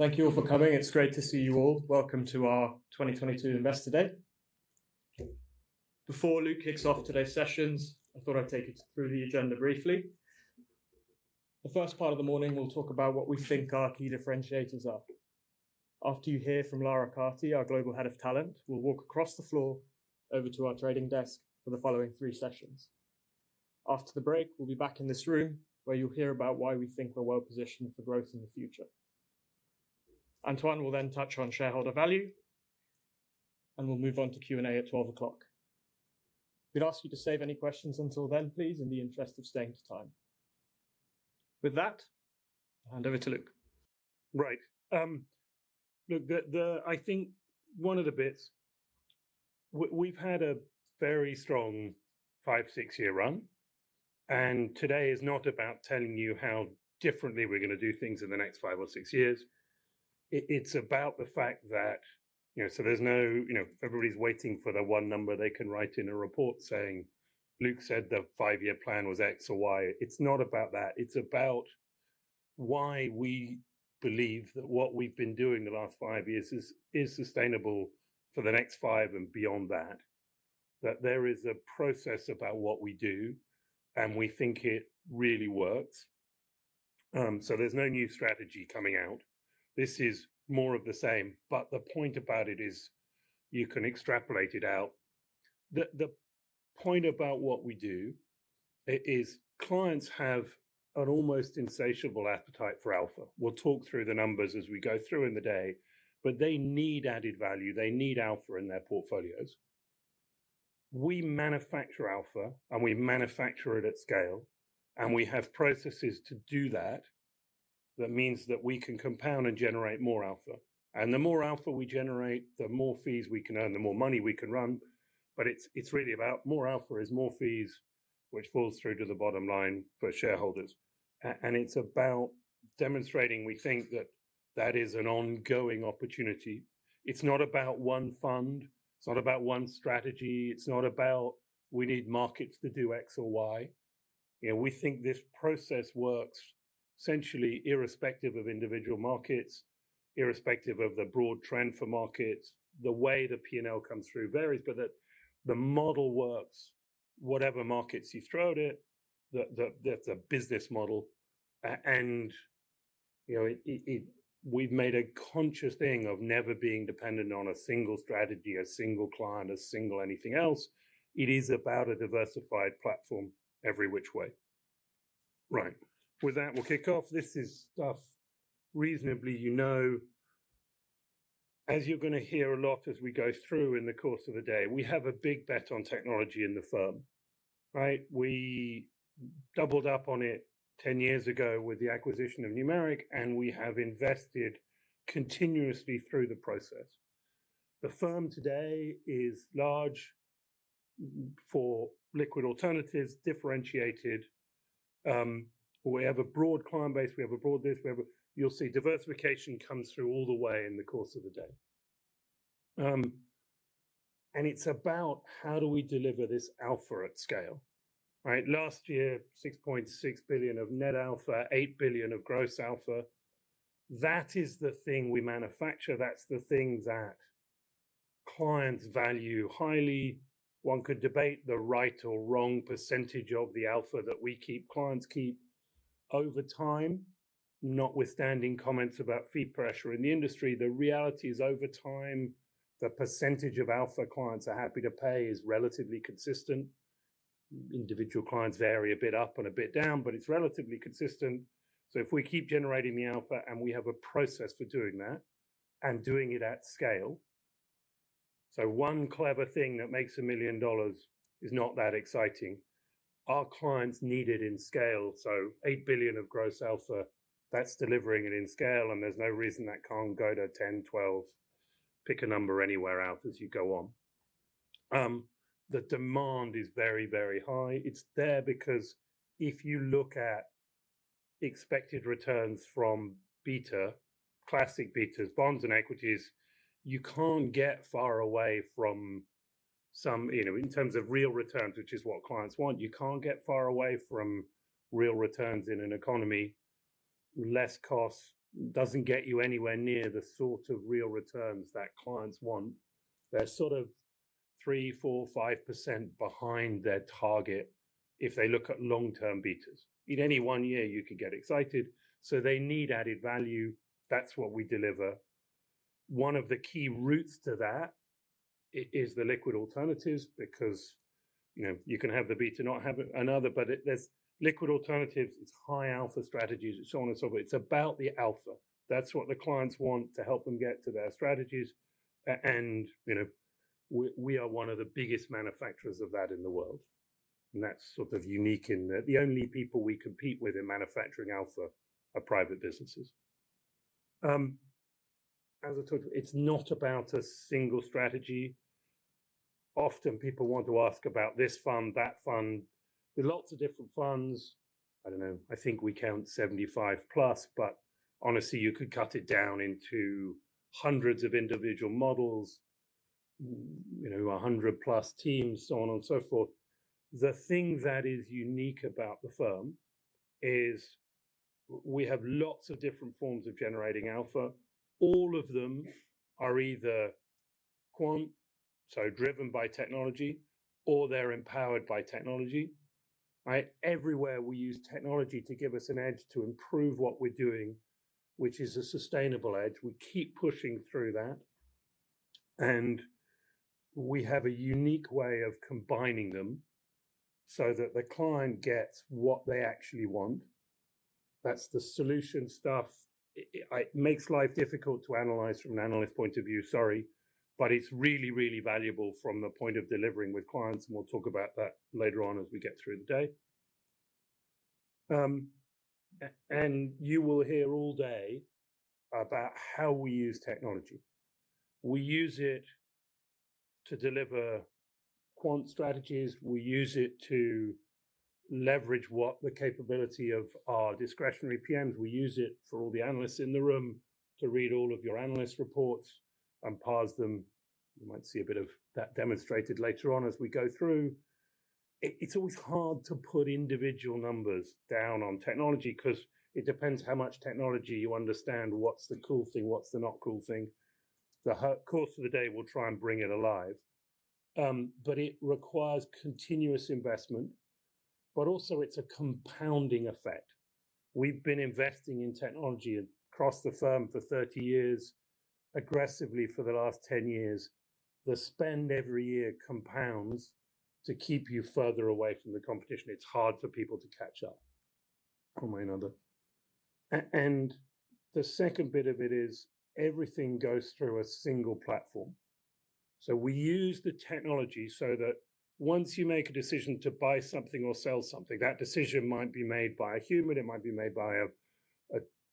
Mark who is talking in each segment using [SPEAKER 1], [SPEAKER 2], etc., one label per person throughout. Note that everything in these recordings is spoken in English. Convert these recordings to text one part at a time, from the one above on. [SPEAKER 1] Thank you all for coming. It's great to see you all. Welcome to our 2022 Investor Day. Before Luke kicks off today's sessions, I thought I'd take you through the agenda briefly. The first part of the morning, we'll talk about what we think our key differentiators are. After you hear from Lara Carty, our Global Head of Talent, we'll walk across the floor over to our trading desk for the following three sessions. After the break, we'll be back in this room, where you'll hear about why we think we're well-positioned for growth in the future. Antoine will then touch on shareholder value, and we'll move on to Q&A at 12:00 P.M. We'd ask you to save any questions until then, please, in the interest of staying to time. With that, hand over to Luke.
[SPEAKER 2] Right. Look, I think one of the bits, we've had a very strong five to six year run, and today is not about telling you how differently we're gonna do things in the next five or six years. It's about the fact that, you know, everybody's waiting for the one number they can write in a report saying, "Luke said the five year plan was X or Y." It's not about that. It's about why we believe that what we've been doing the last five years is sustainable for the next five and beyond that. There is a process about what we do, and we think it really works. There's no new strategy coming out. This is more of the same, but the point about it is you can extrapolate it out. The point about what we do is that clients have an almost insatiable appetite for alpha. We'll talk through the numbers as we go through the day, but they need added value. They need alpha in their portfolios. We manufacture alpha, and we manufacture it at scale, and we have processes to do that. That means that we can compound and generate more alpha. The more alpha we generate, the more fees we can earn, the more money we can run. It's really about more alpha is more fees, which falls through to the bottom line for shareholders. It's about demonstrating we think that is an ongoing opportunity. It's not about one fund. It's not about one strategy. It's not about we need markets to do X or Y. You know, we think this process works essentially irrespective of individual markets, irrespective of the broad trend for markets. The way the P&L comes through varies, but the model works, whatever markets you throw at it, the business model. You know, we've made a conscious thing of never being dependent on a single strategy, a single client, a single anything else. It is about a diversified platform every which way. Right. With that, we'll kick off. This is stuff reasonably you know. As you're gonna hear a lot as we go through in the course of the day, we have a big bet on technology in the firm, right? We doubled up on it 10 years ago with the acquisition of Numeric, and we have invested continuously through the process. The firm today is large for liquid alternatives, differentiated. We have a broad client base. You'll see diversification comes through all the way in the course of the day. It's about how do we deliver this alpha at scale, right? Last year, 6.6 billion of net alpha, 8 billion of gross alpha. That is the thing we manufacture. That's the thing that clients value highly. One could debate the right or wrong percentage of the alpha that we keep, clients keep over time, notwithstanding comments about fee pressure in the industry. The reality is, over time, the percentage of alpha clients are happy to pay is relatively consistent. Individual clients vary a bit up and a bit down, but it's relatively consistent. If we keep generating the alpha and we have a process for doing that and doing it at scale, one clever thing that makes $1 million is not that exciting. Our clients need it in scale, so $8 billion of gross alpha, that's delivering it in scale, and there's no reason that can't go to 10, 12, pick a number anywhere else as you go on. The demand is very, very high. It's there because if you look at expected returns from beta, classic betas, bonds and equities, you can't get far away from some, you know, in terms of real returns, which is what clients want, you can't get far away from real returns in an economy. Less cost doesn't get you anywhere near the sort of real returns that clients want. They're sort of 3%-5% behind their target if they look at long-term betas. In any one year, you could get excited, so they need added value. That's what we deliver. One of the key routes to that is the liquid alternatives because, you know, liquid alternatives, it's high alpha strategies and so on and so forth. It's about the alpha. That's what the clients want to help them get to their strategies and, you know, we are one of the biggest manufacturers of that in the world, and that's sort of unique in that the only people we compete with in manufacturing alpha are private businesses. As I talked, it's not about a single strategy. Often people want to ask about this fund, that fund. There are lots of different funds. I don't know. I think we count 75+, but honestly, you could cut it down into hundreds of individual models. You know, 100+ teams, so on and so forth. The thing that is unique about the firm is we have lots of different forms of generating alpha. All of them are either quant, so driven by technology, or they're empowered by technology, right? Everywhere we use technology to give us an edge to improve what we're doing, which is a sustainable edge. We keep pushing through that, and we have a unique way of combining them so that the client gets what they actually want. That's the solution stuff. It makes life difficult to analyze from an analyst point of view, sorry, but it's really, really valuable from the point of delivering with clients, and we'll talk about that later on as we get through the day. You will hear all day about how we use technology. We use it to deliver quant strategies. We use it to leverage what the capability of our discretionary PMs. We use it for all the analysts in the room to read all of your analyst reports and parse them. You might see a bit of that demonstrated later on as we go through. It's always hard to put individual numbers down on technology 'cause it depends how much technology you understand, what's the cool thing, what's the not cool thing. The course of the day we'll try and bring it alive. It requires continuous investment, but also it's a compounding effect. We've been investing in technology across the firm for 30 years, aggressively for the last 10 years. The spend every year compounds to keep you further away from the competition. It's hard for people to catch up, one way or another. The second bit of it is everything goes through a single platform. We use the technology so that once you make a decision to buy something or sell something, that decision might be made by a human, it might be made by a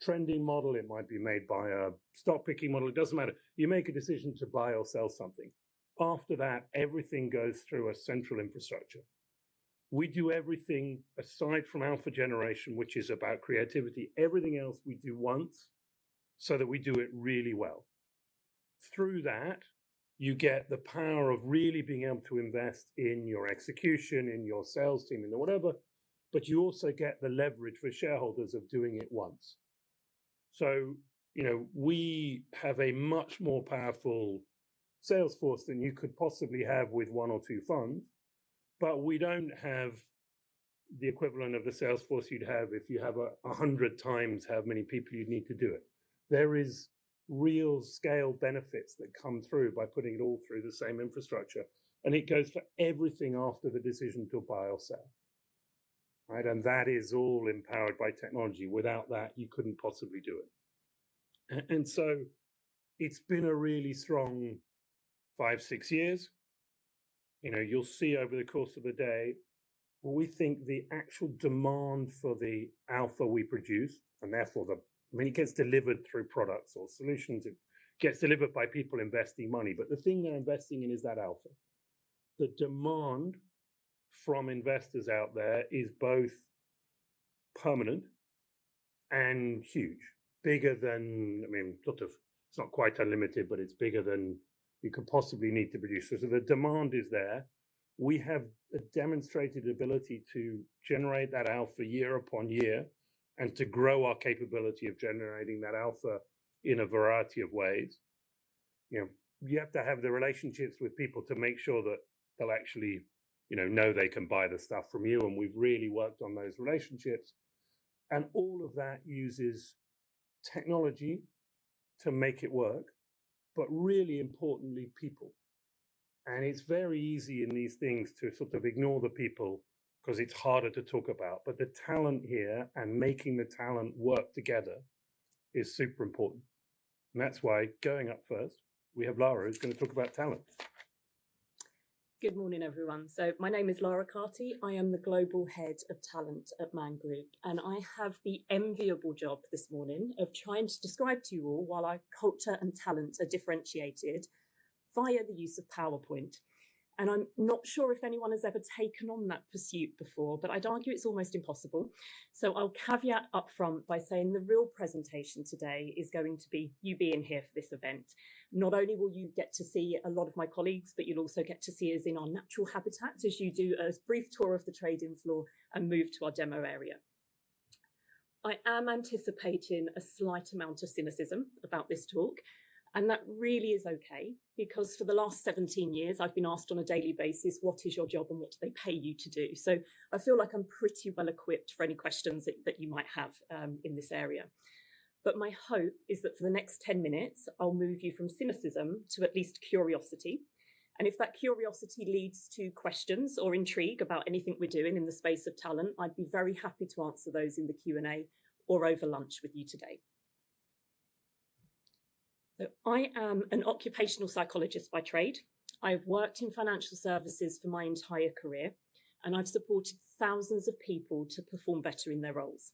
[SPEAKER 2] trending model, it might be made by a stock-picking model, it doesn't matter. You make a decision to buy or sell something. After that, everything goes through a central infrastructure. We do everything aside from alpha generation, which is about creativity, everything else we do once, so that we do it really well. Through that, you get the power of really being able to invest in your execution, in your sales team, in whatever, but you also get the leverage for shareholders of doing it once. You know, we have a much more powerful sales force than you could possibly have with 1 or 2 funds, but we don't have the equivalent of the sales force you'd have if you have a 100 times how many people you'd need to do it. There is real scale benefits that come through by putting it all through the same infrastructure, and it goes for everything after the decision to buy or sell, right? That is all empowered by technology. Without that, you couldn't possibly do it. It's been a really strong five to six years. You know, you'll see over the course of the day, we think the actual demand for the alpha we produce, and therefore the, I mean, it gets delivered through products or solutions. It gets delivered by people investing money, but the thing they're investing in is that alpha. The demand from investors out there is both permanent and huge. Bigger than, I mean, sort of, it's not quite unlimited, but it's bigger than you could possibly need to produce. The demand is there. We have a demonstrated ability to generate that alpha year upon year, and to grow our capability of generating that alpha in a variety of ways. You know, you have to have the relationships with people to make sure that they'll actually, you know they can buy the stuff from you, and we've really worked on those relationships. All of that uses technology to make it work, but really importantly, people. It's very easy in these things to sort of ignore the people 'cause it's harder to talk about, but the talent here and making the talent work together is super important. That's why going up first, we have Lara, who's gonna talk about talent.
[SPEAKER 3] Good morning, everyone. My name is Lara Carty. I am the global head of talent at Man Group, and I have the enviable job this morning of trying to describe to you all why our culture and talent are differentiated via the use of PowerPoint. I'm not sure if anyone has ever taken on that pursuit before, but I'd argue it's almost impossible. I'll caveat up front by saying the real presentation today is going to be you being here for this event. Not only will you get to see a lot of my colleagues, but you'll also get to see us in our natural habitat as you do a brief tour of the trading floor and move to our demo area. I am anticipating a slight amount of cynicism about this talk, and that really is okay, because for the last 17 years I've been asked on a daily basis, "What is your job and what do they pay you to do?" I feel like I'm pretty well equipped for any questions that you might have in this area. My hope is that for the next 10 minutes, I'll move you from cynicism to at least curiosity, and if that curiosity leads to questions or intrigue about anything we're doing in the space of talent, I'd be very happy to answer those in the Q&A or over lunch with you today. I am an occupational psychologist by trade. I've worked in financial services for my entire career, and I've supported thousands of people to perform better in their roles.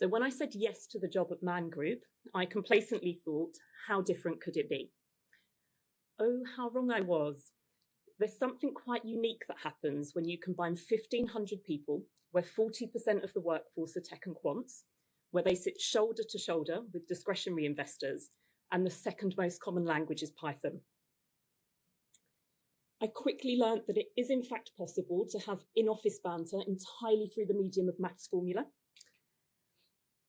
[SPEAKER 3] When I said yes to the job at Man Group, I complacently thought, "How different could it be?" Oh, how wrong I was. There's something quite unique that happens when you combine 1,500 people, where 40% of the workforce are tech and quants, where they sit shoulder to shoulder with discretionary investors, and the second most common language is Python. I quickly learned that it is in fact possible to have in-office banter entirely through the medium of math formula.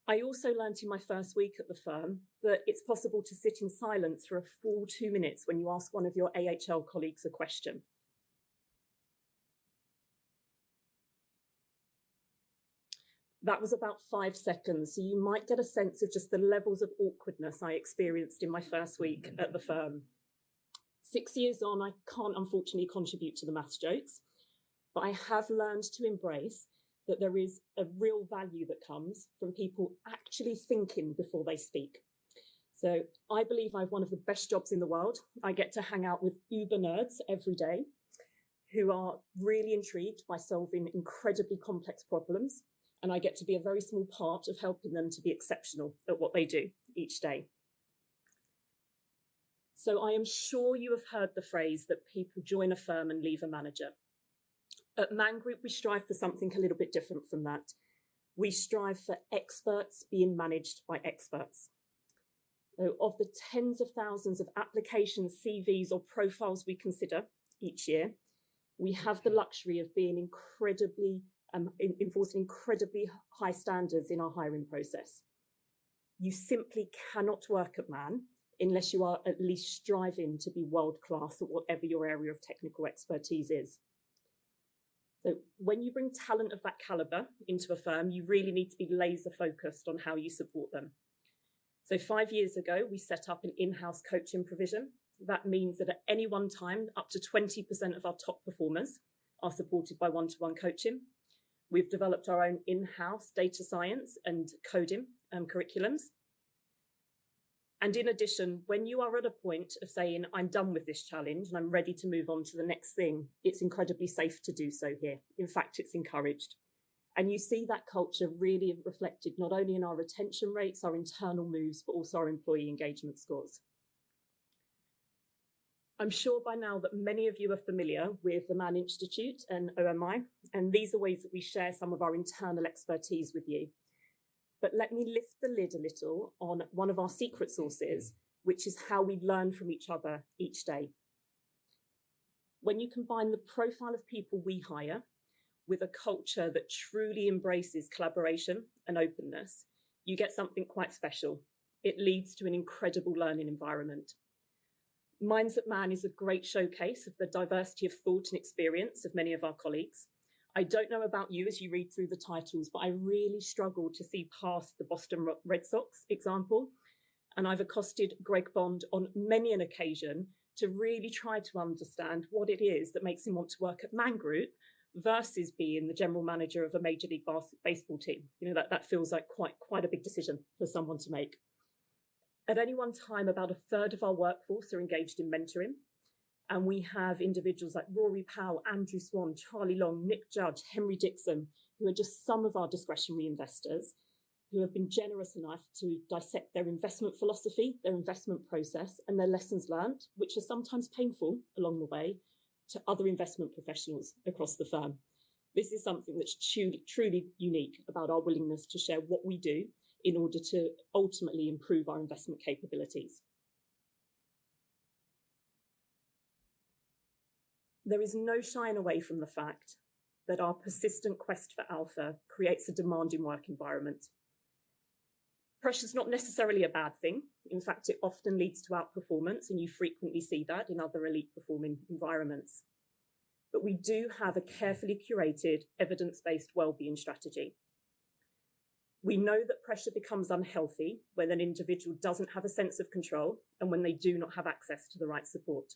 [SPEAKER 3] I also learned in my first week at the firm that it's possible to sit in silence for a full 2 minutes when you ask one of your AHL colleagues a question. That was about 5 seconds, so you might get a sense of just the levels of awkwardness I experienced in my first week at the firm. Six years on, I can't unfortunately contribute to the math jokes, but I have learned to embrace that there is a real value that comes from people actually thinking before they speak. I believe I have one of the best jobs in the world. I get to hang out with uber nerds every day, who are really intrigued by solving incredibly complex problems, and I get to be a very small part of helping them to be exceptional at what they do each day. I am sure you have heard the phrase that people join a firm and leave a manager. At Man Group, we strive for something a little bit different from that. We strive for experts being managed by experts. Of the tens of thousands of applications, CVs, or profiles we consider each year, we have the luxury of being incredibly enforcing incredibly high standards in our hiring process. You simply cannot work at Man unless you are at least striving to be world-class at whatever your area of technical expertise is. When you bring talent of that caliber into a firm, you really need to be laser-focused on how you support them. Five years ago, we set up an in-house coaching provision. That means that at any one time, up to 20% of our top performers are supported by one-to-one coaching. We've developed our own in-house data science and coding curriculums. In addition, when you are at a point of saying, "I'm done with this challenge, and I'm ready to move on to the next thing," it's incredibly safe to do so here. In fact, it's encouraged. You see that culture really reflected not only in our retention rates, our internal moves, but also our employee engagement scores. I'm sure by now that many of you are familiar with the Oxford-Man Institute and OMI, and these are ways that we share some of our internal expertise with you. Let me lift the lid a little on one of our secret sources, which is how we learn from each other each day. When you combine the profile of people we hire with a culture that truly embraces collaboration and openness, you get something quite special. It leads to an incredible learning environment. Minds at Man is a great showcase of the diversity of thought and experience of many of our colleagues. I don't know about you as you read through the titles, but I really struggle to see past the Boston Red Sox example, and I've accosted Greg Bond on many an occasion to really try to understand what it is that makes him want to work at Man Group versus being the general manager of a Major League Baseball team. You know, that feels like quite a big decision for someone to make. At any one time, about a third of our workforce are engaged in mentoring, and we have individuals like Rory Powell, Andrew Swan, Charles Long, Nick Judge, Henry Dixon, who are just some of our discretionary investors, who have been generous enough to dissect their investment philosophy, their investment process, and their lessons learned, which are sometimes painful along the way, to other investment professionals across the firm. This is something that's truly unique about our willingness to share what we do in order to ultimately improve our investment capabilities. There is no shying away from the fact that our persistent quest for alpha creates a demanding work environment. Pressure's not necessarily a bad thing. In fact, it often leads to outperformance, and you frequently see that in other elite performing environments. We do have a carefully curated evidence-based wellbeing strategy. We know that pressure becomes unhealthy when an individual doesn't have a sense of control and when they do not have access to the right support.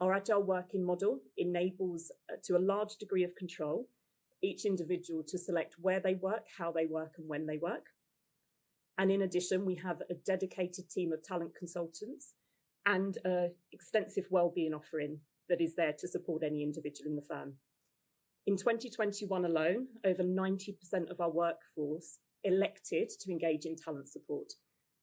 [SPEAKER 3] Our agile working model enables to a large degree of control, each individual to select where they work, how they work, and when they work. In addition, we have a dedicated team of talent consultants and an extensive wellbeing offering that is there to support any individual in the firm. In 2021 alone, over 90% of our workforce elected to engage in talent support.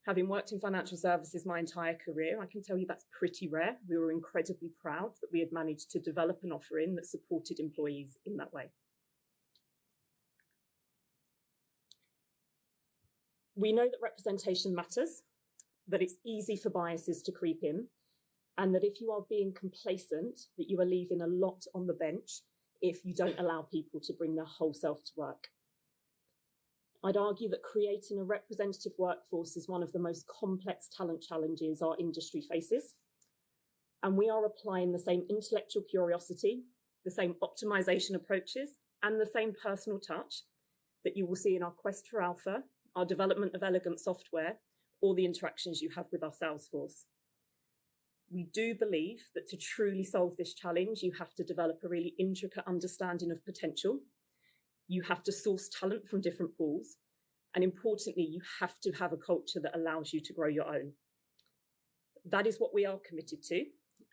[SPEAKER 3] Having worked in financial services my entire career, I can tell you that's pretty rare. We were incredibly proud that we had managed to develop an offering that supported employees in that way. We know that representation matters, that it's easy for biases to creep in, and that if you are being complacent, that you are leaving a lot on the bench if you don't allow people to bring their whole self to work. I'd argue that creating a representative workforce is one of the most complex talent challenges our industry faces, and we are applying the same intellectual curiosity, the same optimization approaches, and the same personal touch that you will see in our quest for alpha, our development of elegant software, or the interactions you have with our sales force. We do believe that to truly solve this challenge, you have to develop a really intricate understanding of potential. You have to source talent from different pools, and importantly, you have to have a culture that allows you to grow your own. That is what we are committed to,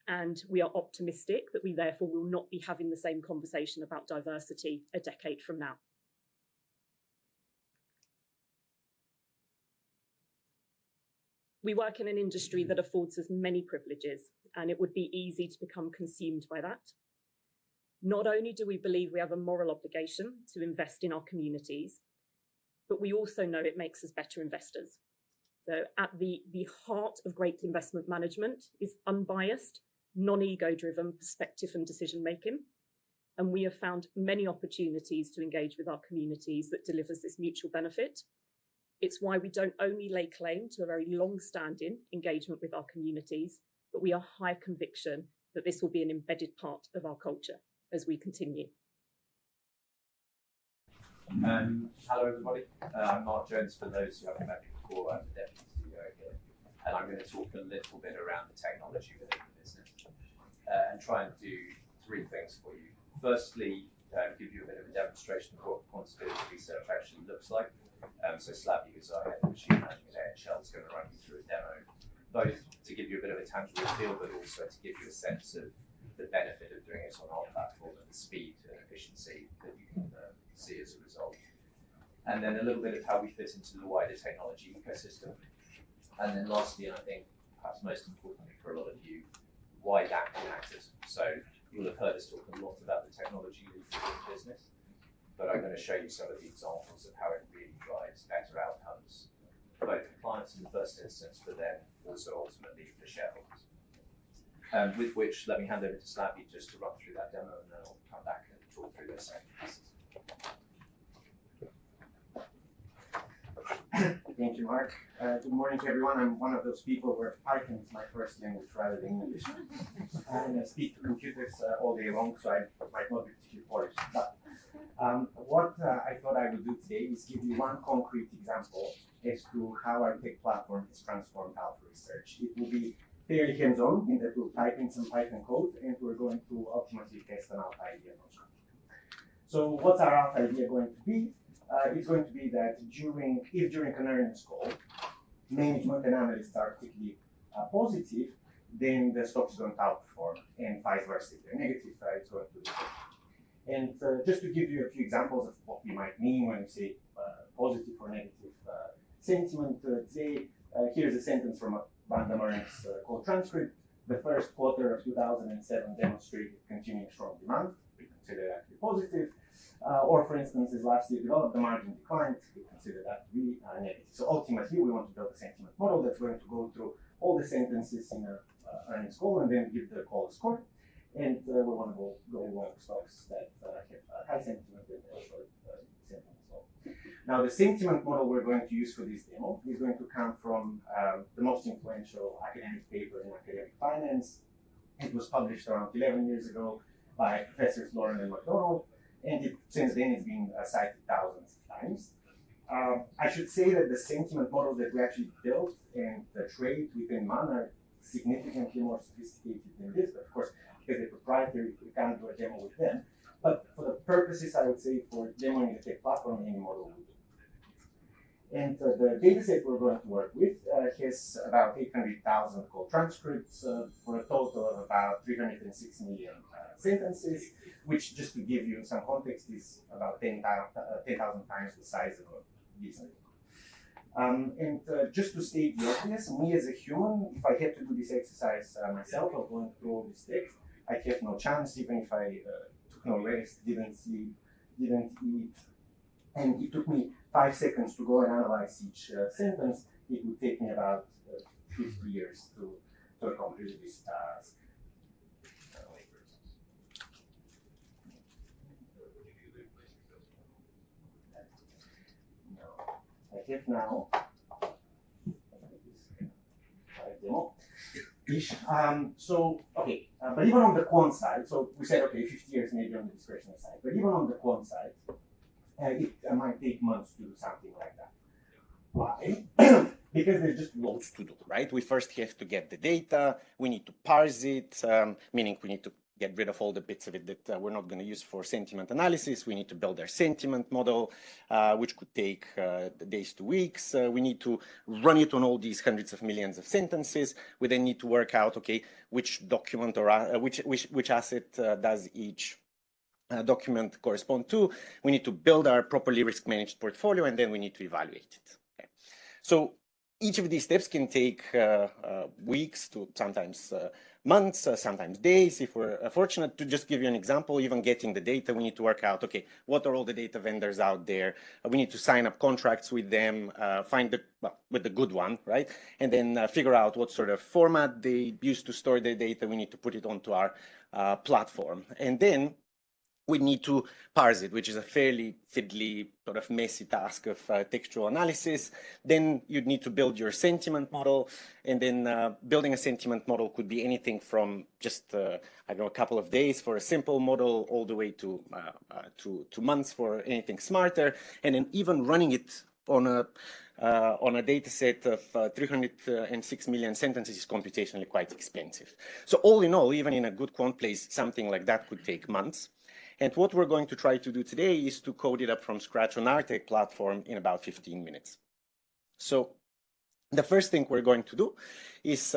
[SPEAKER 3] and we are optimistic that we therefore will not be having the same conversation about diversity a decade from now. We work in an industry that affords us many privileges, and it would be easy to become consumed by that. Not only do we believe we have a moral obligation to invest in our communities, but we also know it makes us better investors. At the heart of great investment management is unbiased, non-ego-driven perspective and decision-making. We have found many opportunities to engage with our communities that delivers this mutual benefit. It's why we don't only lay claim to a very long-standing engagement with our communities, but we are high conviction that this will be an embedded part of our culture as we continue.
[SPEAKER 4] Hello everybody. I'm Mark Jones. For those who haven't met me before, I'm the Deputy CEO here. I'm gonna talk a little bit around the technology within the business, and try and do three things for you. Firstly, give you a bit of a demonstration of what quant strategy set-up actually looks like. So Slavi, as I understand, is gonna run you through a demo, both to give you a bit of a tangible feel, but also to give you a sense of the benefit of doing this on our platform and the speed and efficiency that you can see as a result. Then a little bit of how we fit into the wider technology ecosystem. Then lastly, and I think perhaps most importantly for a lot of you, why that matters. You'll have heard us talk a lot about the technology within the business, but I'm gonna show you some of the examples of how it really drives better outcomes for both the clients in the first instance, but then also ultimately for shareholders. With which, let me hand over to Slavi just to run through that demo, and then I'll come back and talk through the second piece.
[SPEAKER 5] Thank you, Mark. Good morning to everyone. I'm one of those people where Python is my first language rather than English. I speak to computers all day long, so I might not be particularly polished. What I thought I would do today is give you one concrete example as to how our tech platform has transformed alpha research. It will be fairly hands-on in that we'll type in some Python code, and we're going to ultimately test an alpha idea functionality. What's our alpha idea going to be? It's going to be that if during an earnings call management and analysts are quickly positive, then the stock is going to outperform, and vice versa if they're negative, right? Going to underperform. Just to give you a few examples of what we might mean when we say positive or negative sentiment, let's say here's a sentence from Bank of America's call transcript. "The first quarter of 2007 demonstrated continued strong demand." We consider that to be positive. Or for instance is, "Last year development margin declined," we consider that to be negative. Ultimately, we want to build a sentiment model that's going to go through all the sentences in an earnings call and then give the call a score. We wanna go long stocks that have sentiment and short sentiment as well. Now, the sentiment model we're going to use for this demo is going to come from the most influential academic paper in academic finance. It was published around 11 years ago by Professors Loughran and McDonald, and it since then has been cited thousands of times. I should say that the sentiment model that we actually built and the trade we did at [Monarch] significantly more sophisticated than this. But of course, because they're proprietary, we can't do a demo with them. But for the purposes, I would say for demoing the tech platform, any model will do. The dataset we're going to work with has about 800,000 call transcripts for a total of about 306 million sentences, which just to give you some context, is about 10,000 times the size of a decent book. Just to state the obvious, me as a human, if I had to do this exercise myself of going through all these steps, I'd have no chance even if I took no rest, didn't sleep, didn't eat, and it took me 5 seconds to go and analyze each sentence, it would take me about 50 years to accomplish this task. Only versus.
[SPEAKER 4] Would you be replacing yourself then?
[SPEAKER 5] I'm gonna do this kind of live demo-ish. Even on the quant side, we said, okay, 50 years maybe on the discretionary side. Even on the quant side, it might take months to do something like that. Why? Because there's just loads to do, right? We first have to get the data. We need to parse it, meaning we need to get rid of all the bits of it that we're not gonna use for sentiment analysis. We need to build our sentiment model, which could take days to weeks. We need to run it on all these hundreds of millions of sentences. We then need to work out, okay, which document or which asset does each document correspond to. We need to build our properly risk managed portfolio, and then we need to evaluate it. Okay. Each of these steps can take weeks to sometimes months, sometimes days if we're fortunate. To just give you an example, even getting the data, we need to work out, okay, what are all the data vendors out there? We need to sign up contracts with them, find the good one, right? Figure out what sort of format they use to store their data. We need to put it onto our platform. We need to parse it, which is a fairly fiddly, but a messy task of textual analysis. You'd need to build your sentiment model, and then building a sentiment model could be anything from just, I don't know, a couple of days for a simple model, all the way to months for anything smarter. Then even running it on a dataset of 306 million sentences is computationally quite expensive. All in all, even in a good quant place, something like that could take months. What we're going to try to do today is to code it up from scratch on our tech platform in about 15 minutes. The first thing we're going to do is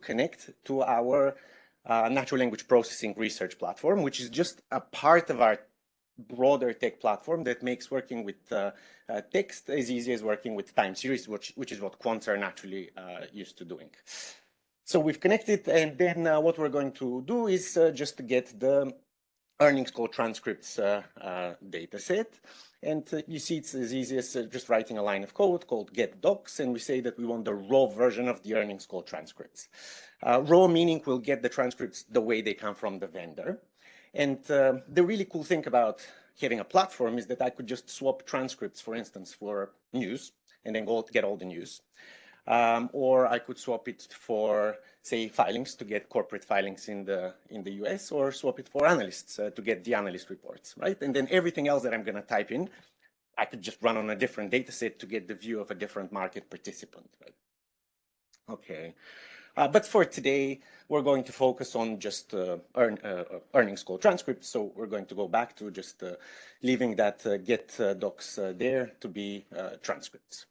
[SPEAKER 5] connect to our natural language processing research platform, which is just a part of our broader tech platform that makes working with text as easy as working with time series, which is what quants are naturally used to doing. We've connected, and then what we're going to do is just get the earnings call transcripts dataset. You see it's as easy as just writing a line of code called Get Docs, and we say that we want the raw version of the earnings call transcripts. Raw meaning we'll get the transcripts the way they come from the vendor. The really cool thing about having a platform is that I could just swap transcripts, for instance, for news and then go get all the news. I could swap it for, say, filings to get corporate filings in the U.S., or swap it for analysts to get the analyst reports, right? Then everything else that I'm gonna type in, I could just run on a different dataset to get the view of a different market participant. Okay. For today, we're going to focus on just earnings call transcripts. We're going to go back to just leaving that get docs there to be transcripts.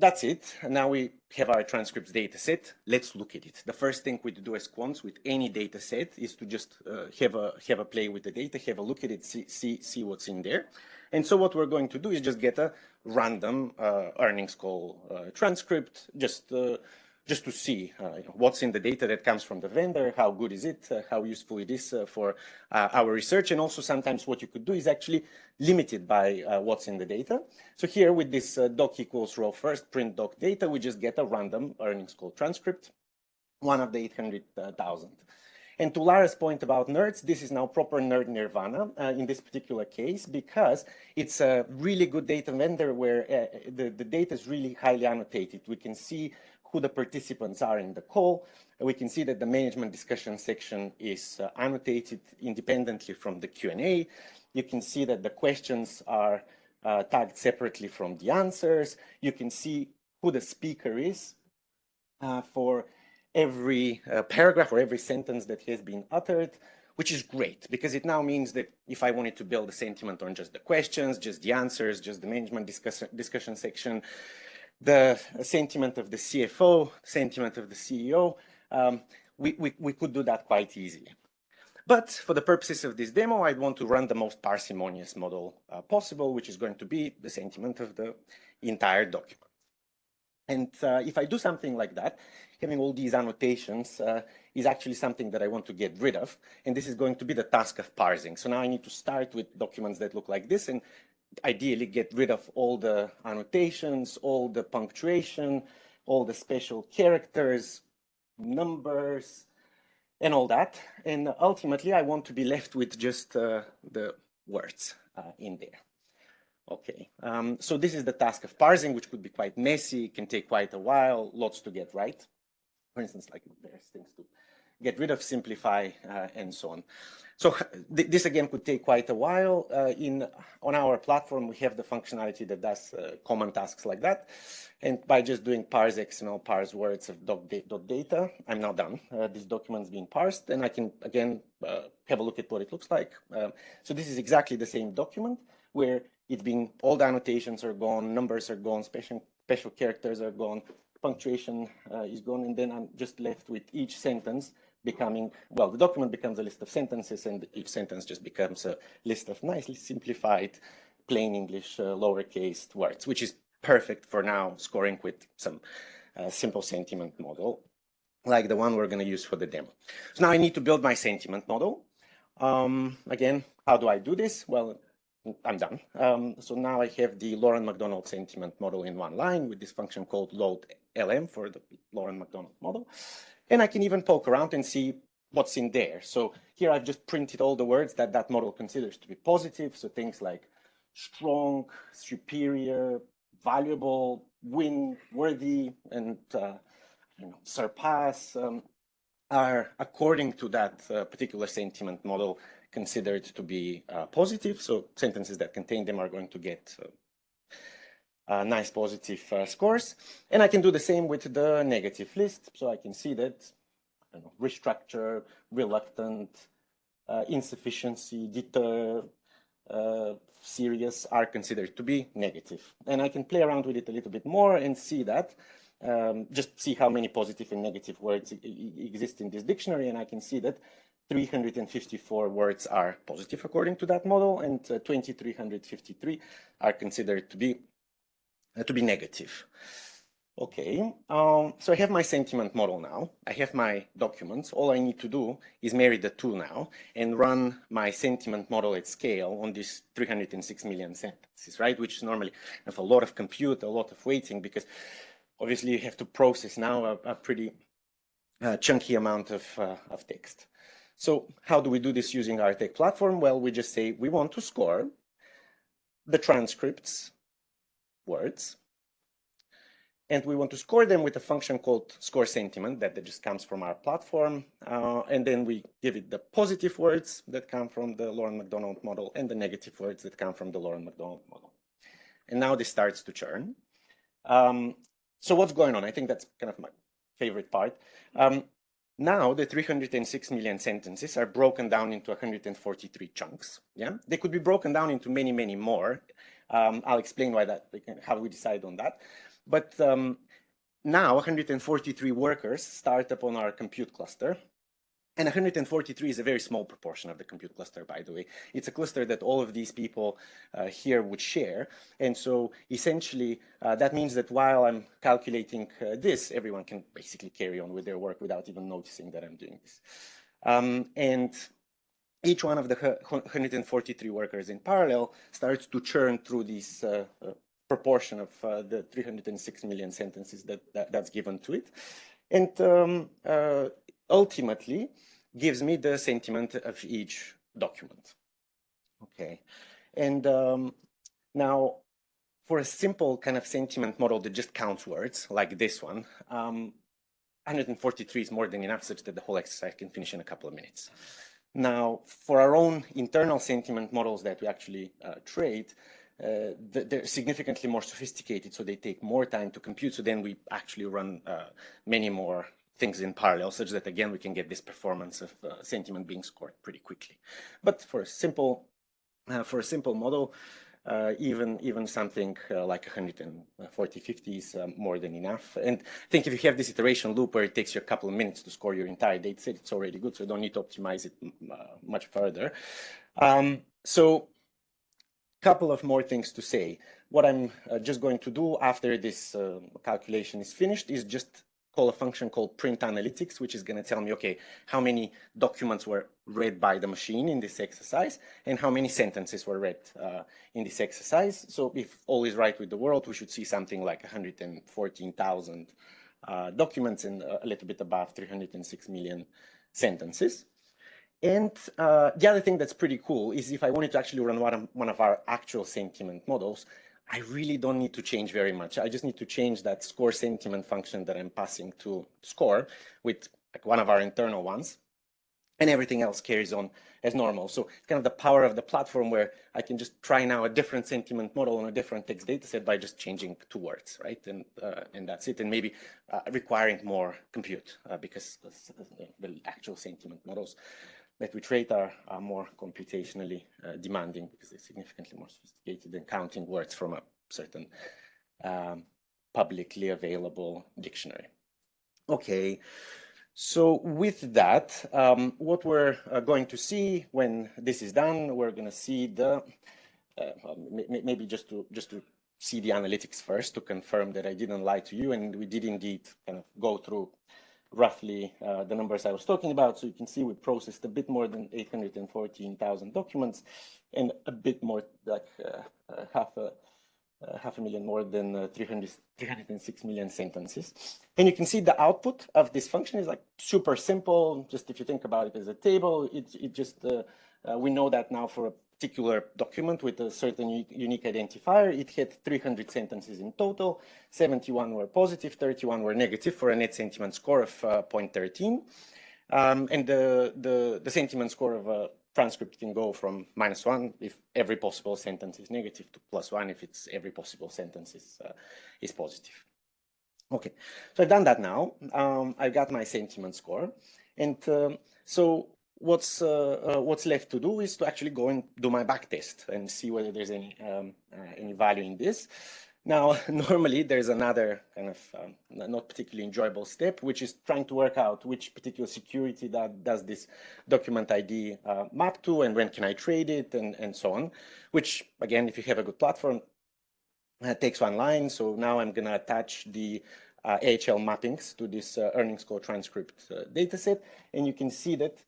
[SPEAKER 5] That's it. Now we have our transcripts dataset. Let's look at it. The first thing we do as quants with any dataset is to just have a play with the data, have a look at it, see what's in there. What we're going to do is just get a random earnings call transcript just to see what's in the data that comes from the vendor, how good is it, how useful it is, for our research. Sometimes what you could do is actually limited by what's in the data. Here with this doc equals raw first print doc data, we just get a random earnings call transcript, one of the 800,000. To Lara's point about nerds, this is now proper nerd nirvana in this particular case, because it's a really good data vendor where the data is really highly annotated. We can see who the participants are in the call. We can see that the management discussion section is annotated independently from the Q&A. You can see that the questions are tagged separately from the answers. You can see who the speaker is for every paragraph or every sentence that has been uttered, which is great because it now means that if I wanted to build a sentiment on just the questions, just the answers, just the management discussion section, the sentiment of the CFO, sentiment of the CEO, we could do that quite easily. But for the purposes of this demo, I want to run the most parsimonious model possible, which is going to be the sentiment of the entire document. If I do something like that, having all these annotations is actually something that I want to get rid of, and this is going to be the task of parsing. Now I need to start with documents that look like this and ideally get rid of all the annotations, all the punctuation, all the special characters, numbers, and all that. Ultimately, I want to be left with just, the words, in there. Okay. This is the task of parsing, which could be quite messy, can take quite a while, lots to get right. For instance, like there's things to get rid of, simplify, and so on. This again could take quite a while. On our platform, we have the functionality that does, common tasks like that. By just doing parse XML, parse words of doc dot data, I'm now done. This document is being parsed, and I can again, have a look at what it looks like. This is exactly the same document where it's been all the annotations are gone, numbers are gone, special characters are gone, punctuation is gone, and then I'm just left with the document becomes a list of sentences, and each sentence just becomes a list of nicely simplified, plain English, lowercase words, which is perfect for now scoring with some simple sentiment model like the one we're gonna use for the demo. Now I need to build my sentiment model. Again, how do I do this? Well, I'm done. Now I have the Loughran-McDonald sentiment model in one line with this function called Load LM for the Loughran-McDonald model. I can even poke around and see what's in there. Here I've just printed all the words that that model considers to be positive. Things like strong, superior, valuable, win, worthy, and, you know, surpass are according to that particular sentiment model considered to be positive. Sentences that contain them are going to get nice positive scores. I can do the same with the negative list. I can see that, I don't know, restructure, reluctant, insufficiency, deter, serious are considered to be negative. I can play around with it a little bit more and see that, just see how many positive and negative words exist in this dictionary. I can see that 354 words are positive according to that model, and 2,353 are considered to be negative. Okay. I have my sentiment model now. I have my documents. All I need to do is marry the two now and run my sentiment model at scale on these 306 million sentences, right? Which normally have a lot of compute, a lot of waiting because obviously you have to process now a pretty chunky amount of text. How do we do this using our tech platform? Well, we just say we want to score the transcripts words, and we want to score them with a function called Score Sentiment that just comes from our platform. Then we give it the positive words that come from the Loughran-McDonald model and the negative words that come from the Loughran-McDonald model. Now this starts to churn. What's going on? I think that's kind of my favorite part. Now the 306 million sentences are broken down into 143 chunks. Yeah. They could be broken down into many, many more. I'll explain how we decided on that. Now 143 workers start up on our compute cluster, and 143 is a very small proportion of the compute cluster, by the way. It's a cluster that all of these people here would share. Essentially, that means that while I'm calculating this, everyone can basically carry on with their work without even noticing that I'm doing this. Each one of the 143 workers in parallel starts to churn through this proportion of the 306 million sentences that's given to it, and ultimately gives me the sentiment of each document. Okay. Now for a simple kind of sentiment model that just counts words like this one, 143 is more than enough such that the whole exercise can finish in a couple of minutes. Now, for our own internal sentiment models that we actually trade, they're significantly more sophisticated, so they take more time to compute, so then we actually run many more things in parallel, such that again, we can get this performance of sentiment being scored pretty quickly. For a simple model, even something like 140-150 is more than enough. I think if you have this iteration loop where it takes you a couple of minutes to score your entire dataset, it's already good, so you don't need to optimize it much further. Couple of more things to say. What I'm just going to do after this calculation is finished is just call a function called print analytics, which is gonna tell me, okay, how many documents were read by the machine in this exercise and how many sentences were read in this exercise. If all is right with the world, we should see something like 114,000 documents and a little bit above 306 million sentences. The other thing that's pretty cool is if I wanted to actually run one of our actual sentiment models, I really don't need to change very much. I just need to change that score sentiment function that I'm passing to score with, like, one of our internal ones, and everything else carries on as normal. So kind of the power of the platform where I can just try now a different sentiment model on a different text dataset by just changing two words, right? That's it. Maybe requiring more compute because the actual sentiment models that we trade are more computationally demanding because they're significantly more sophisticated than counting words from a certain publicly available dictionary. Okay. With that, what we're going to see when this is done, we're gonna see the maybe just to just to see the analytics first to confirm that I didn't lie to you, and we did indeed kind of go through roughly the numbers I was talking about. You can see we processed a bit more than 814,000 documents and a bit more like half a million more than 306 million sentences. You can see the output of this function is like super simple. If you think about it as a table, we know that now for a particular document with a certain unique identifier, it had 300 sentences in total, 71 were positive, 31 were negative for a net sentiment score of 0.13. The sentiment score of a transcript can go from -1 if every possible sentence is negative to +1 if it's every possible sentence is positive. Okay. I've done that now. I've got my sentiment score. What's left to do is to actually go and do my backtest and see whether there's any value in this. Now, normally there's another kind of, not particularly enjoyable step, which is trying to work out which particular security that does this document ID map to, and when can I trade it and so on, which again, if you have a good platform, takes one line. So now I'm gonna attach the AHL mappings to this earnings call transcript dataset, and you can see that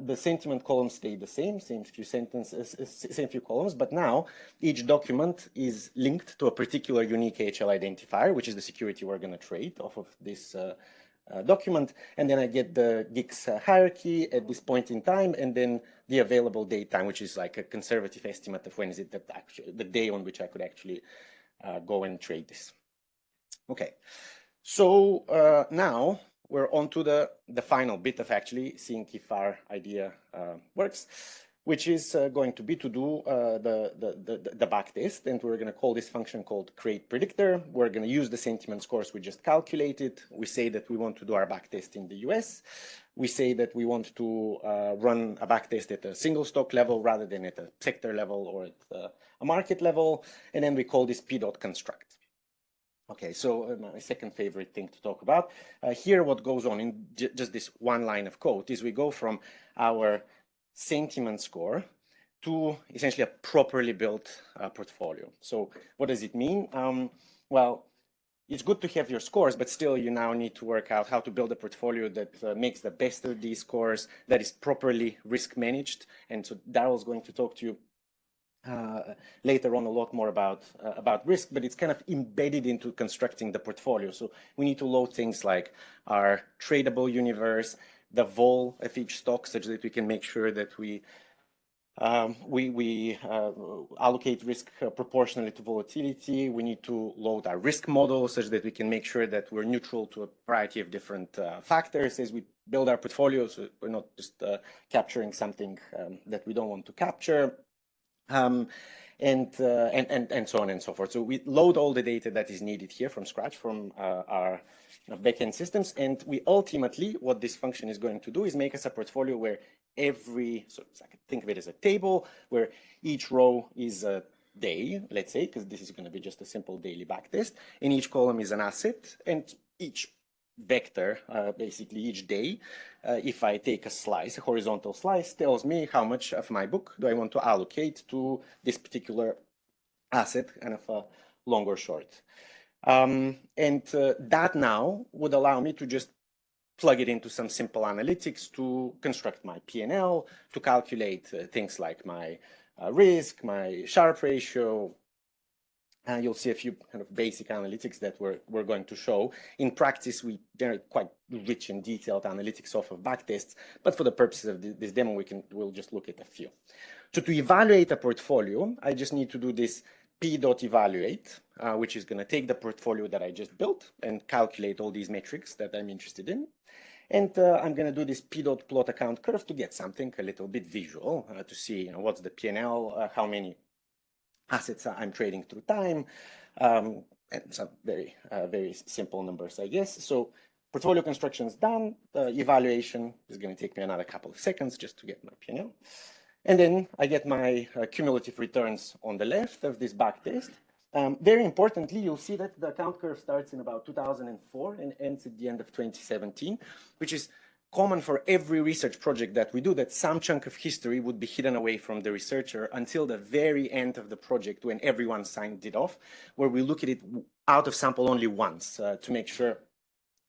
[SPEAKER 5] the sentiment column stayed the same few sentences, same few columns, but now each document is linked to a particular unique AHL identifier, which is the security we're gonna trade off of this document. I get the GICS hierarchy at this point in time, and then the available date time, which is like a conservative estimate of when is it that actually. The day on which I could actually go and trade this. Okay. Now we're onto the final bit of actually seeing if our idea works, which is going to be to do the backtest, and we're gonna call this function called create predictor. We're gonna use the sentiment scores we just calculated. We say that we want to do our backtest in the U.S. We say that we want to run a backtest at a single stock level rather than at a sector level or at a market level, and then we call this p.construct. Okay. My second favorite thing to talk about. Here what goes on in just this one line of code is we go from our sentiment score to essentially a properly built portfolio. So what does it mean? Well, it's good to have your scores, but still you now need to work out how to build a portfolio that makes the best of these scores, that is properly risk managed. Darrel's going to talk to you later on a lot more about risk, but it's kind of embedded into constructing the portfolio. We need to load things like our tradable universe, the vol of each stock such that we can make sure that we allocate risk proportionally to volatility. We need to load our risk model such that we can make sure that we're neutral to a variety of different factors as we build our portfolio, so we're not just capturing something that we don't want to capture, and so on and so forth. We load all the data that is needed here from scratch, from our you know backend systems. We ultimately what this function is going to do is make us a portfolio. I can think of it as a table where each row is a day, let's say, 'cause this is gonna be just a simple daily backtest, and each column is an asset and each vector basically each day if I take a slice, a horizontal slice, tells me how much of my book do I want to allocate to this particular asset, kind of a long or short. That now would allow me to just plug it into some simple analytics to construct my P&L, to calculate things like my risk, my Sharpe ratio, and you'll see a few kind of basic analytics that we're going to show. In practice, we generate quite rich and detailed analytics off of backtests, but for the purposes of this demo, we'll just look at a few. To evaluate a portfolio, I just need to do this p.evaluate, which is gonna take the portfolio that I just built and calculate all these metrics that I'm interested in. I'm gonna do this p.plot_account_curve to get something a little bit visual, to see, you know, what's the P&L, how many assets I'm trading through time, and some very simple numbers, I guess. Portfolio construction is done. Evaluation is gonna take me another couple of seconds just to get my P&L. Then I get my cumulative returns on the left of this backtest. Very importantly, you'll see that the account curve starts in about 2004 and ends at the end of 2017, which is common for every research project that we do, that some chunk of history would be hidden away from the researcher until the very end of the project when everyone signed it off, where we look at it out-of-sample only once, to make sure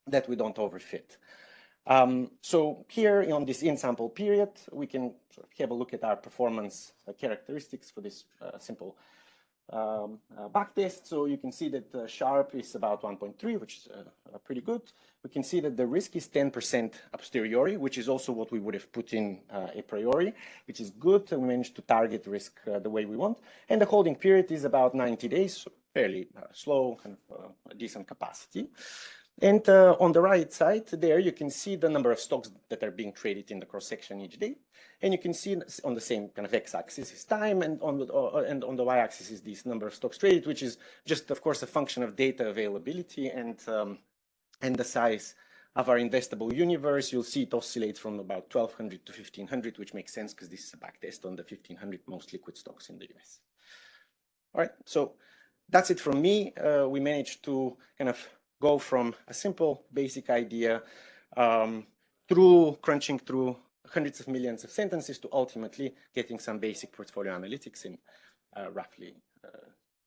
[SPEAKER 5] that we don't overfit. Here on this in-sample period, we can have a look at our performance characteristics for this simple backtest. You can see that the Sharpe is about 1.3, which is pretty good. We can see that the risk is 10% a posteriori, which is also what we would have put in, a priori, which is good, and we managed to TargetRisk the way we want. The holding period is about 90 days, fairly slow and a decent capacity. On the right side there, you can see the number of stocks that are being traded in the cross-section each day. You can see on the same kind of x-axis is time, and on the y-axis is this number of stocks traded, which is just, of course, a function of data availability and the size of our investable universe. You'll see it oscillates from about 1,200 to 1,500, which makes sense 'cause this is a backtest on the 1,500 most liquid stocks in the U.S. All right, that's it from me. We managed to kind of go from a simple basic idea, through crunching through hundreds of millions of sentences to ultimately getting some basic portfolio analytics in, roughly,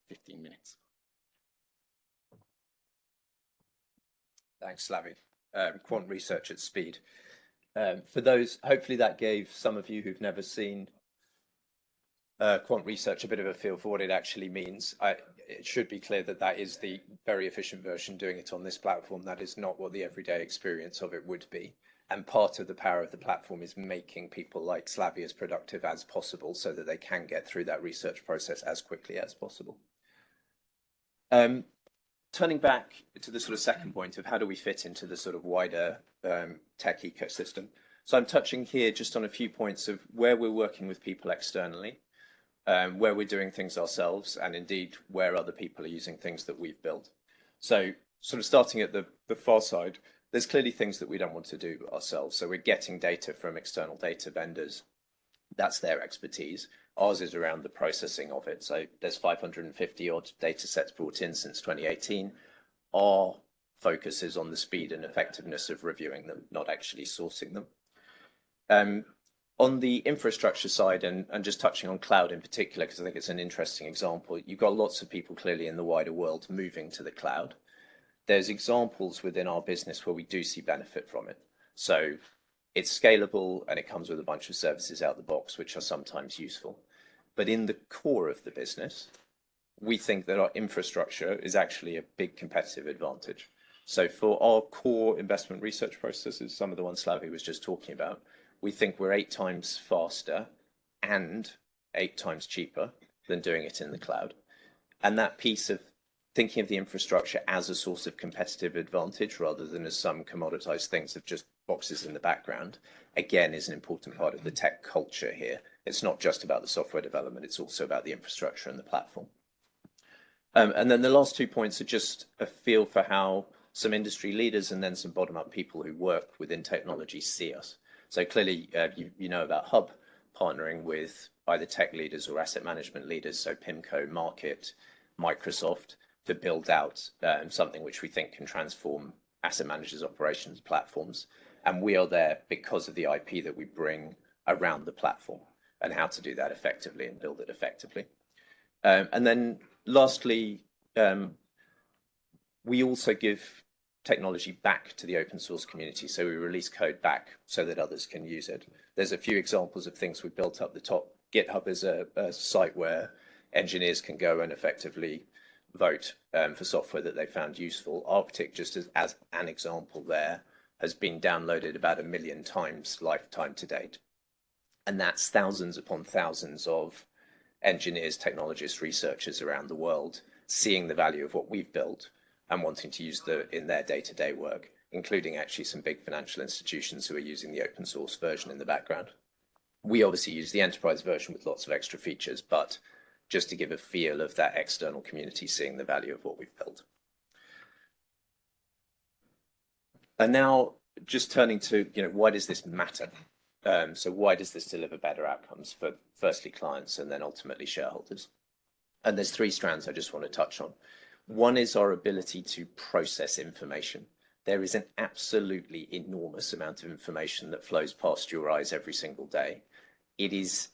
[SPEAKER 5] 15 minutes.
[SPEAKER 4] Thanks, Slavi. Quant research at speed. Hopefully, that gave some of you who've never seen quant research a bit of a feel for what it actually means. It should be clear that that is the very efficient version doing it on this platform. That is not what the everyday experience of it would be. Part of the power of the platform is making people like Slavi as productive as possible so that they can get through that research process as quickly as possible. Turning back to the sort of second point of how do we fit into the sort of wider tech ecosystem. I'm touching here just on a few points of where we're working with people externally, where we're doing things ourselves, and indeed, where other people are using things that we've built. Sort of starting at the far side, there's clearly things that we don't want to do ourselves, so we're getting data from external data vendors. That's their expertise. Ours is around the processing of it. There's 550 odd datasets brought in since 2018. Our focus is on the speed and effectiveness of reviewing them, not actually sourcing them. On the infrastructure side and just touching on cloud in particular 'cause I think it's an interesting example, you've got lots of people clearly in the wider world moving to the cloud. There's examples within our business where we do see benefit from it. It's scalable, and it comes with a bunch of services out the box, which are sometimes useful. In the core of the business, we think that our infrastructure is actually a big competitive advantage. For our core investment research processes, some of the ones Slavi was just talking about, we think we're eight times faster and eight times cheaper than doing it in the cloud. That piece of thinking of the infrastructure as a source of competitive advantage rather than as some commoditized things of just boxes in the background, again, is an important part of the tech culture here. It's not just about the software development, it's also about the infrastructure and the platform. The last two points are just a feel for how some industry leaders and then some bottom-up people who work within technology see us. Clearly, you know about HUB partnering with either tech leaders or asset management leaders, so PIMCO, Markit, Microsoft, to build out something which we think can transform asset managers' operations platforms. We are there because of the IP that we bring around the platform and how to do that effectively and build it effectively. Then lastly, we also give technology back to the open source community, so we release code back so that others can use it. There are a few examples of things we've built at the top. GitHub is a site where engineers can go and effectively vote for software that they found useful. ArcticDB, just as an example there, has been downloaded about 1 million times lifetime to date. That's thousands upon thousands of engineers, technologists, researchers around the world seeing the value of what we've built and wanting to use in their day-to-day work, including actually some big financial institutions who are using the open source version in the background. We obviously use the enterprise version with lots of extra features, but just to give a feel of that external community seeing the value of what we've built. Now just turning to, you know, why does this matter? So why does this deliver better outcomes for firstly clients and then ultimately shareholders? There's three strands I just want to touch on. One is our ability to process information. There is an absolutely enormous amount of information that flows past your eyes every single day. It's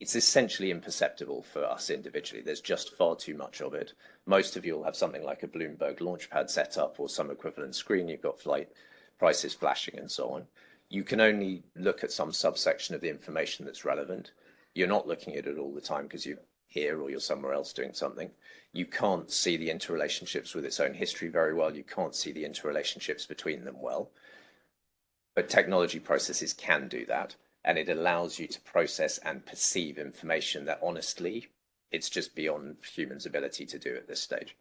[SPEAKER 4] essentially imperceptible for us individually. There's just far too much of it. Most of you will have something like a Bloomberg Launchpad set up or some equivalent screen. You've got flight prices flashing and so on. You can only look at some subsection of the information that's relevant. You're not looking at it all the time because you're here or you're somewhere else doing something. You can't see the interrelationships with its own history very well. You can't see the interrelationships between them well. Technology processes can do that, and it allows you to process and perceive information that honestly, it's just beyond humans' ability to do at this stage.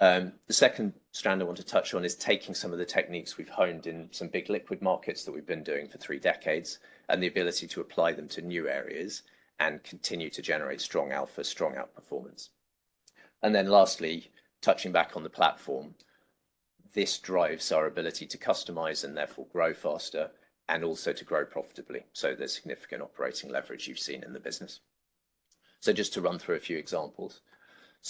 [SPEAKER 4] The second strand I want to touch on is taking some of the techniques we've honed in some big liquid markets that we've been doing for three decades and the ability to apply them to new areas and continue to generate strong alpha, strong outperformance. Lastly, touching back on the platform, this drives our ability to customize and therefore grow faster and also to grow profitably. There's significant operating leverage you've seen in the business. Just to run through a few examples.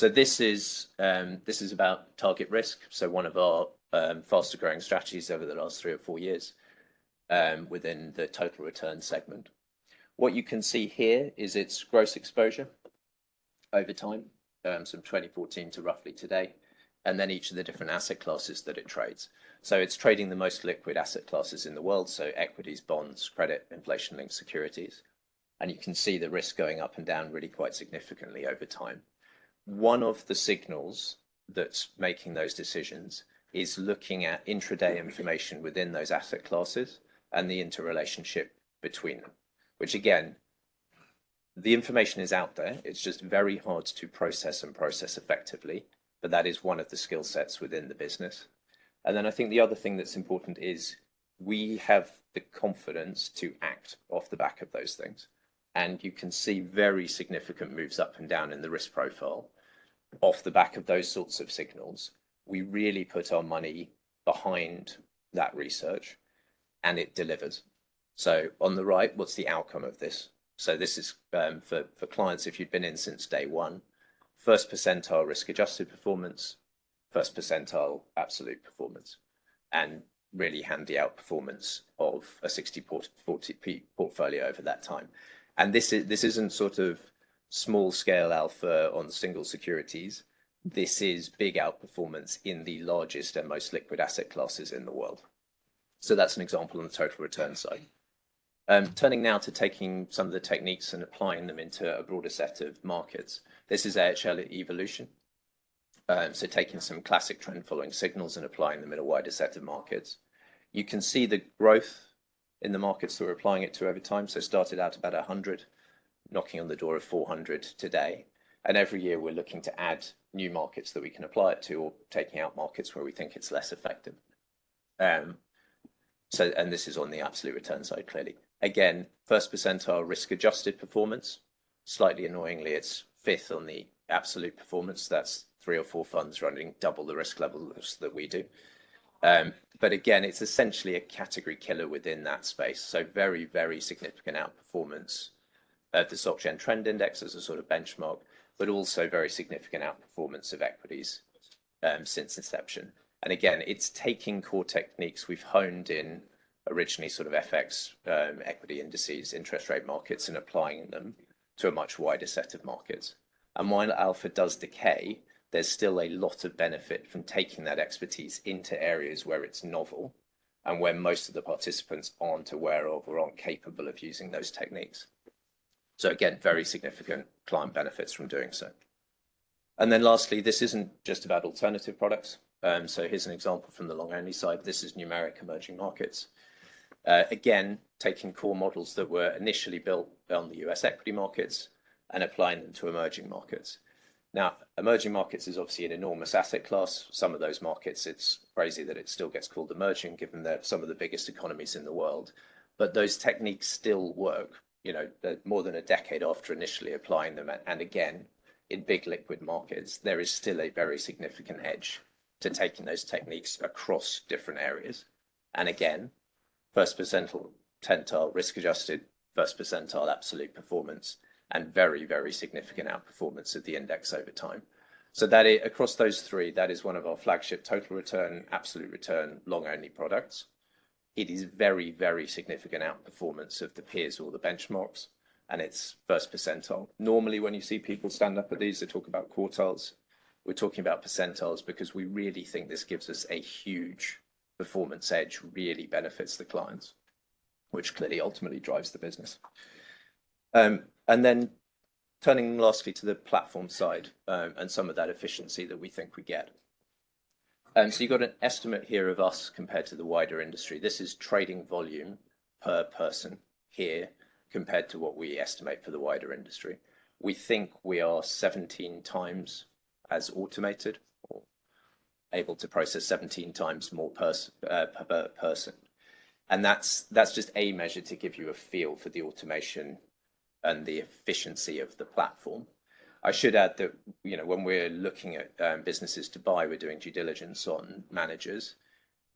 [SPEAKER 4] This is about TargetRisk, so one of our faster-growing strategies over the last three or four years within the total return segment. What you can see here is its gross exposure over time from 2014 to roughly today, and then each of the different asset classes that it trades. It's trading the most liquid asset classes in the world, so equities, bonds, credit, inflation-linked securities, and you can see the risk going up and down really quite significantly over time. One of the signals that's making those decisions is looking at intraday information within those asset classes and the interrelationship between them, which again, the information is out there, it's just very hard to process effectively. That is one of the skill sets within the business. I think the other thing that's important is we have the confidence to act off the back of those things. You can see very significant moves up and down in the risk profile. Off the back of those sorts of signals, we really put our money behind that research, and it delivers. On the right, what's the outcome of this? This is for clients if you'd been in since day one, first percentile risk-adjusted performance, first percentile absolute performance, and really handy outperformance of a 60/40 portfolio over that time. This isn't sort of small scale alpha on single securities. This is big outperformance in the largest and most liquid asset classes in the world. That's an example on the total return side. Turning now to taking some of the techniques and applying them into a broader set of markets. This is AHL Evolution. Taking some classic trend following signals and applying them in a wider set of markets. You can see the growth in the markets that we're applying it to over time. Started out about 100, knocking on the door of 400 today. Every year, we're looking to add new markets that we can apply it to or taking out markets where we think it's less effective. This is on the absolute return side, clearly. Again, first percentile risk-adjusted performance. Slightly annoyingly, it's fifth on the absolute performance. That's three or four funds running double the risk level as that we do. Again, it's essentially a category killer within that space, so very, very significant outperformance of the SG Trend Index as a sort of benchmark, but also very significant outperformance of equities since inception. It's taking core techniques we've honed in originally sort of FX, equity indices, interest rate markets, and applying them to a much wider set of markets. While alpha does decay, there's still a lot of benefit from taking that expertise into areas where it's novel and where most of the participants aren't aware of or aren't capable of using those techniques. Again, very significant client benefits from doing so. Then lastly, this isn't just about alternative products. Here's an example from the long-only side. This is Numeric Emerging Markets. Again, taking core models that were initially built on the U.S. equity markets and applying them to emerging markets. Now, emerging markets is obviously an enormous asset class. Some of those markets, it's crazy that it still gets called emerging, given they're some of the biggest economies in the world. Those techniques still work, you know, more than a decade after initially applying them. Again, in big liquid markets, there is still a very significant edge to taking those techniques across different areas. Again, first percentile risk-adjusted, first percentile absolute performance, and very, very significant outperformance of the index over time. Across those three, that is one of our flagship total return, absolute return, long-only products. It is very, very significant outperformance of the peers or the benchmarks, and it's first percentile. Normally, when you see people stand up at these, they talk about quartiles. We're talking about percentiles because we really think this gives us a huge performance edge, really benefits the clients, which clearly ultimately drives the business. Turning lastly to the platform side, and some of that efficiency that we think we get. So you've got an estimate here of us compared to the wider industry. This is trading volume per person here compared to what we estimate for the wider industry. We think we are 17x as automated or able to process 17x more per person. That's just a measure to give you a feel for the automation and the efficiency of the platform. I should add that, you know, when we're looking at businesses to buy, we're doing due diligence on managers,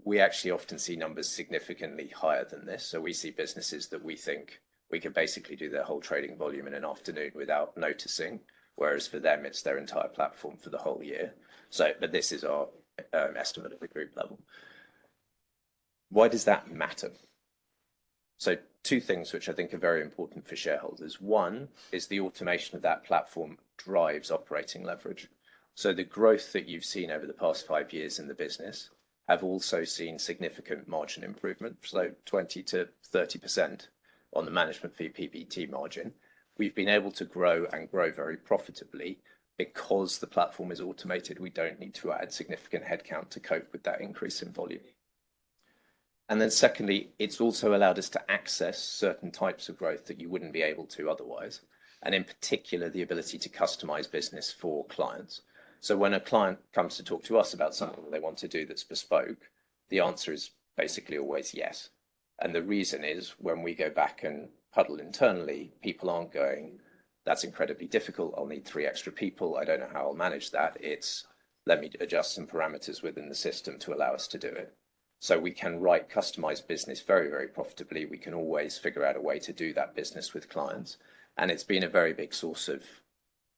[SPEAKER 4] we actually often see numbers significantly higher than this. We see businesses that we think we can basically do their whole trading volume in an afternoon without noticing, whereas for them it's their entire platform for the whole year. This is our estimate at the group level. Why does that matter? Two things which I think are very important for shareholders. One is the automation of that platform drives operating leverage. The growth that you've seen over the past five years in the business have also seen significant margin improvement, so 20%-30% on the management fee PBT margin. We've been able to grow and grow very profitably. Because the platform is automated, we don't need to add significant headcount to cope with that increase in volume. Then secondly, it's also allowed us to access certain types of growth that you wouldn't be able to otherwise, and in particular, the ability to customize business for clients. When a client comes to talk to us about something that they want to do that's bespoke, the answer is basically always yes. The reason is, when we go back and huddle internally, people aren't going, "That's incredibly difficult. I'll need three extra people. I don't know how I'll manage that." It's, "Let me adjust some parameters within the system to allow us to do it." We can write customized business very, very profitably. We can always figure out a way to do that business with clients, and it's been a very big source of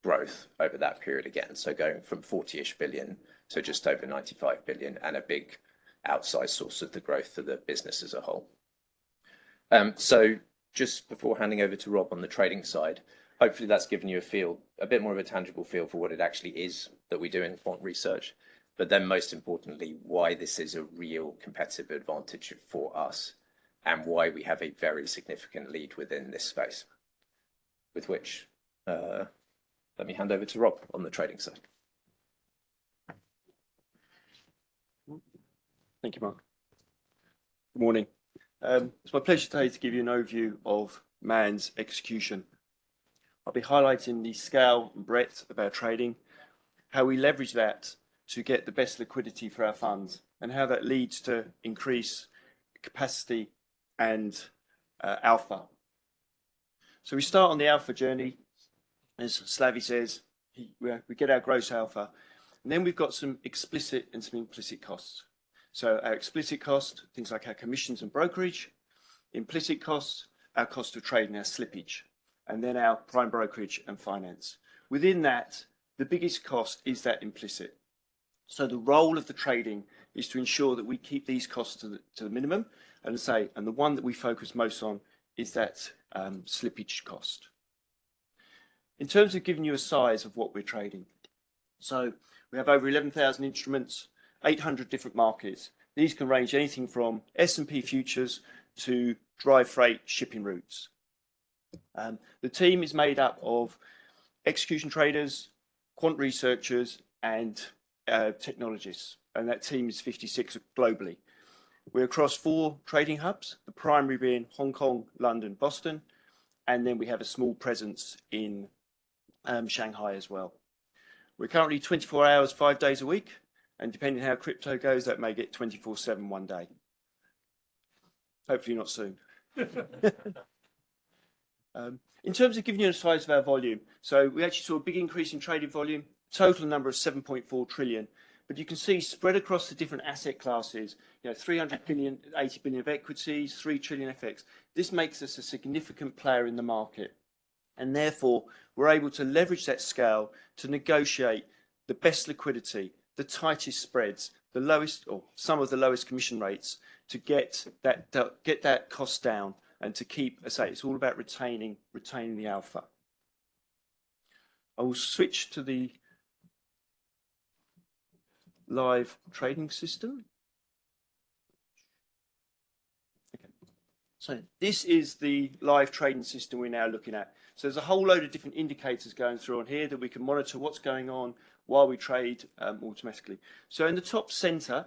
[SPEAKER 4] growth over that period again, so going from 40 billion to just over 95 billion and a big outsize source of the growth for the business as a whole. Just before handing over to Rob on the trading side, hopefully that's given you a feel, a bit more of a tangible feel for what it actually is that we do in quant research, but then most importantly, why this is a real competitive advantage for us and why we have a very significant lead within this space. With which, let me hand over to Rob on the trading side.
[SPEAKER 6] Thank you, Mark. Good morning. It's my pleasure today to give you an overview of Man's execution. I'll be highlighting the scale and breadth of our trading, how we leverage that to get the best liquidity for our funds, and how that leads to increased capacity and alpha. We start on the alpha journey. As Slavi says, we get our gross alpha, and then we've got some explicit and some implicit costs. Our explicit cost, things like our commissions and brokerage. Implicit costs, our cost of trading, our slippage, and then our prime brokerage and finance. Within that, the biggest cost is that implicit. The role of the trading is to ensure that we keep these costs to the minimum, as I say, and the one that we focus most on is that slippage cost. In terms of giving you a size of what we're trading. We have over 11,000 instruments, 800 different markets. These can range anything from S&P futures to dry freight shipping routes. The team is made up of execution traders, quant researchers, and technologists, and that team is 56 globally. We're across four trading HUBs, the primary being Hong Kong, London, Boston, and then we have a small presence in Shanghai as well. We're currently 24 hours, five days a week, and depending on how crypto goes, that may get 24/7 one day. Hopefully not soon. In terms of giving you a size of our volume, we actually saw a big increase in trading volume, total number of 7.4 trillion. But you can see spread across the different asset classes, you know, 300 billion, 80 billion of equities, 3 trillion FX. This makes us a significant player in the market, and therefore, we're able to leverage that scale to negotiate the best liquidity, the tightest spreads, the lowest or some of the lowest commission rates to get that cost down and to keep. I say, it's all about retaining the alpha. I will switch to the live trading system. Okay. This is the live trading system we're now looking at. There's a whole load of different indicators going through on here that we can monitor what's going on while we trade automatically. In the top center,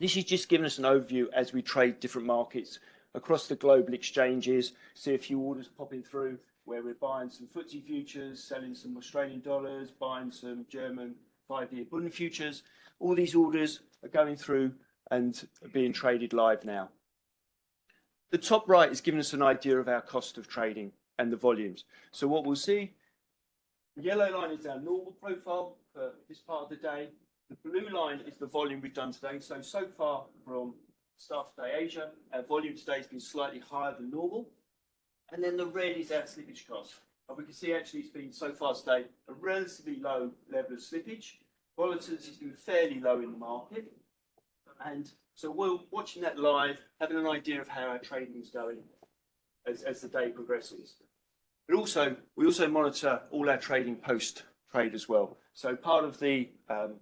[SPEAKER 6] this is just giving us an overview as we trade different markets across the global exchanges. See a few orders popping through, where we're buying some FTSE futures, selling some Australian dollars, buying some German five-year Bund futures. All these orders are going through and are being traded live now. The top right is giving us an idea of our cost of trading and the volumes. What we'll see, the yellow line is our normal profile for this part of the day. The blue line is the volume we've done today. So far from start of day Asia, our volume today has been slightly higher than normal. The red is our slippage cost. We can see actually it's been so far today a relatively low level of slippage. Volatility's been fairly low in the market, and so we're watching that live, having an idea of how our trading is going as the day progresses. Also, we also monitor all our trading post-trade as well. Part of the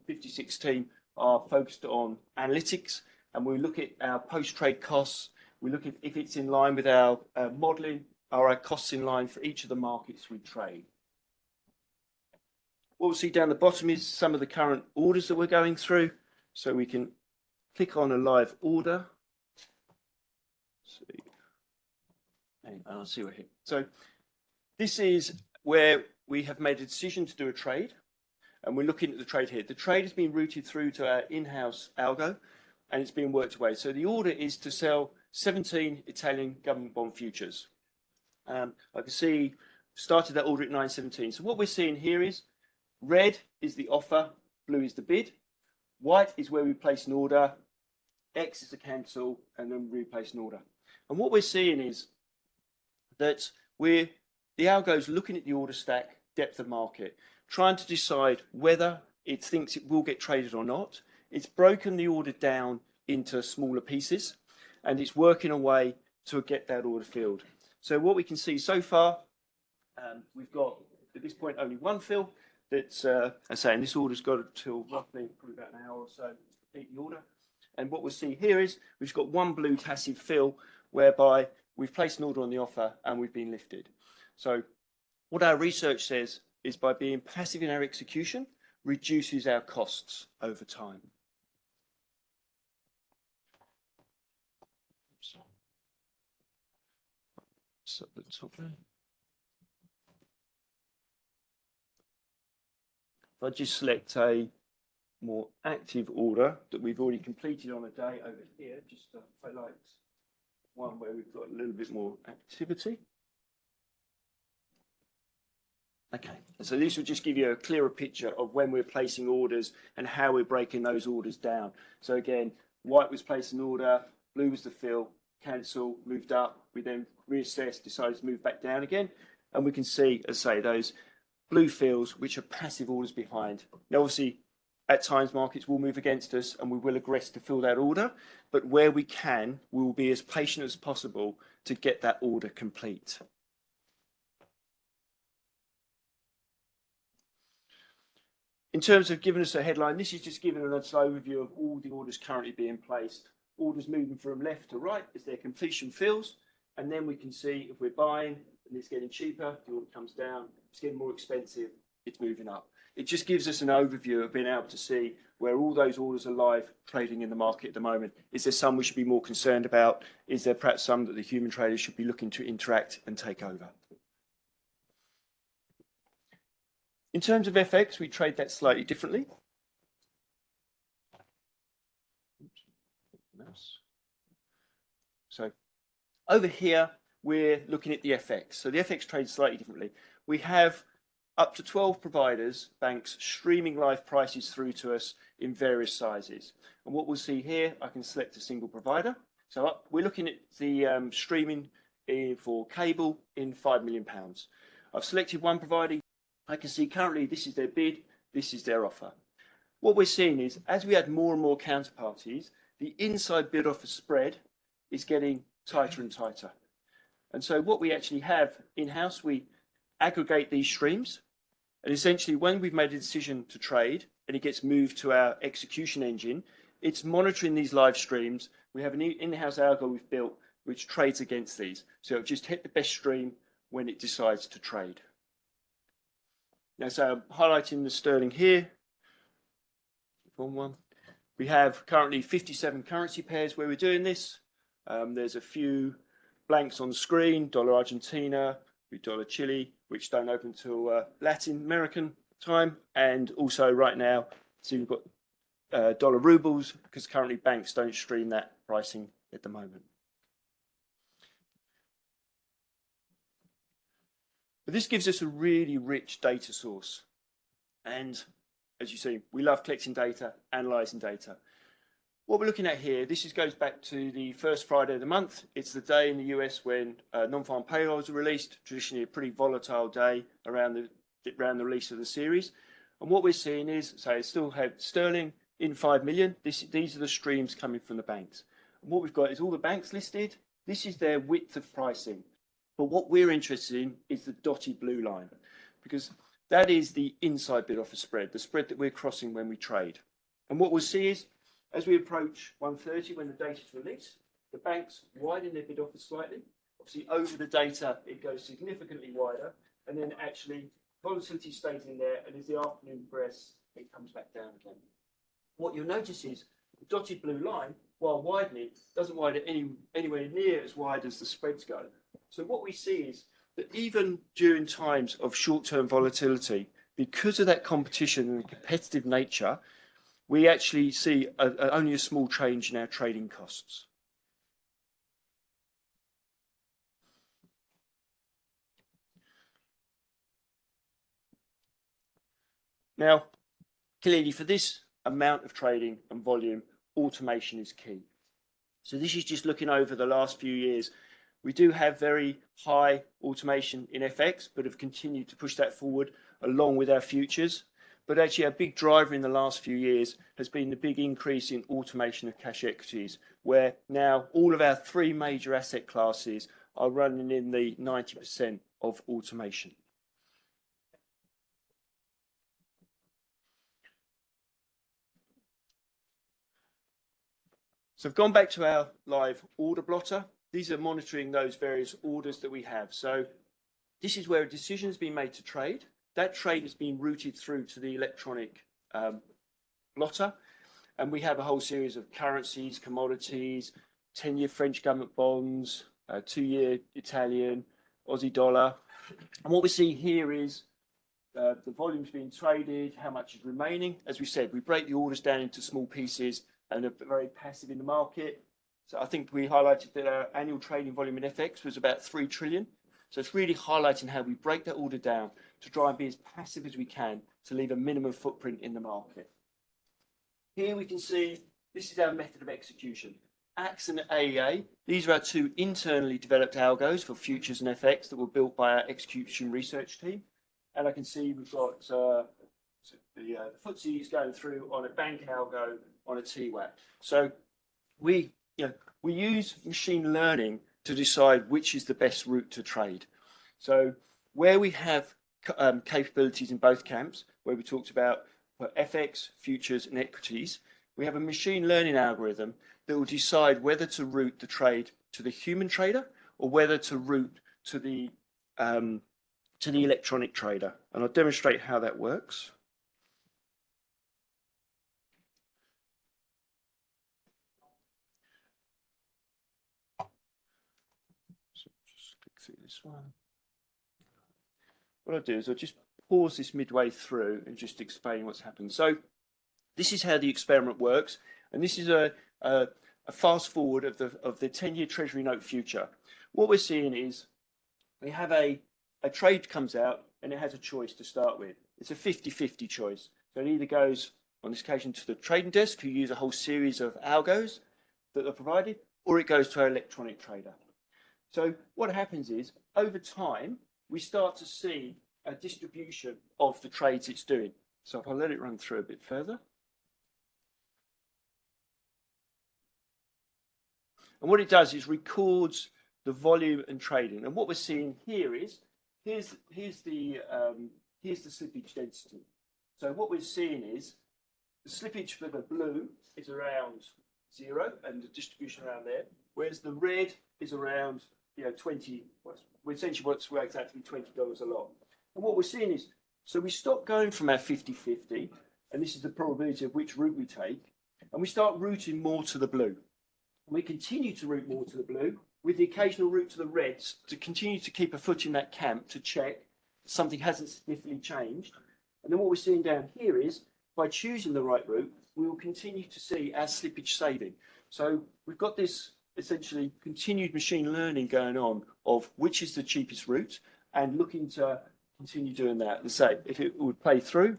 [SPEAKER 6] 56 team are focused on analytics, and we look at our post-trade costs. We look if it's in line with our modeling or are our costs in line for each of the markets we trade. What we'll see down the bottom is some of the current orders that we're going through, we can click on a live order. Okay, and I'll see you here. This is where we have made a decision to do a trade, and we're looking at the trade here. The trade has been routed through to our in-house algo, and it's being worked away. The order is to sell 17 Italian government bond futures. I can see, started that order at 9:17. What we're seeing here is red is the offer, blue is the bid, white is where we place an order, X is a cancel, and then we place an order. What we're seeing is that the algo's looking at the order stack depth of market, trying to decide whether it thinks it will get traded or not. It's broken the order down into smaller pieces, and it's working a way to get that order filled. What we can see so far, we've got, at this point, only one fill that's, and this order's got until roughly probably about an hour or so to complete the order. What we're seeing here is we've got one blue passive fill whereby we've placed an order on the offer, and we've been lifted. What our research says is by being passive in our execution reduces our costs over time. Oops. Set the top there. If I just select a more active order that we've already completed on the day over here, just to highlight one where we've got a little bit more activity. Okay. This will just give you a clearer picture of when we're placing orders and how we're breaking those orders down. Again, white was place an order, blue was the fill, cancel, moved up. We then reassess, decide to move back down again, and we can see, I see, those blue fills which are passive orders behind. Now, obviously, at times, markets will move against us, and we will aggress to fill that order. But where we can, we will be as patient as possible to get that order complete. In terms of giving us a headline, this is just giving us an overview of all the orders currently being placed. Orders moving from left to right is their completion fills, and then we can see if we're buying and it's getting cheaper, the order comes down. If it's getting more expensive, it's moving up. It just gives us an overview of being able to see where all those orders are live trading in the market at the moment. Is there some we should be more concerned about? Is there perhaps some that the human traders should be looking to interact and take over? In terms of FX, we trade that slightly differently. Oops. Mouse. So over here, we're looking at the FX. So the FX trades slightly differently. We have up to 12 providers, banks streaming live prices through to us in various sizes. What we'll see here, I can select a single provider. We're looking at the streaming for cable in 5 million pounds. I've selected one provider. I can see currently this is their bid. This is their offer. What we're seeing is, as we add more and more counterparties, the inside bid-offer spread is getting tighter and tighter. What we actually have in-house, we aggregate these streams, and essentially, when we've made a decision to trade and it gets moved to our execution engine, it's monitoring these live streams. We have a new in-house algo we've built which trades against these. It'll just hit the best stream when it decides to trade. Now, highlighting the sterling here, wrong one. We have currently 57 currency pairs where we're doing this. There's a few blanks on the screen, dollar Argentina with dollar Chile, which don't open till Latin American time. Also right now, see we've got dollar rubles, because currently banks don't stream that pricing at the moment. This gives us a really rich data source, and as you see, we love collecting data, analyzing data. What we're looking at here, this just goes back to the first Friday of the month. It's the day in the U.S. when non-farm payrolls are released, traditionally a pretty volatile day around the release of the series. What we're seeing is, say, still have sterling in 5 million. These are the streams coming from the banks. What we've got is all the banks listed. This is their width of pricing. What we're interested in is the dotted blue line because that is the inside bid-offer spread, the spread that we're crossing when we trade. What we'll see is, as we approach 1:30 when the data's released, the banks widen their bid-offer slightly. Obviously, over the data, it goes significantly wider, and then actually volatility stays in there, and as the afternoon progressed, it comes back down again. What you'll notice is the dotted blue line, while widening, doesn't widen anywhere near as wide as the spreads go. What we see is that even during times of short-term volatility, because of that competition and competitive nature, we actually see only a small change in our trading costs. Now, clearly, for this amount of trading and volume, automation is key. This is just looking over the last few years. We do have very high automation in FX, but have continued to push that forward along with our futures. Actually, a big driver in the last few years has been the big increase in automation of cash equities, where now all of our three major asset classes are running in the 90% of automation. I've gone back to our live order blotter. These are monitoring those various orders that we have. This is where a decision's been made to trade. That trade has been routed through to the electronic blotter. We have a whole series of currencies, commodities, 10-year French government bonds, two-year Italian, Aussie dollar. What we're seeing here is the volumes being traded, how much is remaining. As we said, we break the orders down into small pieces and are very passive in the market. I think we highlighted that our annual trading volume in FX was about 3 trillion. It's really highlighting how we break that order down to try and be as passive as we can to leave a minimum footprint in the market. Here we can see this is our method of execution. [AX and AEA], these are our two internally developed algos for futures and FX that were built by our execution research team. I can see we've got the FTSE is going through on a bank algo on a TWAP. We, you know, use machine learning to decide which is the best route to trade. Where we have capabilities in both camps, where we talked about for FX, futures and equities, we have a machine learning algorithm that will decide whether to route the trade to the human trader or whether to route to the electronic trader, and I'll demonstrate how that works. Just click through this one. What I'll do is I'll just pause this midway through and just explain what's happened. This is how the experiment works, and this is a fast-forward of the 10-year treasury note future. What we're seeing is we have a trade comes out, and it has a choice to start with. It's a 50-50 choice. It either goes, on this occasion, to the trading desk, we use a whole series of algos that are provided, or it goes to our electronic trader. What happens is, over time, we start to see a distribution of the trades it's doing. If I let it run through a bit further. What it does is records the volume and trading. What we're seeing here is, here's the slippage density. What we're seeing is the slippage for the blue is around 0 and the distribution around there, whereas the red is around, essentially what it's worked out to be $20 per lot. What we're seeing is, we stop going from our 50/50, and this is the probability of which route we take, and we start routing more to the blue. We continue to route more to the blue with the occasional route to the reds to continue to keep a foot in that camp to check something hasn't significantly changed. What we're seeing down here is, by choosing the right route, we will continue to see our slippage saving. We've got this essentially continued machine learning going on of which is the cheapest route and looking to continue doing that. If it would play through,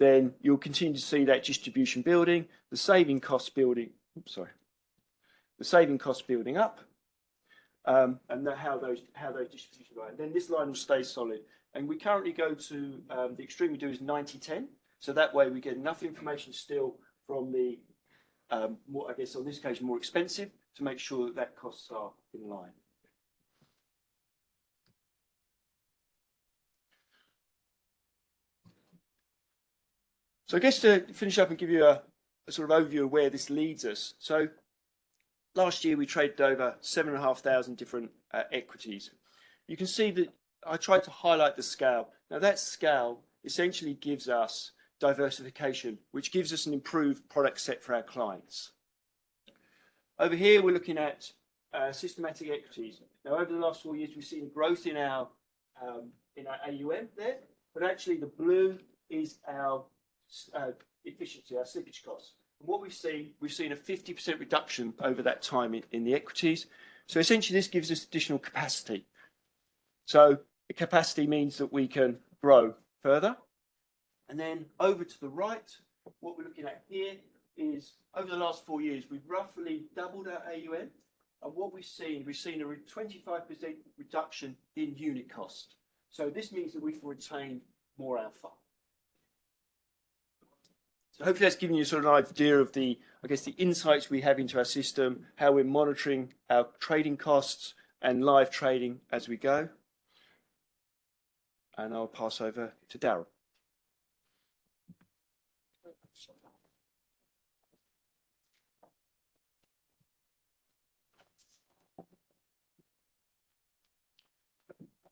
[SPEAKER 6] you'll continue to see that distribution building, the saving cost building up, and the how those distribute. This line will stay solid. We currently go to the extreme we do is 90/10, so that way we get enough information still from the more, I guess, on this occasion, more expensive to make sure that costs are in line. I guess to finish up and give you a sort of overview of where this leads us. Last year, we traded over 7,500 different equities. You can see that I tried to highlight the scale. That scale essentially gives us diversification, which gives us an improved product set for our clients. Over here, we're looking at systematic equities. Over the last four years, we've seen growth in our in our AUM there, but actually the blue is our efficiency, our slippage cost. What we've seen a 50% reduction over that time in the equities. Essentially this gives us additional capacity. The capacity means that we can grow further. Then over to the right, what we're looking at here is over the last four years, we've roughly doubled our AUM, and what we've seen a 25% reduction in unit cost. This means that we can retain more alpha. Hopefully that's given you a sort of live idea of the, I guess, the insights we have into our system, how we're monitoring our trading costs and live trading as we go. I'll pass over to Darrel.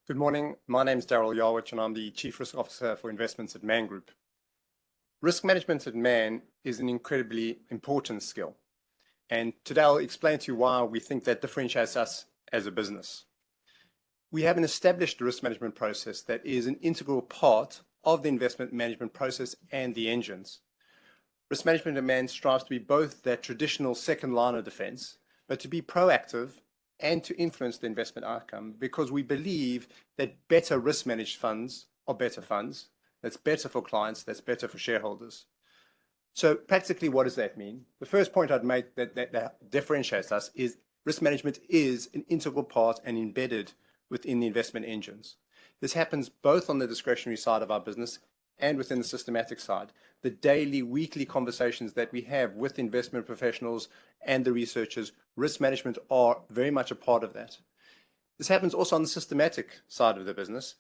[SPEAKER 7] Good morning. My name's Darrel Yawitch, and I'm the Chief Risk Officer for Investments at Man Group. Risk management at Man is an incredibly important skill, and today I'll explain to you why we think that differentiates us as a business. We have an established risk management process that is an integral part of the investment management process and the engines. Risk management at Man strives to be both the traditional second line of defense, but to be proactive and to influence the investment outcome because we believe that better risk-managed funds are better funds. That's better for clients. That's better for shareholders. Practically, what does that mean? The first point I'd make that differentiates us is risk management is an integral part and embedded within the investment engines. This happens both on the discretionary side of our business and within the systematic side. The daily, weekly conversations that we have with investment professionals and the researchers, risk management are very much a part of that. This happens also on the systematic side of the business.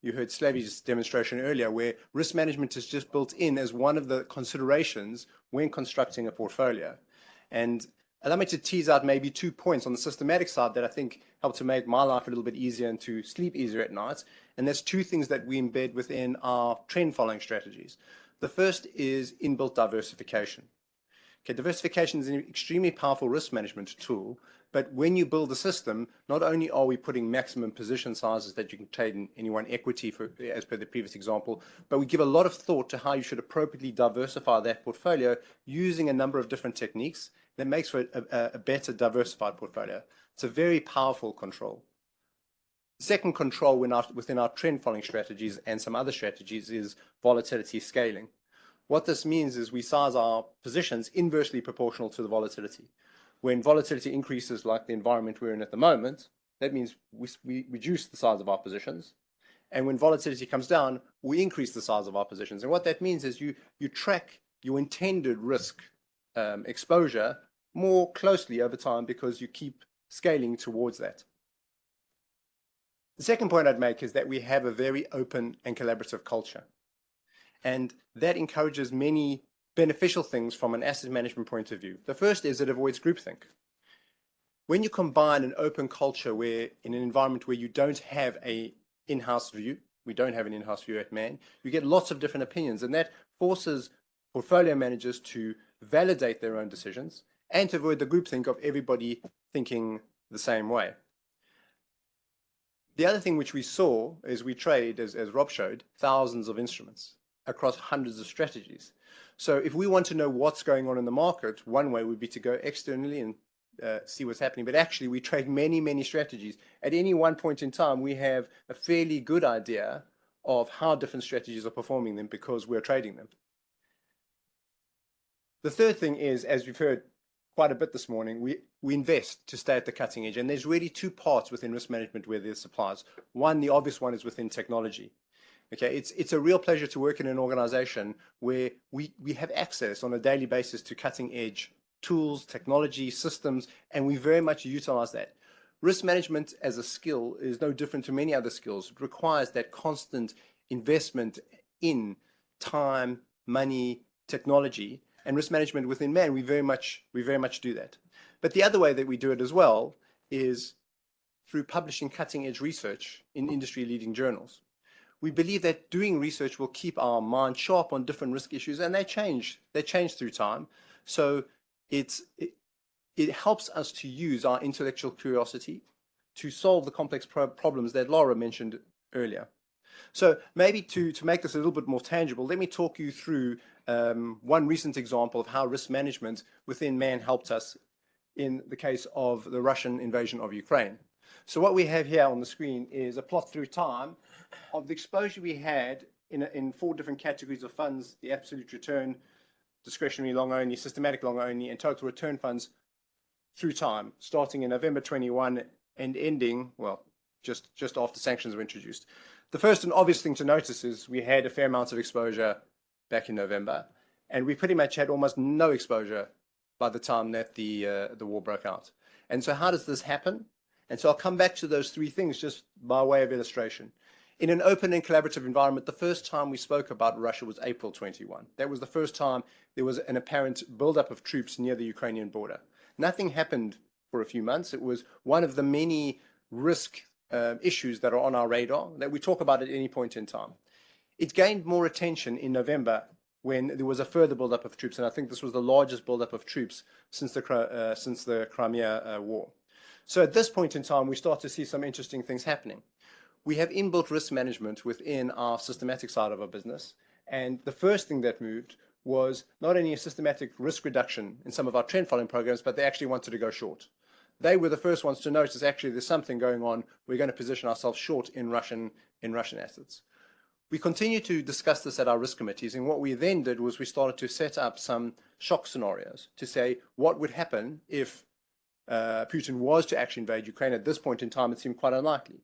[SPEAKER 7] You heard Slavi's demonstration earlier, where risk management is just built in as one of the considerations when constructing a portfolio. Allow me to tease out maybe two points on the systematic side that I think help to make my life a little bit easier and to sleep easier at night, and there's two things that we embed within our trend following strategies. The first is inbuilt diversification. Okay, diversification is an extremely powerful risk management tool. When you build a system, not only are we putting maximum position sizes that you can take in any one equity for, as per the previous example, but we give a lot of thought to how you should appropriately diversify that portfolio using a number of different techniques that makes for a better diversified portfolio. It's a very powerful control. Second control within our trend following strategies and some other strategies is volatility scaling. What this means is we size our positions inversely proportional to the volatility. When volatility increases, like the environment we're in at the moment, that means we reduce the size of our positions, and when volatility comes down, we increase the size of our positions. What that means is you track your intended risk exposure more closely over time because you keep scaling towards that. The second point I'd make is that we have a very open and collaborative culture, and that encourages many beneficial things from an asset management point of view. The first is it avoids groupthink. When you combine an open culture in an environment where you don't have an in-house view, we don't have an in-house view at Man, you get lots of different opinions, and that forces portfolio managers to validate their own decisions and to avoid the groupthink of everybody thinking the same way. The other thing which we saw as we trade, as Rob showed, thousands of instruments across hundreds of strategies. So if we want to know what's going on in the market, one way would be to go externally and see what's happening. But actually, we trade many, many strategies. At any one point in time, we have a fairly good idea of how different strategies are performing, then because we're trading them. The third thing is, as we've heard quite a bit this morning, we invest to stay at the cutting edge, and there's really two parts within risk management where this applies. One, the obvious one, is within technology. Okay, it's a real pleasure to work in an organization where we have access on a daily basis to cutting-edge tools, technology, systems, and we very much utilize that. Risk management as a skill is no different to many other skills. It requires that constant investment in time, money, technology, and risk management within Man. We very much do that. The other way that we do it as well is through publishing cutting-edge research in industry-leading journals. We believe that doing research will keep our mind sharp on different risk issues, and they change. They change through time. It helps us to use our intellectual curiosity to solve the complex problems that Laura mentioned earlier. Maybe to make this a little bit more tangible, let me talk you through one recent example of how risk management within Man helped us in the case of the Russian invasion of Ukraine. What we have here on the screen is a plot through time of the exposure we had in four different categories of funds: the absolute return, discretionary long only, systematic long only, and total return funds through time, starting in November 2021 and ending just after sanctions were introduced. The first and obvious thing to notice is we had a fair amount of exposure back in November, and we pretty much had almost no exposure by the time that the war broke out. How does this happen? I'll come back to those three things just by way of illustration. In an open and collaborative environment, the first time we spoke about Russia was April 2021. That was the first time there was an apparent buildup of troops near the Ukrainian border. Nothing happened for a few months. It was one of the many risk issues that are on our radar that we talk about at any point in time. It gained more attention in November when there was a further buildup of troops, and I think this was the largest buildup of troops since the Crimean War. At this point in time, we start to see some interesting things happening. We have inbuilt risk management within our systematic side of our business, and the first thing that moved was not only a systematic risk reduction in some of our trend following programs, but they actually wanted to go short. They were the first ones to notice actually there's something going on. We're gonna position ourselves short in Russian, in Russian assets. We continued to discuss this at our risk committees, and what we then did was we started to set up some shock scenarios to say what would happen if Putin was to actually invade Ukraine. At this point in time, it seemed quite unlikely.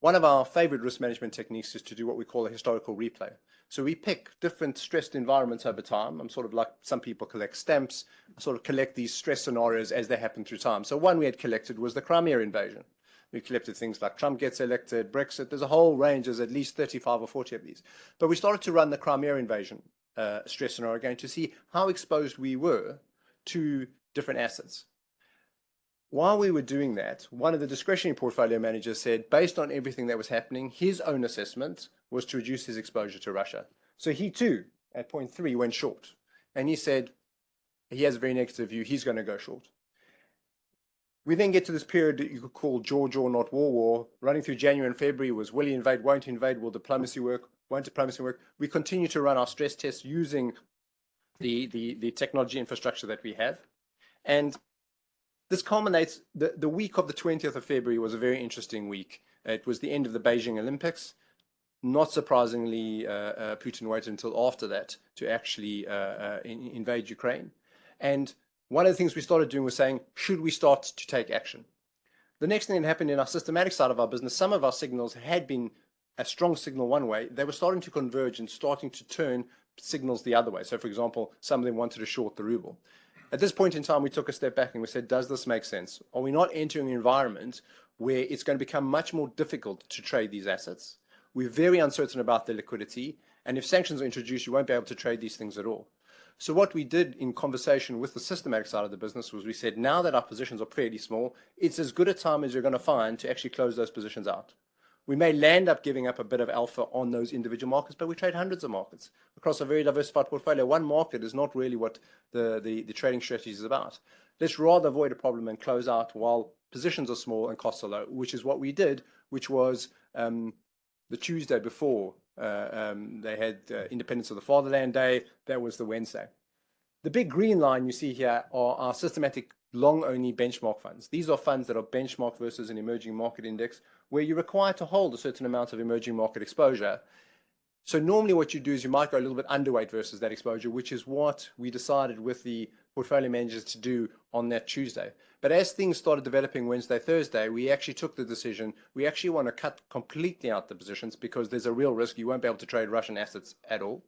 [SPEAKER 7] One of our favorite risk management techniques is to do what we call a historical replay. We pick different stressed environments over time, and sort of like some people collect stamps, sort of collect these stress scenarios as they happen through time. One we had collected was the Crimean invasion. We collected things like Trump gets elected, Brexit. There's a whole range. There's at least 35 or 40 of these. We started to run the Crimean invasion stress scenario again to see how exposed we were to different assets. While we were doing that, one of the discretionary portfolio managers said, based on everything that was happening, his own assessment was to reduce his exposure to Russia. He too, at 0.3, went short, and he said he has a very negative view. He's gonna go short. We get to this period that you could call war or not war. Running through January and February was will he invade, won't he invade? Will diplomacy work? Won't diplomacy work? We continued to run our stress tests using the technology infrastructure that we have, and this culminates. The week of the 20th of February was a very interesting week. It was the end of the Beijing Olympics. Not surprisingly, Putin waited until after that to actually invade Ukraine. One of the things we started doing was saying, "Should we start to take action?" The next thing that happened in our systematic side of our business, some of our signals had been a strong signal one way. They were starting to converge and starting to turn signals the other way. So, for example, some of them wanted to short the ruble. At this point in time, we took a step back and we said, "Does this make sense? Are we not entering an environment where it's gonna become much more difficult to trade these assets? We're very uncertain about the liquidity, and if sanctions are introduced, you won't be able to trade these things at all." What we did in conversation with the systematic side of the business was we said, "Now that our positions are pretty small, it's as good a time as you're gonna find to actually close those positions out." We may land up giving up a bit of alpha on those individual markets, but we trade hundreds of markets across a very diversified portfolio. One market is not really what the trading strategy is about. Let's rather avoid a problem and close out while positions are small and costs are low, which is what we did, which was the Tuesday before they had Defender of the Fatherland Day. That was the Wednesday. The big green line you see here are our systematic long-only benchmark funds. These are funds that are benchmarked versus an emerging market index, where you're required to hold a certain amount of emerging market exposure. Normally what you do is you might go a little bit underweight versus that exposure, which is what we decided with the portfolio managers to do on that Tuesday. As things started developing Wednesday, Thursday, we actually took the decision, we actually wanna cut completely out the positions because there's a real risk you won't be able to trade Russian assets at all.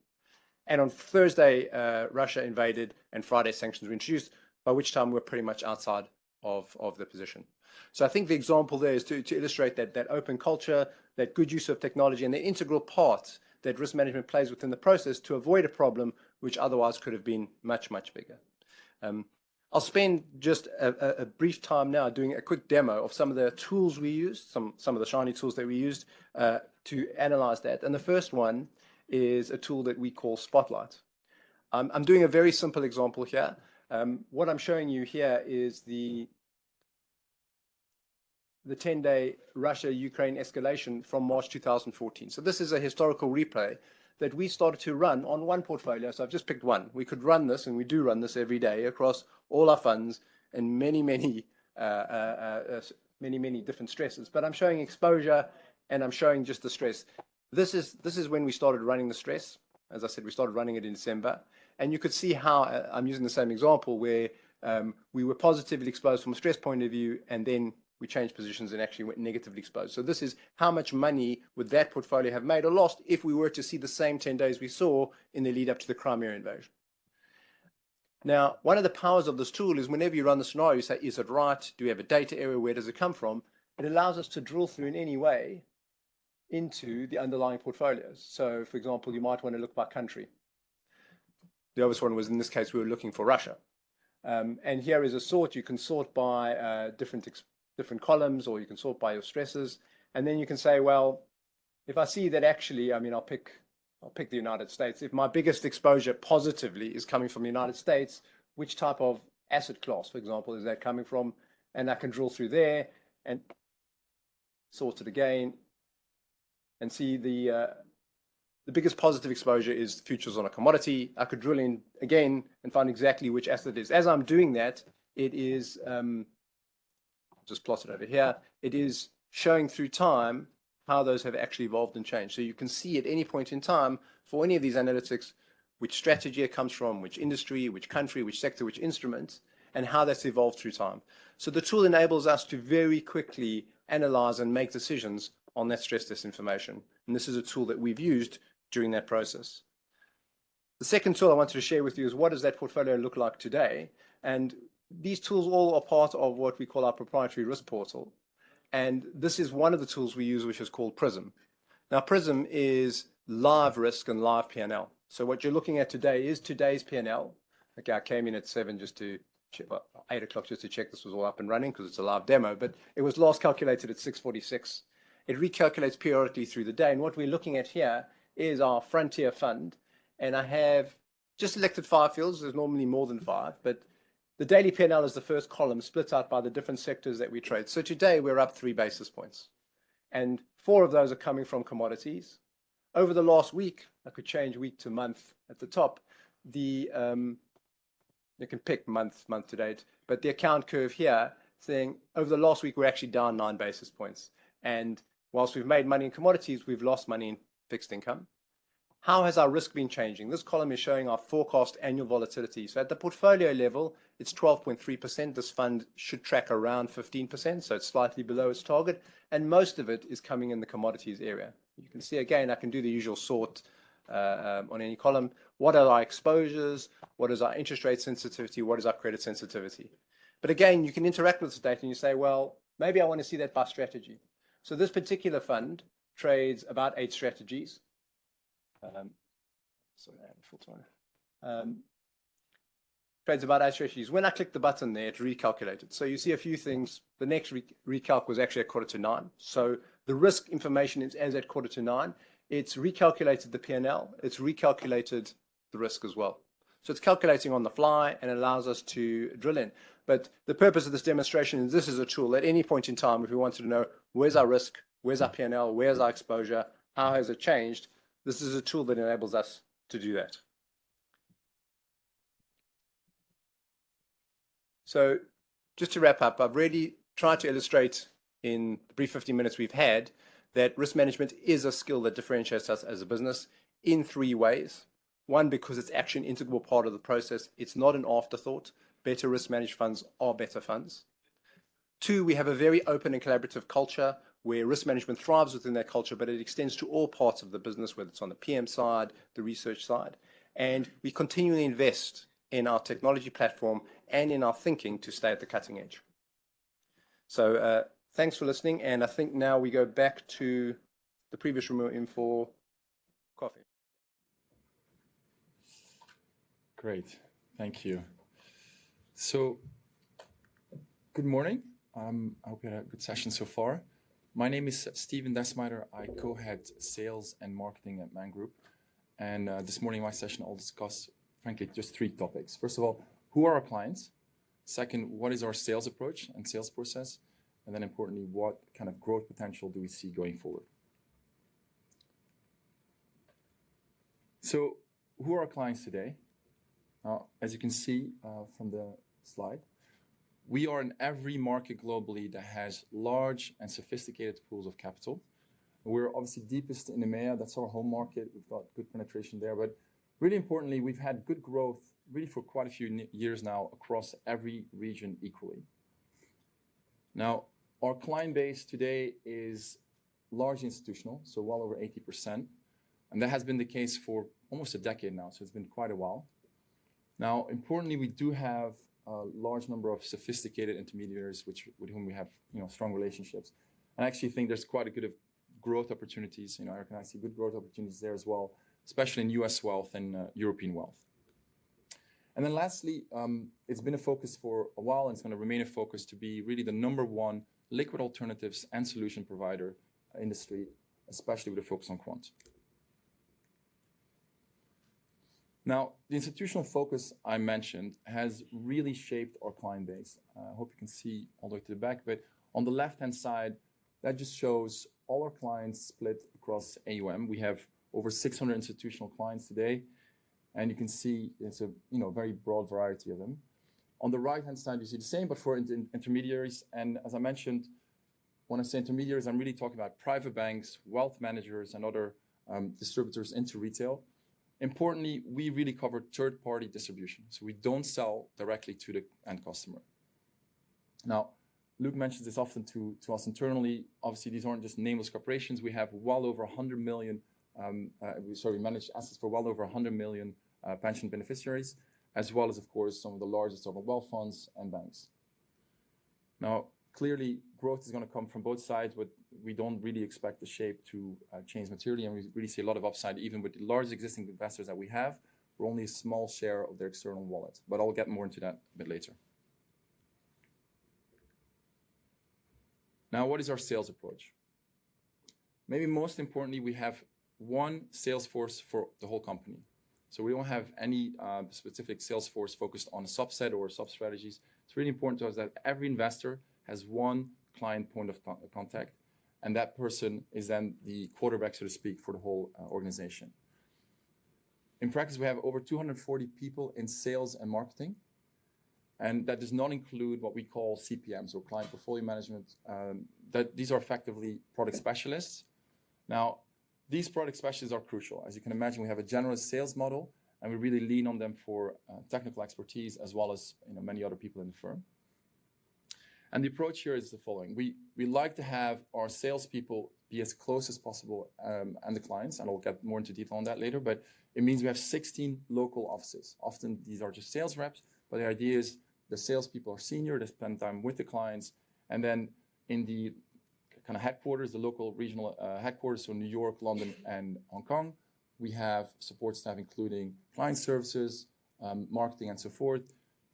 [SPEAKER 7] On Thursday, Russia invaded, and Friday, sanctions were introduced, by which time we're pretty much outside of the position. I think the example there is to illustrate that open culture, that good use of technology, and the integral part that risk management plays within the process to avoid a problem which otherwise could have been much bigger. I'll spend just a brief time now doing a quick demo of some of the tools we used, some of the shiny tools that we used to analyze that. The first one is a tool that we call Spotlight. I'm doing a very simple example here. What I'm showing you here is the ten-day Russia-Ukraine escalation from March 2014. This is a historical replay that we started to run on one portfolio. I've just picked one. We could run this, and we do run this every day across all our funds in many different stresses. I'm showing exposure, and I'm showing just the stress. This is when we started running the stress. As I said, we started running it in December. You could see how I'm using the same example, where we were positively exposed from a stress point of view, and then we changed positions and actually went negatively exposed. This is how much money would that portfolio have made or lost if we were to see the same 10 days we saw in the lead-up to the Crimean invasion. Now, one of the powers of this tool is whenever you run the scenario, you say, "Is it right? Do we have a data error? Where does it come from?" It allows us to drill through in any way into the underlying portfolios. For example, you might wanna look by country. The obvious one was, in this case, we were looking for Russia. Here is a sort. You can sort by different columns, or you can sort by your stresses. Then you can say, well, if I see that actually, I mean, I'll pick the United States. If my biggest exposure positively is coming from the United States, which type of asset class, for example, is that coming from? I can drill through there and sort it again and see the biggest positive exposure is futures on a commodity. I could drill in again and find exactly which asset it is. As I'm doing that, it is. I'll just plot it over here. It is showing through time how those have actually evolved and changed. You can see at any point in time for any of these analytics which strategy it comes from, which industry, which country, which sector, which instrument, and how that's evolved through time. The tool enables us to very quickly analyze and make decisions on that stress test information, and this is a tool that we've used during that process. The second tool I wanted to share with you is what does that portfolio look like today. These tools all are part of what we call our proprietary risk portal, and this is one of the tools we use, which is called Prism. Now, Prism is live risk and live P&L. What you're looking at today is today's P&L. Okay, I came in at 7 just to check, well, 8:00 A.M. just to check this was all up and running 'cause it's a live demo. It was last calculated at 6:46 A.M. It recalculates periodically through the day. What we're looking at here is our frontier fund, and I have just selected five fields. There's normally more than five. The daily P&L is the first column split up by the different sectors that we trade. Today, we're up three basis points, and four of those are coming from commodities. Over the last week, I could change week to month at the top, the. You can pick month to date. But the equity curve here saying over the last week, we're actually down nine basis points. Whilst we've made money in commodities, we've lost money in fixed income. How has our risk been changing? This column is showing our forecast annual volatility. So at the portfolio level, it's 12.3%. This fund should track around 15%, so it's slightly below its target, and most of it is coming in the commodities area. You can see again, I can do the usual sort on any column. What are our exposures? What is our interest rate sensitivity? What is our credit sensitivity? Again, you can interact with this data and you say, "Well, maybe I wanna see that by strategy." This particular fund trades about eight strategies. When I click the button there, it recalculated. You see a few things. The next recalc was actually at 8:45 A.M. The risk information is as at 8:45 A.M. It's recalculated the P&L. It's recalculated the risk as well. It's calculating on the fly and allows us to drill in. The purpose of this demonstration, and this is a tool at any point in time, if we wanted to know where's our risk, where's our P&L, where's our exposure, how has it changed, this is a tool that enables us to do that. Just to wrap up, I've really tried to illustrate in the brief 50 minutes we've had that risk management is a skill that differentiates us as a business in three ways. 1, because it's actually an integral part of the process. It's not an afterthought. Better risk-managed funds are better funds. 2, we have a very open and collaborative culture where risk management thrives within that culture, but it extends to all parts of the business, whether it's on the PM side, the research side. We continually invest in our technology platform and in our thinking to stay at the cutting edge. Thanks for listening, and I think now we go back to the previous room for coffee.
[SPEAKER 8] Great. Thank you. Good morning. I hope you had a good session so far. My name is Steven Desmyter. I co-head sales and marketing at Man Group. This morning in my session I'll discuss frankly, just three topics. First of all, who are our clients? Second, what is our sales approach and sales process? Then importantly, what kind of growth potential do we see going forward? Who are our clients today? As you can see, from the slide, we are in every market globally that has large and sophisticated pools of capital. We're obviously deepest in EMEA. That's our home market. We've got good penetration there, but really importantly, we've had good growth really for quite a few many years now across every region equally. Now, our client base today is largely institutional, so well over 80%, and that has been the case for almost a decade now, so it's been quite a while. Now, importantly, we do have a large number of sophisticated intermediaries with whom we have, you know, strong relationships. I actually think there's quite a good deal of growth opportunities. You know, Eric and I see good growth opportunities there as well, especially in U.S. wealth and European wealth. Then lastly, it's been a focus for a while, and it's gonna remain a focus to be really the number one liquid alternatives and solution provider industry, especially with a focus on quant. Now, the institutional focus I mentioned has really shaped our client base. I hope you can see all the way to the back, but on the left-hand side, that just shows all our clients split across AUM. We have over 600 institutional clients today, and you can see there's you know, very broad variety of them. On the right-hand side, you see the same but for intermediaries, and as I mentioned, when I say intermediaries, I'm really talking about private banks, wealth managers, and other distributors into retail. Importantly, we really cover third-party distribution, so we don't sell directly to the end customer. Now, Luke mentions this often to us internally. Obviously, these aren't just nameless corporations. We manage assets for well over 100 million pension beneficiaries, as well as, of course, some of the largest global wealth funds and banks. Now, clearly growth is gonna come from both sides, but we don't really expect the shape to change materially, and we really see a lot of upside even with the large existing investors that we have. We're only a small share of their external wallet, but I'll get more into that a bit later. Now, what is our sales approach? Maybe most importantly, we have one sales force for the whole company, so we don't have any specific sales force focused on a subset or sub-strategies. It's really important to us that every investor has one client point of contact, and that person is then the quarterback, so to speak, for the whole organization. In practice, we have over 240 people in sales and marketing, and that does not include what we call CPMs or client portfolio management. These are effectively product specialists. Now, these product specialists are crucial. As you can imagine, we have a generous sales model, and we really lean on them for technical expertise as well as, you know, many other people in the firm. The approach here is the following. We like to have our salespeople be as close as possible to the clients, and I'll get more into detail on that later, but it means we have 16 local offices. Often these are just sales reps, but the idea is the salespeople are senior. They spend time with the clients and then in the kinda headquarters, the local regional headquarters, so New York, London, and Hong Kong, we have support staff including client services, marketing, and so forth,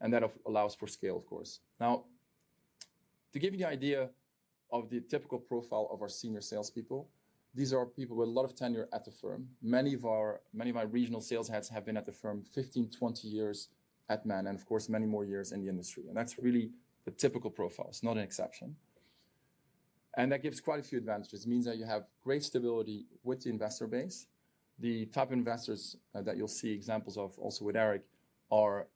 [SPEAKER 8] and that allows for scale, of course. Now, to give you the idea of the typical profile of our senior salespeople, these are people with a lot of tenure at the firm. Many of our regional sales heads have been at the firm 15, 20 years at Man and, of course, many more years in the industry, and that's really the typical profile. It's not an exception. That gives quite a few advantages. It means that you have great stability with the investor base. The top investors that you'll see examples of also with Eric are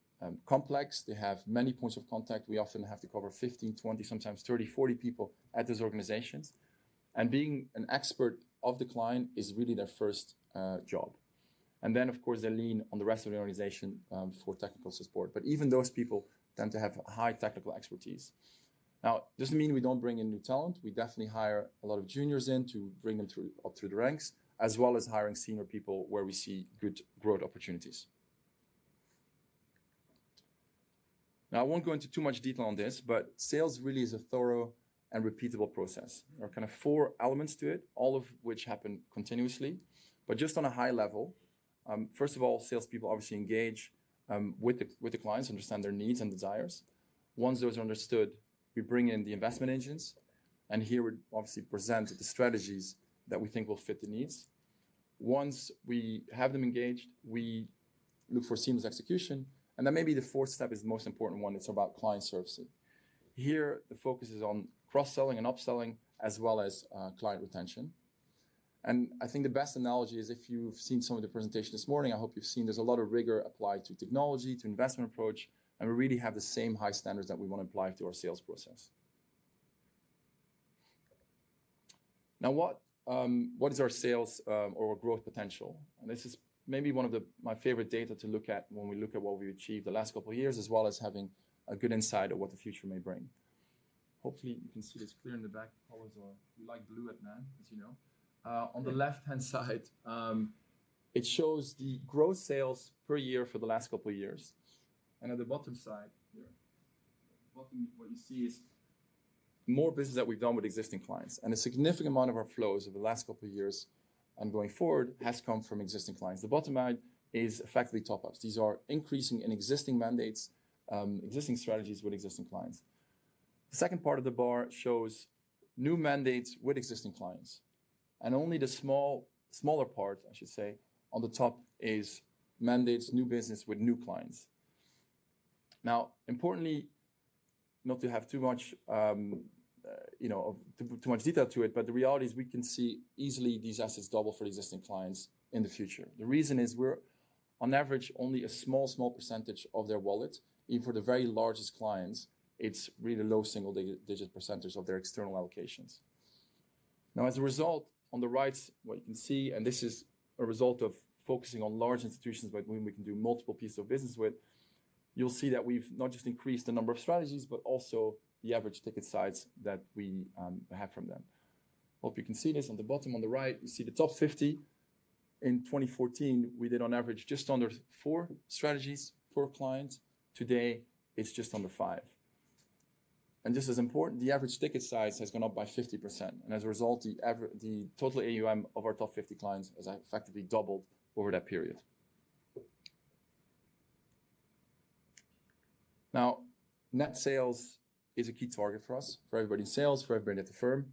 [SPEAKER 8] complex. They have many points of contact. We often have to cover 15, 20, sometimes 30, 40 people at those organizations. Being an expert of the client is really their first job. Then, of course, they lean on the rest of the organization for technical support. Even those people tend to have high technical expertise. Now, it doesn't mean we don't bring in new talent. We definitely hire a lot of juniors in to bring them up through the ranks, as well as hiring senior people where we see good growth opportunities. Now, I won't go into too much detail on this, but sales really is a thorough and repeatable process. There are kinda four elements to it, all of which happen continuously, but just on a high level, first of all, salespeople obviously engage with the clients, understand their needs and desires. Once those are understood, we bring in the investment engines, and here we obviously present the strategies that we think will fit the needs. Once we have them engaged, we look for seamless execution, and then maybe the fourth step is the most important one. It's about client services. Here, the focus is on cross-selling and upselling, as well as client retention. I think the best analogy is if you've seen some of the presentations this morning, I hope you've seen there's a lot of rigor applied to technology, to investment approach, and we really have the same high standards that we wanna apply to our sales process. Now, what is our sales or growth potential? This is maybe one of my favorite data to look at when we look at what we've achieved the last couple of years, as well as having a good insight of what the future may bring. Hopefully, you can see this clear in the back. Colors are. We like blue at Man, as you know. On the left-hand side, it shows the growth sales per year for the last couple of years. At the bottom side here. What you see is more business that we've done with existing clients, and a significant amount of our flows over the last couple of years and going forward has come from existing clients. The bottom line is effectively top-ups. These are increasing in existing mandates, existing strategies with existing clients. The second part of the bar shows new mandates with existing clients, and only the smaller part, I should say, on the top is mandates new business with new clients. Importantly, not to have too much, you know, too much detail to it, but the reality is we can see easily these assets double for existing clients in the future. The reason is we're on average only a small percentage of their wallet. Even for the very largest clients, it's really low single-digit percentage of their external allocations. Now, as a result, on the right what you can see, and this is a result of focusing on large institutions like whom we can do multiple pieces of business with, you'll see that we've not just increased the number of strategies, but also the average ticket size that we have from them. Hope you can see this on the bottom on the right, you see the top 50. In 2014 we did on average just under 4 strategies per client. Today it's just under 5. This is important, the average ticket size has gone up by 50% and as a result, the total AUM of our top 50 clients has effectively doubled over that period. Now, net sales is a key target for us, for everybody in sales, for everybody at the firm,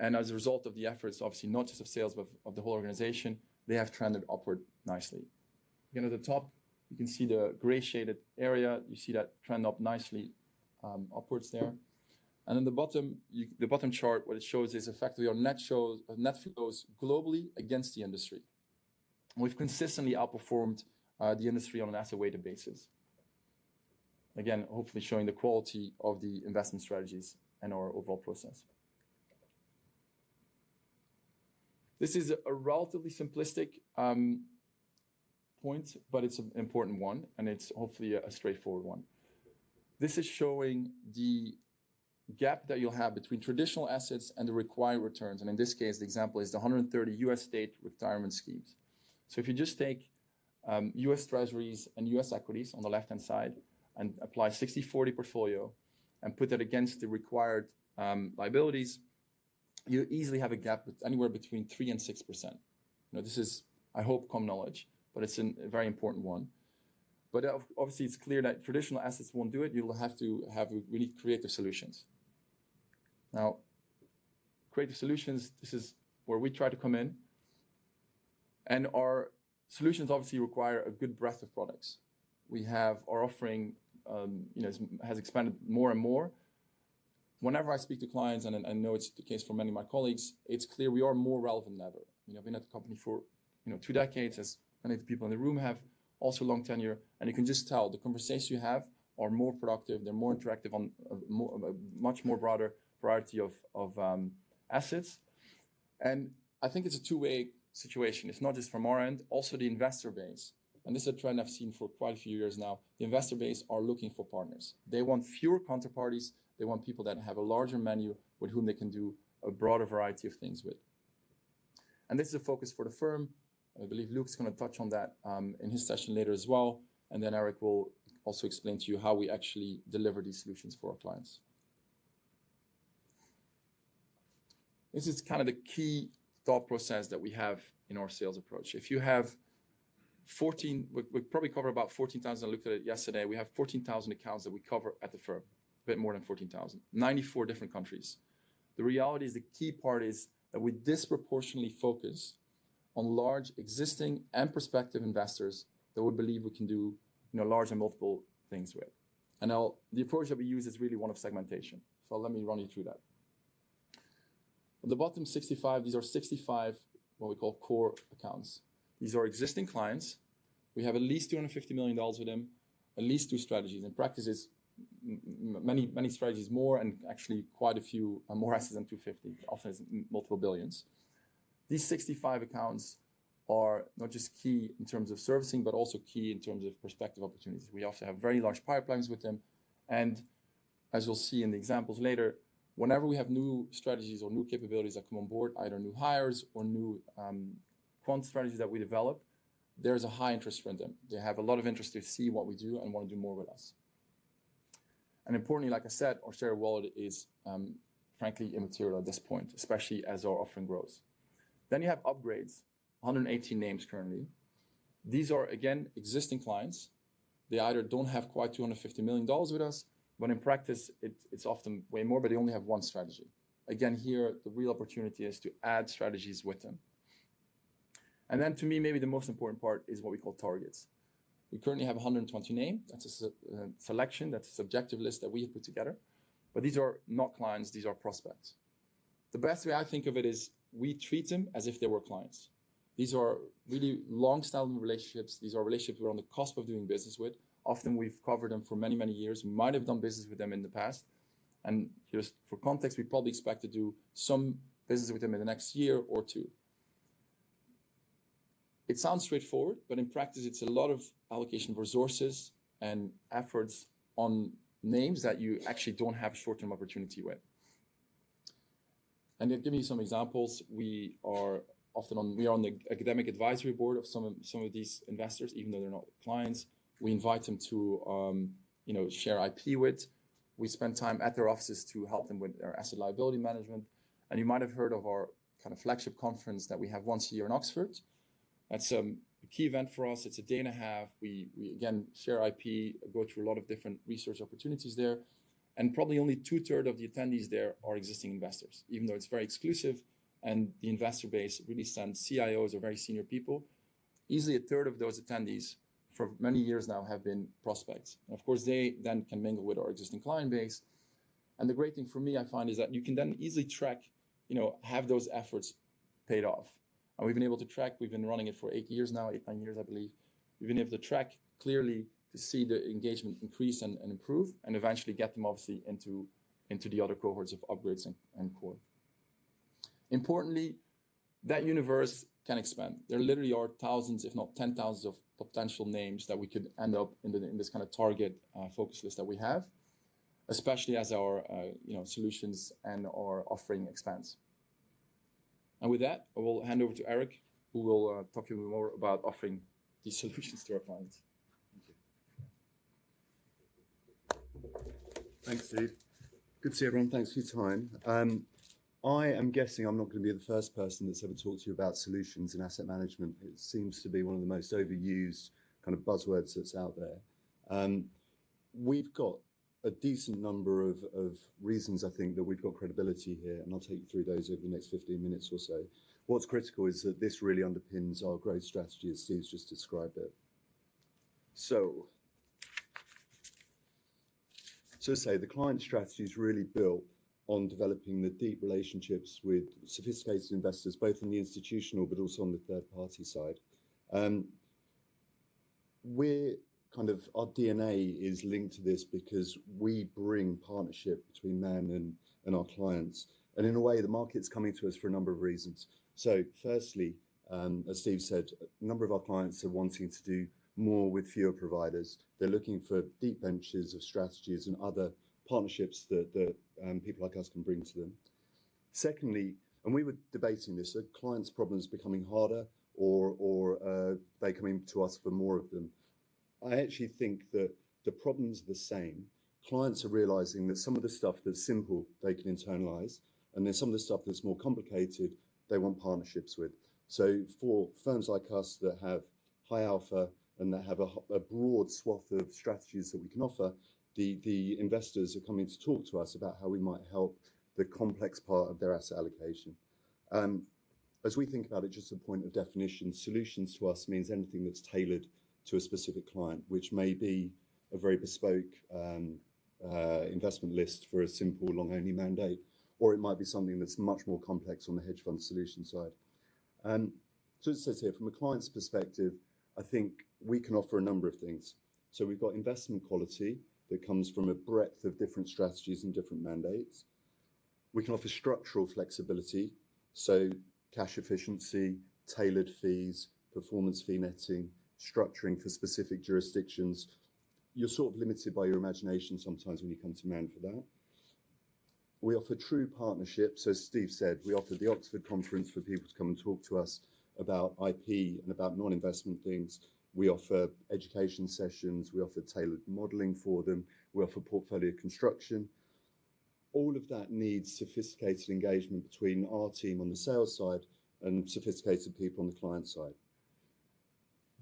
[SPEAKER 8] and as a result of the efforts, obviously not just of sales, but of the whole organization, they have trended upward nicely. Again, at the top you can see the gray shaded area, you see that trend up nicely, upwards there. In the bottom the bottom chart, what it shows is effectively our net flows globally against the industry. We've consistently outperformed the industry on an asset-weighted basis. Again, hopefully showing the quality of the investment strategies and our overall process. This is a relatively simplistic point, but it's an important one, and it's hopefully a straightforward one. This is showing the gap that you'll have between traditional assets and the required returns, and in this case the example is the 130 U.S. state retirement schemes. If you just take U.S. Treasuries and U.S. equities on the left-hand side and apply 60/40 portfolio and put that against the required liabilities, you easily have a gap anywhere between 3%-6%. Now this is, I hope, common knowledge, but it's a very important one. Obviously it's clear that traditional assets won't do it. You'll have to have really creative solutions. Now, creative solutions, this is where we try to come in, and our solutions obviously require a good breadth of products. Our offering has expanded more and more. Whenever I speak to clients, and I know it's the case for many of my colleagues, it's clear we are more relevant than ever. I've been at the company for two decades. As many of the people in the room have also long tenure, and you can just tell the conversations you have are more productive, they're more interactive on a much more broader variety of assets. I think it's a two-way situation. It's not just from our end, also the investor base. This is a trend I've seen for quite a few years now. The investor base are looking for partners. They want fewer counterparties. They want people that have a larger menu with whom they can do a broader variety of things with. This is a focus for the firm. I believe Luke's gonna touch on that, in his session later as well, and then Eric will also explain to you how we actually deliver these solutions for our clients. This is kind of the key thought process that we have in our sales approach. We probably cover about 14,000. I looked at it yesterday. We have 14,000 accounts that we cover at the firm, a bit more than 14,000. 94 different countries. The reality is, the key part is that we disproportionately focus on large existing and prospective investors that we believe we can do, you know, large and multiple things with. Now the approach that we use is really one of segmentation. Let me run you through that. The bottom 65, these are 65 what we call core accounts. These are existing clients. We have at least $250 million with them, at least 2 strategies. In practice it's many, many strategies more, and actually quite a few are more assets than $250 million. Often it's multiple billions. These 65 accounts are not just key in terms of servicing, but also key in terms of prospective opportunities. We also have very large pipelines with them, and as you'll see in the examples later, whenever we have new strategies or new capabilities that come on board, either new hires or new quant strategies that we develop, there is a high interest from them. They have a lot of interest to see what we do and wanna do more with us. Importantly, like I said, our share of wallet is, frankly immaterial at this point, especially as our offering grows. You have upgrades. 180 names currently. These are, again, existing clients. They either don't have quite $250 million with us, when in practice it's often way more, but they only have one strategy. Again, here the real opportunity is to add strategies with them. To me, maybe the most important part is what we call targets. We currently have 120 names. That's a selection. That's a subjective list that we have put together. These are not clients, these are prospects. The best way I think of it is we treat them as if they were clients. These are really long-standing relationships. These are relationships we're on the cusp of doing business with. Often, we've covered them for many, many years. We might have done business with them in the past. Just for context, we probably expect to do some business with them in the next year or two. It sounds straightforward, but in practice it's a lot of allocation of resources and efforts on names that you actually don't have short-term opportunity with. They've given me some examples. We are on the academic advisory board of some of these investors, even though they're not clients. We invite them to, you know, share IP with. We spend time at their offices to help them with their asset liability management. You might have heard of our kind of flagship conference that we have once a year in Oxford. That's a key event for us. It's a day and a half. We again share IP, go through a lot of different research opportunities there. Probably only two-thirds of the attendees there are existing investors, even though it's very exclusive and the investor base really sends CIOs or very senior people. Easily a third of those attendees for many years now have been prospects. Of course, they then can mingle with our existing client base. The great thing for me I find is that you can then easily track, you know, have those efforts paid off. We've been able to track, we've been running it for eight years now, eight, nine years, I believe. We've been able to track clearly to see the engagement increase and improve and eventually get them obviously into the other cohorts of upgrades and core. Importantly, that universe can expand. There literally are thousands, if not tens of thousands, of potential names that we could end up in this kinda target focus list that we have, especially as our, you know, solutions and/or offering expands. With that, I will hand over to Eric, who will talk to you more about offering these solutions to our clients. Thank you.
[SPEAKER 9] Thanks, Steve. Good to see everyone. Thanks for your time. I am guessing I'm not gonna be the first person that's ever talked to you about solutions in asset management. It seems to be one of the most overused kind of buzzwords that's out there. We've got a decent number of reasons I think that we've got credibility here, and I'll take you through those over the next 15 minutes or so. What's critical is that this really underpins our growth strategy as Steve's just described it. As I say, the client strategy's really built on developing the deep relationships with sophisticated investors, both in the institutional but also on the third party side. We're kind of, our DNA is linked to this because we bring partnership between Man and our clients. In a way, the market's coming to us for a number of reasons. Firstly, as Steve said, a number of our clients are wanting to do more with fewer providers. They're looking for deep benches of strategies and other partnerships that people like us can bring to them. Secondly, we were debating this. Are clients' problems becoming harder or they're coming to us for more of them? I actually think that the problem's the same. Clients are realizing that some of the stuff that's simple, they can internalize, and then some of the stuff that's more complicated, they want partnerships with. For firms like us that have high alpha and that have a broad swath of strategies that we can offer, the investors are coming to talk to us about how we might help the complex part of their asset allocation. As we think about it, just a point of definition, solutions to us means anything that's tailored to a specific client, which may be a very bespoke investment list for a simple long only mandate, or it might be something that's much more complex on the hedge fund solution side. As it says here, from a client's perspective, I think we can offer a number of things. We've got investment quality that comes from a breadth of different strategies and different mandates. We can offer structural flexibility, so cash efficiency, tailored fees, performance fee netting, structuring for specific jurisdictions. You're sort of limited by your imagination sometimes when you come to Man for that. We offer true partnerships. As Steve said, we offer the Oxford Conference for people to come and talk to us about IP and about non-investment things. We offer education sessions. We offer tailored modeling for them. We offer portfolio construction. All of that needs sophisticated engagement between our team on the sales side and sophisticated people on the client side.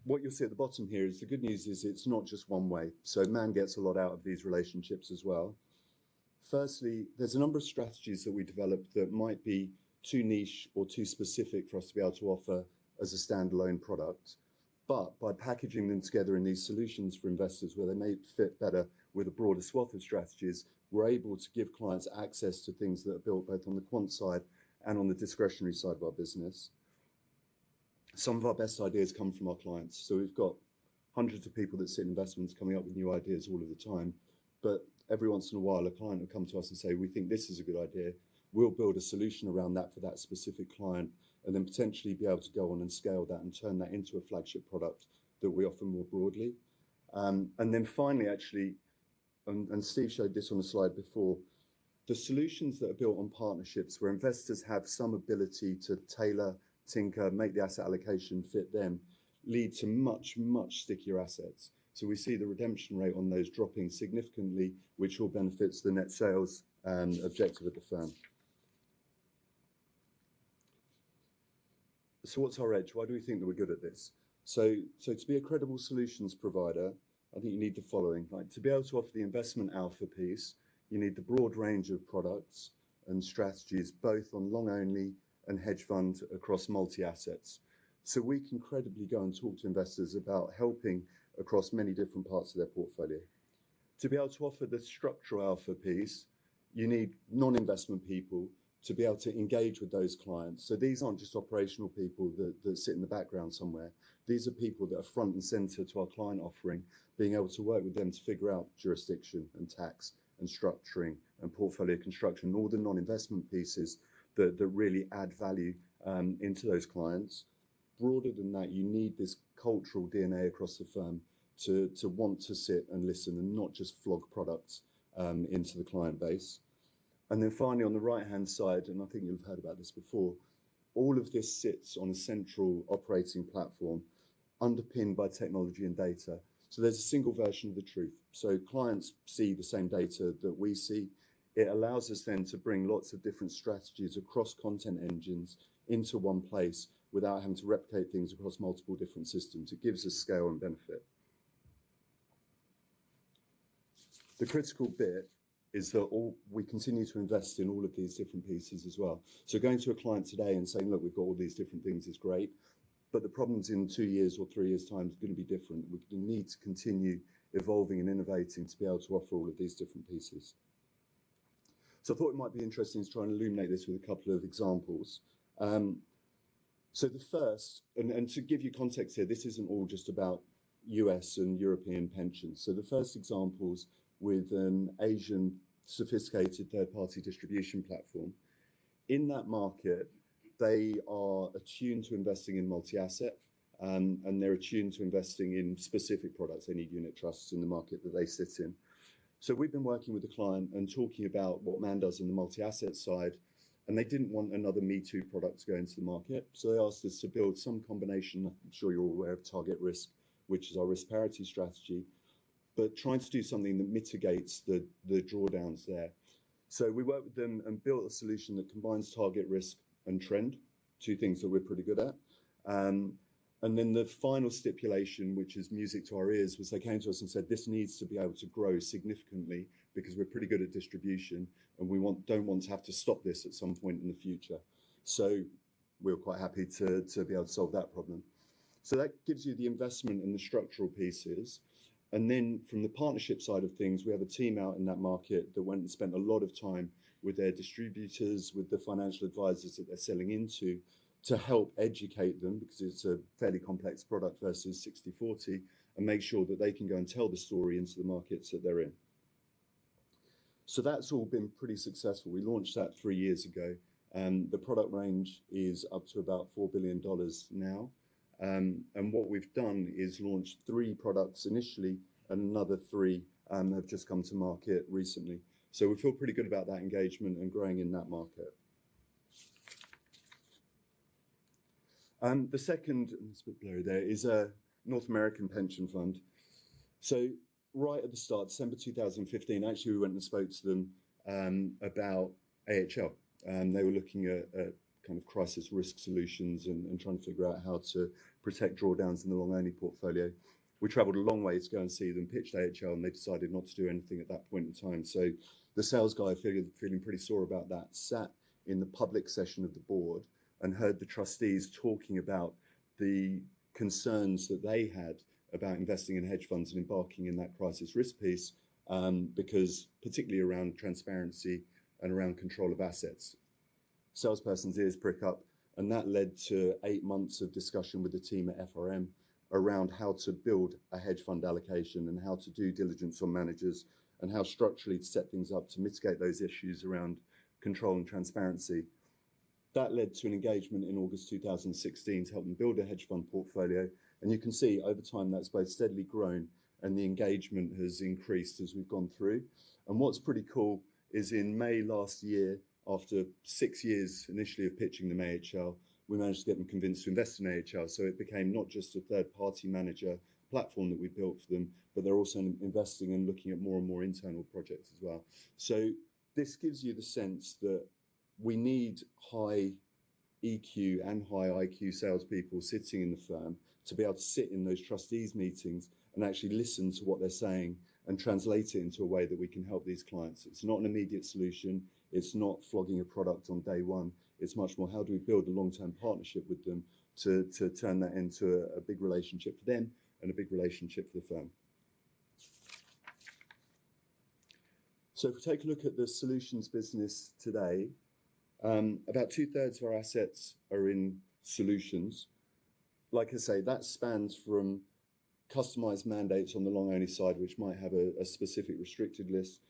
[SPEAKER 9] What you'll see at the bottom here is the good news is it's not just one way, so Man gets a lot out of these relationships as well. Firstly, there's a number of strategies that we develop that might be too niche or too specific for us to be able to offer as a standalone product. By packaging them together in these solutions for investors where they may fit better with a broader swath of strategies, we're able to give clients access to things that are built both on the quant side and on the discretionary side of our business. Some of our best ideas come from our clients, so we've got hundreds of people that sit in investments coming up with new ideas all of the time. Every once in a while, a client will come to us and say, "We think this is a good idea." We'll build a solution around that for that specific client, and then potentially be able to go on and scale that and turn that into a flagship product that we offer more broadly. Finally, actually, Steve showed this on the slide before, the solutions that are built on partnerships where investors have some ability to tailor, tinker, make the asset allocation fit them, lead to much, much stickier assets. We see the redemption rate on those dropping significantly, which all benefits the net sales objective of the firm. What's our edge? Why do we think that we're good at this? To be a credible solutions provider, I think you need the following, right? To be able to offer the investment alpha piece, you need the broad range of products and strategies, both on long only and hedge fund across multi-assets. We can credibly go and talk to investors about helping across many different parts of their portfolio. To be able to offer the structural alpha piece, you need non-investment people to be able to engage with those clients. These aren't just operational people that sit in the background somewhere. These are people that are front and center to our client offering, being able to work with them to figure out jurisdiction and tax and structuring and portfolio construction, all the non-investment pieces that really add value into those clients. Broader than that, you need this cultural DNA across the firm to want to sit and listen and not just flog products into the client base. Finally, on the right-hand side, and I think you've heard about this before, all of this sits on a central operating platform underpinned by technology and data. There's a single version of the truth. Clients see the same data that we see. It allows us then to bring lots of different strategies across content engines into one place without having to replicate things across multiple different systems. It gives us scale and benefit. The critical bit is that we continue to invest in all of these different pieces as well. Going to a client today and saying, "Look, we've got all these different things," is great, but the problems in two years' or three years' time is gonna be different. We're gonna need to continue evolving and innovating to be able to offer all of these different pieces. I thought it might be interesting to try and illuminate this with a couple of examples. The first, and to give you context here, this isn't all just about U.S. and European pensions. The first example's with an Asian sophisticated third-party distribution platform. In that market, they are attuned to investing in multi-asset, and they're attuned to investing in specific products. They need unit trusts in the market that they sit in. We've been working with the client and talking about what Man does in the multi-asset side, and they didn't want another me-too product to go into the market. They asked us to build some combination. I'm sure you're all aware of TargetRisk, which is our risk parity strategy. Trying to do something that mitigates the drawdowns there. We worked with them and built a solution that combines TargetRisk and Trend, two things that we're pretty good at. The final stipulation, which is music to our ears, was they came to us and said, "This needs to be able to grow significantly because we're pretty good at distribution, and we don't want to have to stop this at some point in the future." We were quite happy to be able to solve that problem. That gives you the investment and the structural pieces. From the partnership side of things, we have a team out in that market that went and spent a lot of time with their distributors, with the financial advisors that they're selling into, to help educate them, because it's a fairly complex product versus 60/40, and make sure that they can go and tell the story into the markets that they're in. That's all been pretty successful. We launched that three years ago, and the product range is up to about $4 billion now. What we've done is launched 3 products initially, and another 3 have just come to market recently. We feel pretty good about that engagement and growing in that market. The second, it's a bit blurry there, is a North American pension fund. Right at the start, December 2015, actually, we went and spoke to them about AHL. They were looking at kind of crisis risk solutions and trying to figure out how to protect drawdowns in the long-only portfolio. We traveled a long way to go and see them pitch AHL, and they decided not to do anything at that point in time. The sales guy feeling pretty sore about that, sat in the public session of the board and heard the trustees talking about the concerns that they had about investing in hedge funds and embarking in that crisis risk piece, because particularly around transparency and around control of assets. Salesperson's ears prick up, and that led to eight months of discussion with the team at FRM around how to build a hedge fund allocation and how to do diligence on managers and how structurally to set things up to mitigate those issues around control and transparency. That led to an engagement in August 2016 to help them build a hedge fund portfolio. You can see over time, that's both steadily grown, and the engagement has increased as we've gone through. What's pretty cool is in May last year, after six years initially of pitching them AHL, we managed to get them convinced to invest in AHL. It became not just a third-party manager platform that we built for them, but they're also investing and looking at more and more internal projects as well. This gives you the sense that we need high EQ and high IQ salespeople sitting in the firm to be able to sit in those trustees meetings and actually listen to what they're saying and translate it into a way that we can help these clients. It's not an immediate solution. It's not flogging a product on day one. It's much more, how do we build a long-term partnership with them to turn that into a big relationship for them and a big relationship for the firm. If we take a look at the solutions business today, about two-thirds of our assets are in solutions. Like I say, that spans from customized mandates on the long-only side, which might have a specific restricted list,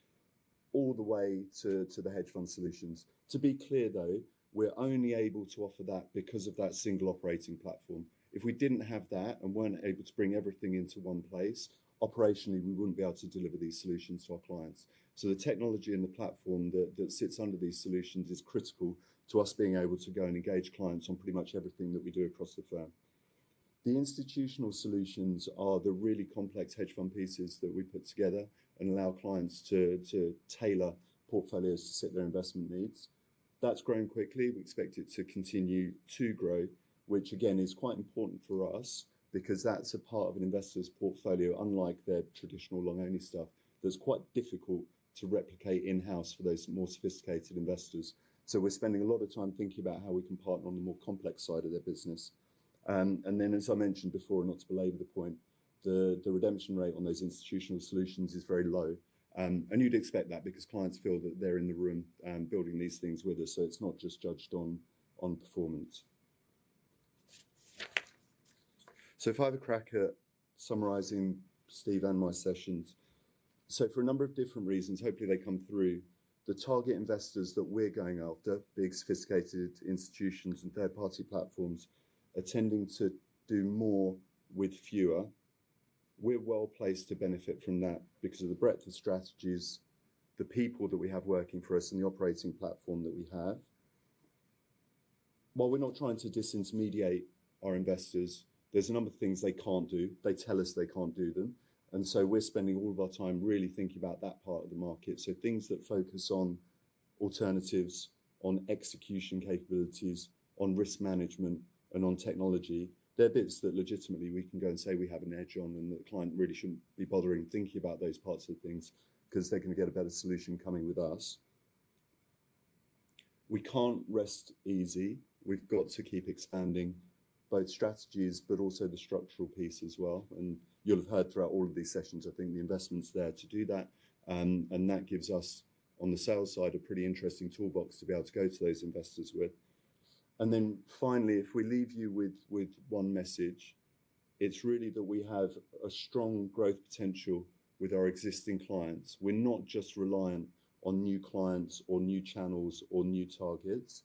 [SPEAKER 9] all the way to the hedge fund solutions. To be clear, though, we're only able to offer that because of that single operating platform. If we didn't have that and weren't able to bring everything into one place, operationally, we wouldn't be able to deliver these solutions to our clients. The technology and the platform that sits under these solutions is critical to us being able to go and engage clients on pretty much everything that we do across the firm. The institutional solutions are the really complex hedge fund pieces that we put together and allow clients to tailor portfolios to suit their investment needs. That's growing quickly. We expect it to continue to grow, which again, is quite important for us because that's a part of an investor's portfolio, unlike their traditional long-only stuff, that's quite difficult to replicate in-house for those more sophisticated investors. We're spending a lot of time thinking about how we can partner on the more complex side of their business. And then as I mentioned before, not to belabor the point, the redemption rate on those institutional solutions is very low. You'd expect that because clients feel that they're in the room, building these things with us, so it's not just judged on performance. If I have a crack at summarizing Steve and my sessions. For a number of different reasons, hopefully they come through, the target investors that we're going after, big sophisticated institutions and third-party platforms are tending to do more with fewer. We're well-placed to benefit from that because of the breadth of strategies, the people that we have working for us, and the operating platform that we have. While we're not trying to disintermediate our investors, there's a number of things they can't do. They tell us they can't do them, and so we're spending all of our time really thinking about that part of the market. Things that focus on alternatives, on execution capabilities, on risk management, and on technology. They're bits that legitimately we can go and say we have an edge on, and the client really shouldn't be bothering thinking about those parts of things because they're gonna get a better solution coming with us. We can't rest easy. We've got to keep expanding both strategies but also the structural piece as well, and you'll have heard throughout all of these sessions. I think the investment's there to do that. That gives us, on the sales side, a pretty interesting toolbox to be able to go to those investors with. Finally, if we leave you with one message, it's really that we have a strong growth potential with our existing clients. We're not just reliant on new clients or new channels or new targets.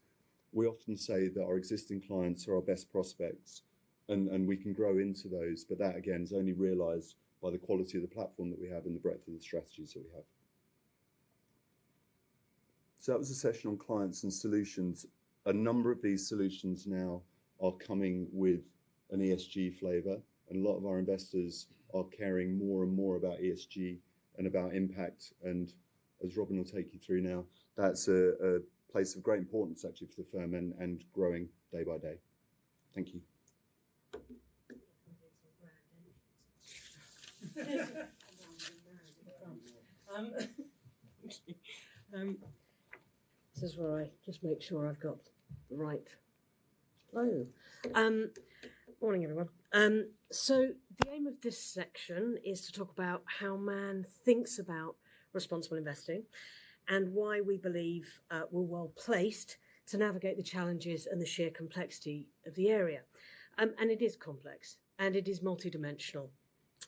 [SPEAKER 9] We often say that our existing clients are our best prospects and we can grow into those. That, again, is only realized by the quality of the platform that we have and the breadth of the strategies that we have. That was a session on clients and solutions. A number of these solutions now are coming with an ESG flavor, and a lot of our investors are caring more and more about ESG and about impact. As Robyn will take you through now, that's a place of great importance actually to the firm and growing day by day. Thank you.
[SPEAKER 10] Morning, everyone. The aim of this section is to talk about how Man thinks about responsible investing and why we believe we're well-placed to navigate the challenges and the sheer complexity of the area. It is complex, and it is multidimensional.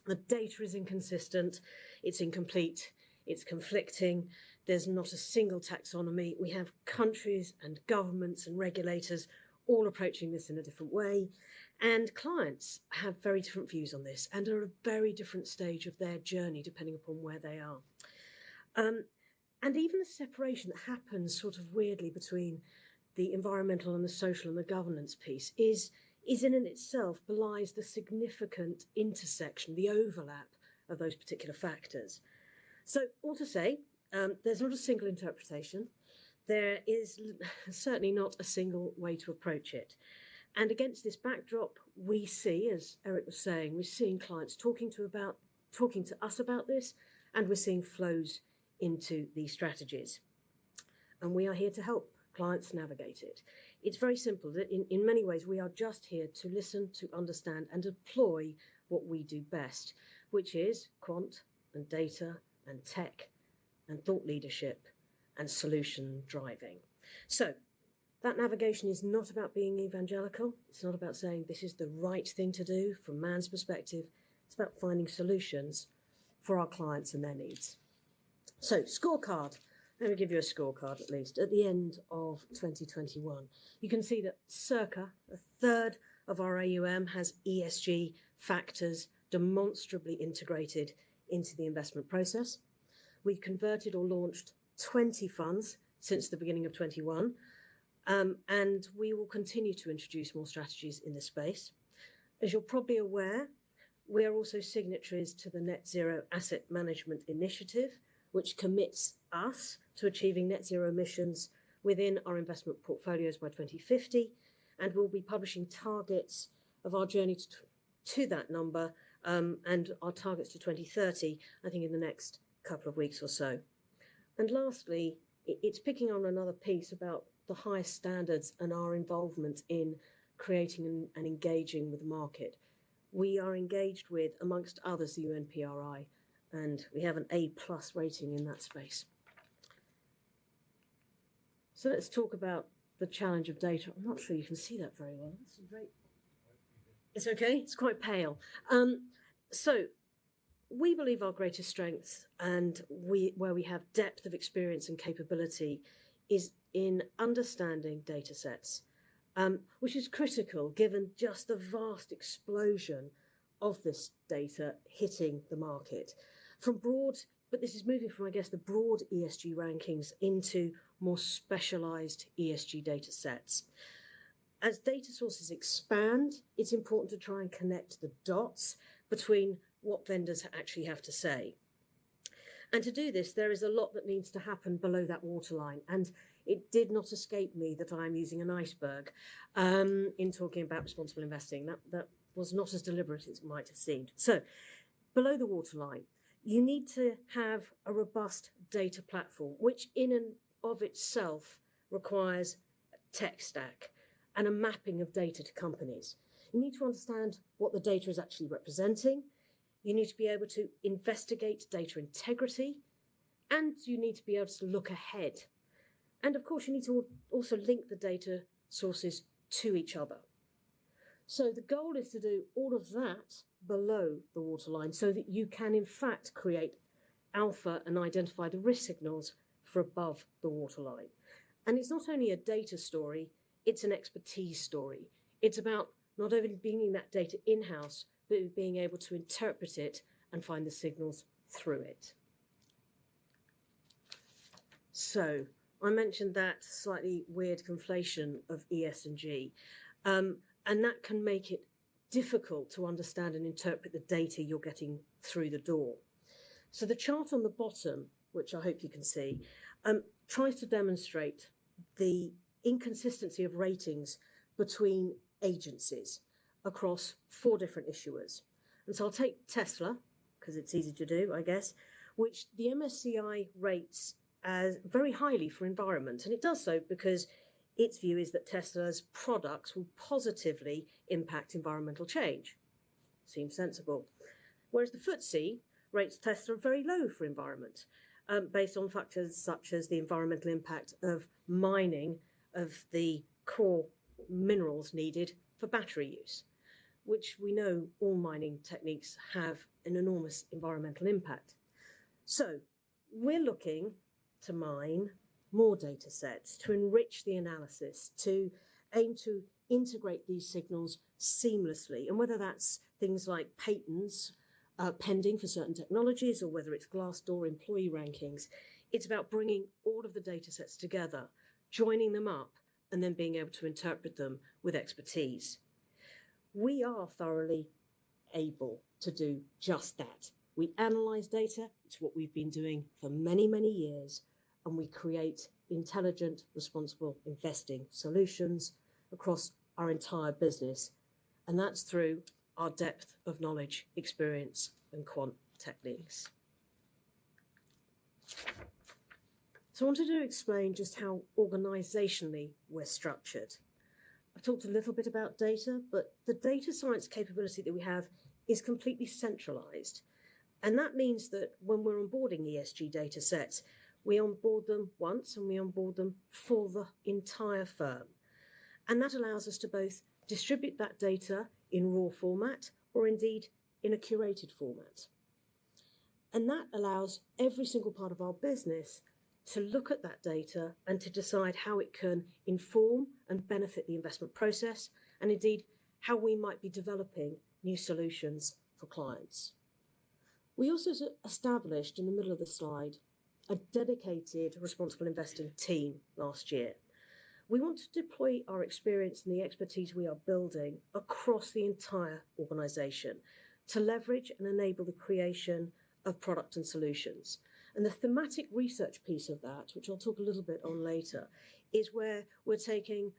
[SPEAKER 10] The data is inconsistent, it's incomplete, it's conflicting. There's not a single taxonomy. We have countries and governments and regulators all approaching this in a different way. Clients have very different views on this and are at a very different stage of their journey, depending upon where they are. Even the separation that happens sort of weirdly between the environmental and the social and the governance piece is in and itself belies the significant intersection, the overlap of those particular factors. All to say, there's not a single interpretation. There is certainly not a single way to approach it. Against this backdrop, we see, as Eric was saying, we're seeing clients talking to us about this, and we're seeing flows into these strategies. We are here to help clients navigate it. It's very simple that in many ways, we are just here to listen, to understand, and deploy what we do best, which is quant and data and tech and thought leadership and solution driving. That navigation is not about being evangelical. It's not about saying this is the right thing to do from Man's perspective. It's about finding solutions for our clients and their needs. Scorecard. Let me give you a scorecard, at least. At the end of 2021, you can see that circa a third of our AUM has ESG factors demonstrably integrated into the investment process. We converted or launched 20 funds since the beginning of 2021, and we will continue to introduce more strategies in this space. As you're probably aware, we are also signatories to the Net Zero Asset Managers initiative, which commits us to achieving net zero emissions within our investment portfolios by 2050, and we'll be publishing targets of our journey to to that number, and our targets to 2030, I think, in the next couple of weeks or so. Lastly, it's picking on another piece about the highest standards and our involvement in creating and engaging with the market. We are engaged with, among others, the UNPRI, and we have an A+ rating in that space. Let's talk about the challenge of data. I'm not sure you can see that very well. It's okay? It's quite pale. We believe our greatest strengths where we have depth of experience and capability is in understanding datasets, which is critical given just the vast explosion of this data hitting the market. This is moving from, I guess, the broad ESG rankings into more specialized ESG datasets. As data sources expand, it's important to try and connect the dots between what vendors actually have to say. To do this, there is a lot that needs to happen below that waterline, and it did not escape me that I am using an iceberg in talking about responsible investing. That was not as deliberate as it might have seemed. Below the waterline, you need to have a robust data platform, which in and of itself requires a tech stack and a mapping of data to companies. You need to understand what the data is actually representing. You need to be able to investigate data integrity, and you need to be able to look ahead. Of course, you need to also link the data sources to each other. The goal is to do all of that below the waterline so that you can in fact create alpha and identify the risk signals for above the waterline. It's not only a data story, it's an expertise story. It's about not only bringing that data in-house, but being able to interpret it and find the signals through it. I mentioned that slightly weird conflation of ES and G, and that can make it difficult to understand and interpret the data you're getting through the door. The chart on the bottom, which I hope you can see, tries to demonstrate the inconsistency of ratings between agencies across four different issuers. I'll take Tesla, 'cause it's easy to do, I guess, which the MSCI rates as very highly for environment. It does so because its view is that Tesla's products will positively impact environmental change. Seems sensible. Whereas the FTSE rates Tesla very low for environment, based on factors such as the environmental impact of mining, of the core minerals needed for battery use, which we know all mining techniques have an enormous environmental impact. We're looking to mine more data sets to enrich the analysis, to aim to integrate these signals seamlessly, and whether that's things like patents, pending for certain technologies, or whether it's Glassdoor employee rankings, it's about bringing all of the data sets together, joining them up, and then being able to interpret them with expertise. We are thoroughly able to do just that. We analyze data. It's what we've been doing for many, many years, and we create intelligent, responsible investing solutions across our entire business, and that's through our depth of knowledge, experience, and quant techniques. I wanted to explain just how organizationally we're structured. I talked a little bit about data, but the data science capability that we have is completely centralized, and that means that when we're onboarding ESG data sets, we onboard them once, and we onboard them for the entire firm. That allows us to both distribute that data in raw format or indeed in a curated format. That allows every single part of our business to look at that data and to decide how it can inform and benefit the investment process, and indeed, how we might be developing new solutions for clients. We also established, in the middle of the slide, a dedicated responsible investing team last year. We want to deploy our experience and the expertise we are building across the entire organization to leverage and enable the creation of product and solutions. The thematic research piece of that, which I'll talk a little bit on later, is where we're taking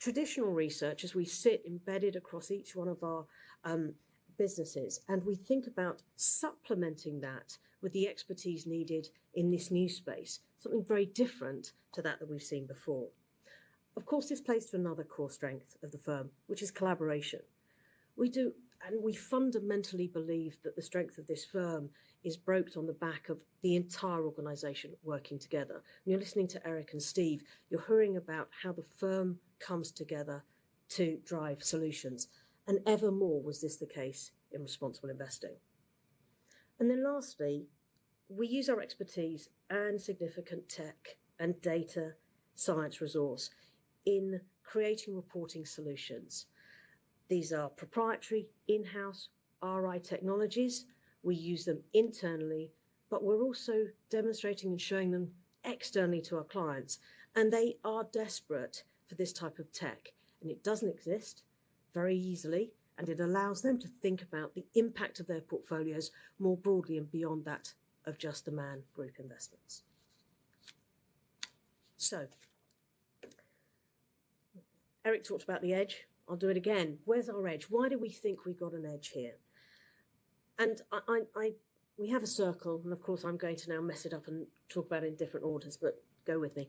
[SPEAKER 10] traditional research as we sit embedded across each one of our businesses, and we think about supplementing that with the expertise needed in this new space, something very different to that we've seen before. Of course, this plays to another core strength of the firm, which is collaboration. We do, and we fundamentally believe that the strength of this firm is built on the back of the entire organization working together. When you're listening to Eric and Steve, you're hearing about how the firm comes together to drive solutions. Even more was this the case in responsible investing. Then lastly, we use our expertise and significant tech and data science resource in creating reporting solutions. These are proprietary in-house RI technologies. We use them internally, but we're also demonstrating and showing them externally to our clients, and they are desperate for this type of tech, and it doesn't exist very easily. It allows them to think about the impact of their portfolios more broadly and beyond that of just the Man Group investments. Eric talked about the edge. I'll do it again. Where's our edge? Why do we think we got an edge here? We have a circle, and of course, I'm going to now mess it up and talk about it in different orders, but go with me.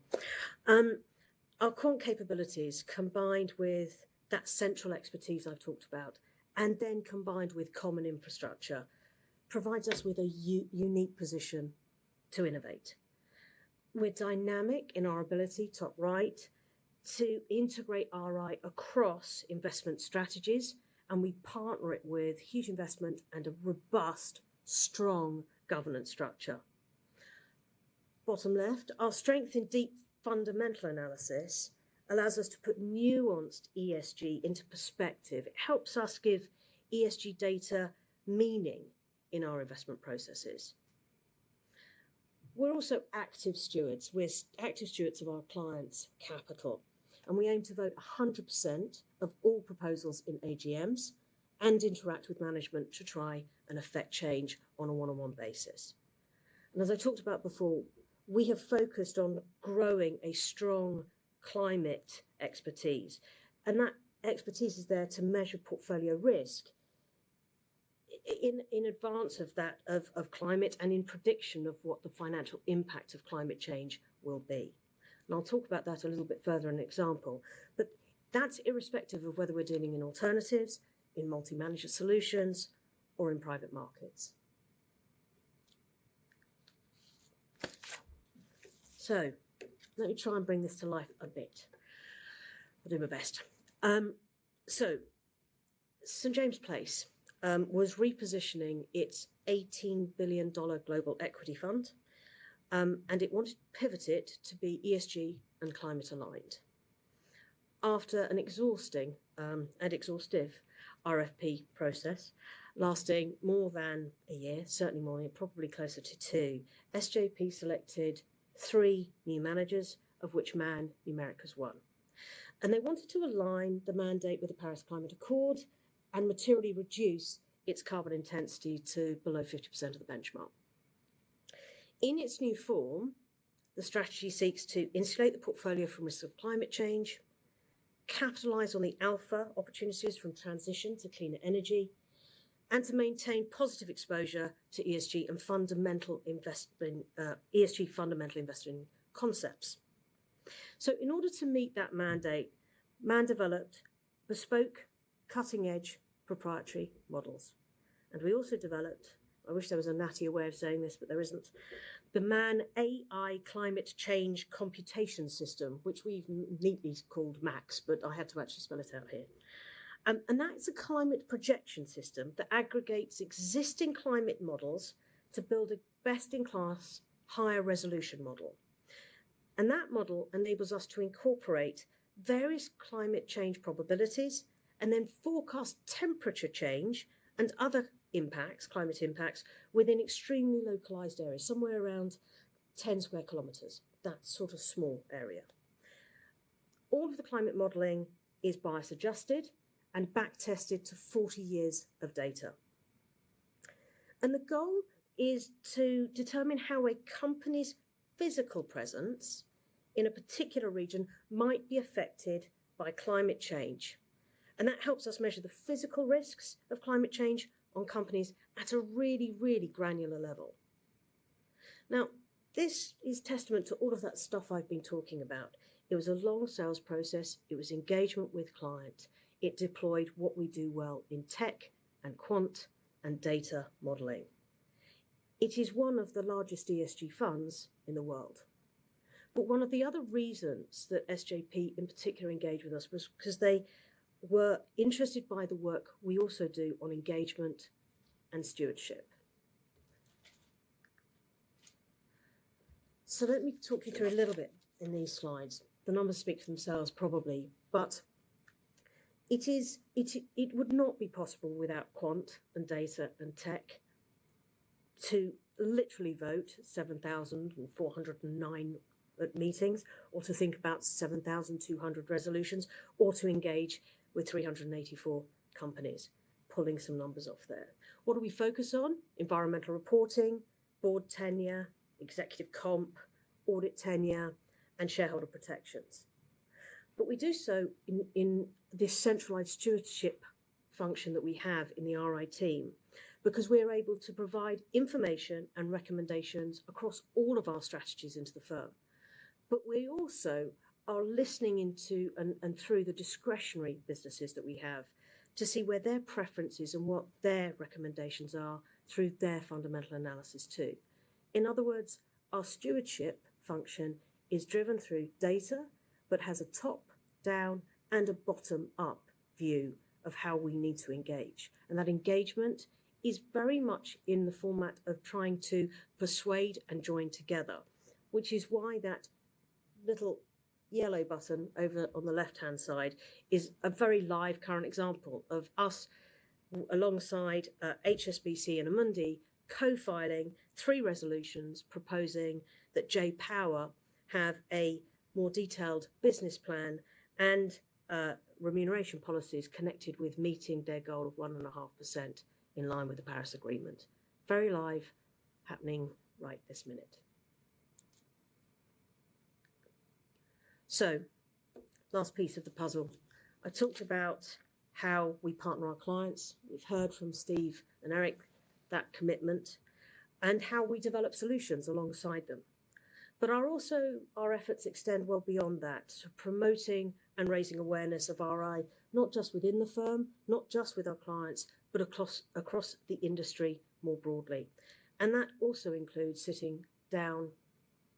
[SPEAKER 10] Our quant capabilities, combined with that central expertise I've talked about, and then combined with common infrastructure, provides us with a unique position to innovate. We're dynamic in our ability, top right, to integrate RI across investment strategies, and we partner it with huge investment and a robust, strong governance structure. Bottom left, our strength in deep fundamental analysis allows us to put nuanced ESG into perspective. It helps us give ESG data meaning in our investment processes. We're also active stewards of our clients' capital, and we aim to vote 100% of all proposals in AGMs and interact with management to try and affect change on a one-on-one basis. As I talked about before, we have focused on growing a strong climate expertise, and that expertise is there to measure portfolio risk in advance of that of climate and in prediction of what the financial impact of climate change will be. I'll talk about that a little bit further in example. That's irrespective of whether we're dealing in alternatives, in multi-manager solutions, or in private markets. Let me try and bring this to life a bit. I'll do my best. St. James's Place was repositioning its $18 billion global equity fund, and it wanted to pivot it to be ESG and climate aligned. After an exhausting, and exhaustive RFP process lasting more than a year, certainly more, probably closer to two, SJP selected three new managers, of which Man Group is one. They wanted to align the mandate with the Paris Agreement and materially reduce its carbon intensity to below 50% of the benchmark. In its new form, the strategy seeks to insulate the portfolio from risks of climate change, capitalize on the alpha opportunities from transition to cleaner energy, and to maintain positive exposure to ESG and fundamental investing, ESG fundamental investing concepts. In order to meet that mandate, Man developed bespoke, cutting-edge proprietary models. We also developed, I wish there was a nattier way of saying this, but there isn't, the Man AI Climate Change Computation System, which we neatly called MACCS, but I had to actually spell it out here. That is a climate projection system that aggregates existing climate models to build a best-in-class higher resolution model. That model enables us to incorporate various climate change probabilities and then forecast temperature change and other impacts, climate impacts, within extremely localized areas, somewhere around 10 sq km, that sort of small area. All of the climate modeling is bias adjusted and back tested to 40 years of data. The goal is to determine how a company's physical presence in a particular region might be affected by climate change, and that helps us measure the physical risks of climate change on companies at a really, really granular level. Now, this is testament to all of that stuff I've been talking about. It was a long sales process, it was engagement with client, it deployed what we do well in tech and quant and data modeling. It is one of the largest ESG funds in the world. One of the other reasons that SJP in particular engaged with us was 'cause they were interested by the work we also do on engagement and stewardship. Let me talk you through a little bit in these slides. The numbers speak for themselves probably, but it would not be possible without quant and data and tech to literally vote 7,409 at meetings, or to think about 7,200 resolutions, or to engage with 384 companies, pulling some numbers off there. What do we focus on? Environmental reporting, board tenure, executive comp, audit tenure, and shareholder protections. We do so in this centralized stewardship function that we have in the RI team, because we are able to provide information and recommendations across all of our strategies into the firm. We also are listening into and through the discretionary businesses that we have to see where their preferences and what their recommendations are through their fundamental analysis too. In other words, our stewardship function is driven through data, but has a top-down and a bottom-up view of how we need to engage, and that engagement is very much in the format of trying to persuade and join together. Which is why that little yellow button over there on the left-hand side is a very live current example of us alongside HSBC and Amundi co-filing three resolutions proposing that J-POWER have a more detailed business plan and remuneration policies connected with meeting their goal of 1.5% in line with the Paris Agreement. Very live, happening right this minute. Last piece of the puzzle. I talked about how we partner our clients. We've heard from Steve and Eric that commitment, and how we develop solutions alongside them. Our efforts extend well beyond that to promoting and raising awareness of RI, not just within the firm, not just with our clients, but across the industry more broadly. That also includes sitting down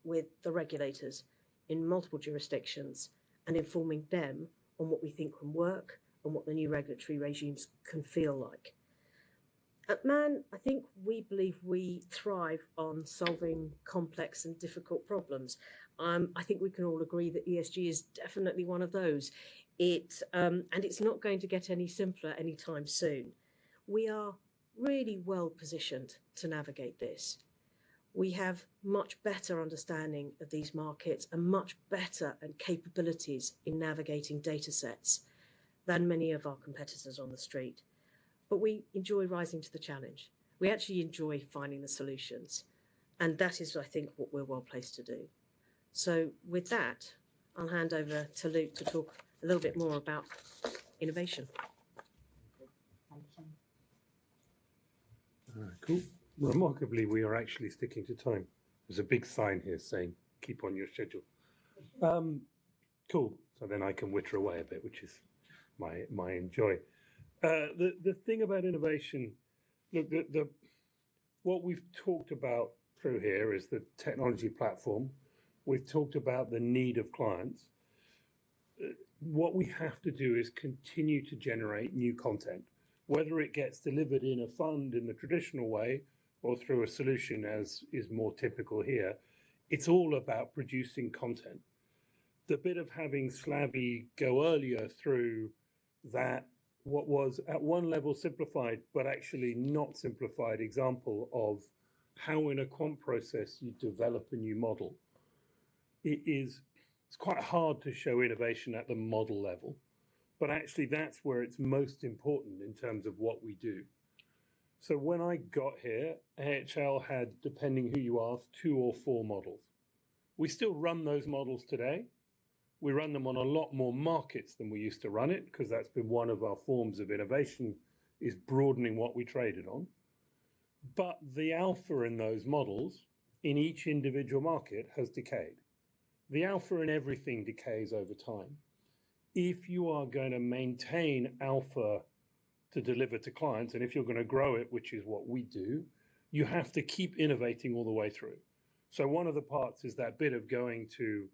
[SPEAKER 10] with the regulators in multiple jurisdictions and informing them on what we think can work and what the new regulatory regimes can feel like. At Man, I think we believe we thrive on solving complex and difficult problems. I think we can all agree that ESG is definitely one of those. It's not going to get any simpler anytime soon. We are really well-positioned to navigate this. We have much better understanding of these markets and much better capabilities in navigating datasets than many of our competitors on the street. We enjoy rising to the challenge. We actually enjoy finding the solutions, and that is, I think, what we're well placed to do. With that, I'll hand over to Luke to talk a little bit more about innovation.
[SPEAKER 1] Thank you.
[SPEAKER 2] All right, cool. Remarkably, we are actually sticking to time. There's a big sign here saying, "Keep on your schedule." Cool. I can witter away a bit, which is my joy. The thing about innovation. What we've talked about through here is the technology platform. We've talked about the need of clients. What we have to do is continue to generate new content, whether it gets delivered in a fund in the traditional way or through a solution as is more typical here, it's all about producing content. The bit of having Slavi go earlier through that, what was at one level simplified but actually not simplified example of how in a quant process you develop a new model. It's quite hard to show innovation at the model level, but actually that's where it's most important in terms of what we do. When I got here, AHL had, depending who you ask, 2 or 4 models. We still run those models today. We run them on a lot more markets than we used to run it, 'cause that's been one of our forms of innovation, is broadening what we traded on. The alpha in those models, in each individual market has decayed. The alpha in everything decays over time. If you are gonna maintain alpha to deliver to clients, and if you're gonna grow it, which is what we do, you have to keep innovating all the way through. One of the parts is that bit of going to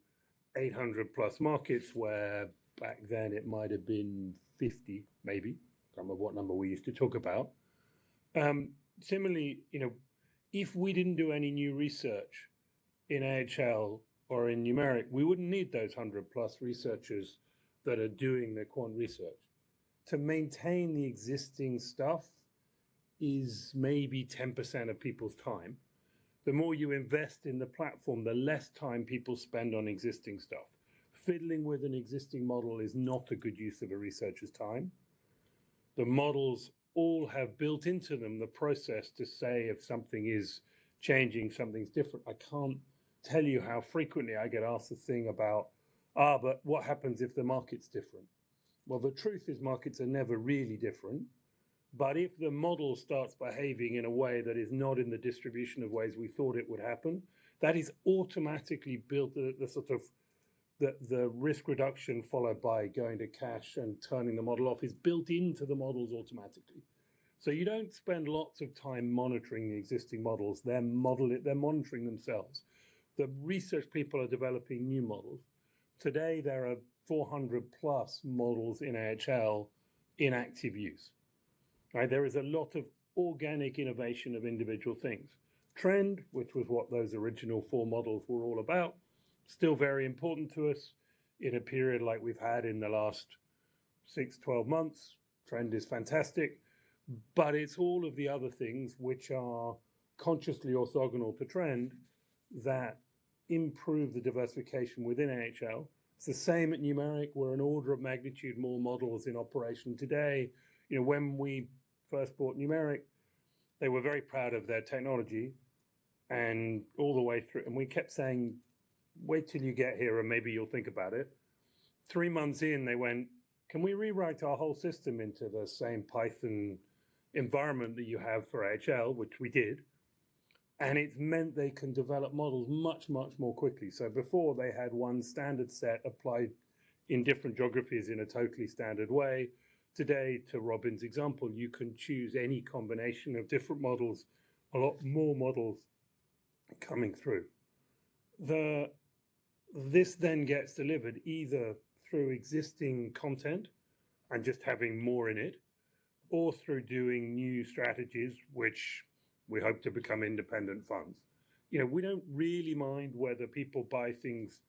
[SPEAKER 2] 800+ markets where back then it might have been 50, maybe. Can't remember what number we used to talk about. Similarly, you know, if we didn't do any new research in AHL or in Numeric, we wouldn't need those 100 plus researchers that are doing the quant research. To maintain the existing stuff is maybe 10% of people's time. The more you invest in the platform, the less time people spend on existing stuff. Fiddling with an existing model is not a good use of a researcher's time. The models all have built into them the process to say if something is changing, something's different. I can't tell you how frequently I get asked the thing about, "but what happens if the market's different?" Well, the truth is markets are never really different. If the model starts behaving in a way that is not in the distribution of ways we thought it would happen, that is automatically built, the risk reduction followed by going to cash and turning the model off is built into the models automatically. You don't spend lots of time monitoring the existing models. They're monitoring themselves. The research people are developing new models. Today, there are 400 plus models in AHL in active use. All right? There is a lot of organic innovation of individual things. Trend, which was what those original four models were all about, still very important to us. In a period like we've had in the last six-12 months, trend is fantastic, but it's all of the other things which are consciously orthogonal to trend that improve the diversification within AHL. It's the same at Numeric. We're an order of magnitude more models in operation today. You know, when we first bought Numeric, they were very proud of their technology and all the way through. We kept saying, "Wait till you get here and maybe you'll think about it." Three months in, they went, "Can we rewrite our whole system into the same Python environment that you have for AHL?" Which we did, and it meant they can develop models much, much more quickly. Before they had one standard set applied in different geographies in a totally standard way. Today, to Robyn's example, you can choose any combination of different models, a lot more models coming through. This then gets delivered either through existing content and just having more in it, or through doing new strategies which we hope to become independent funds. You know, we don't really mind whether people buy things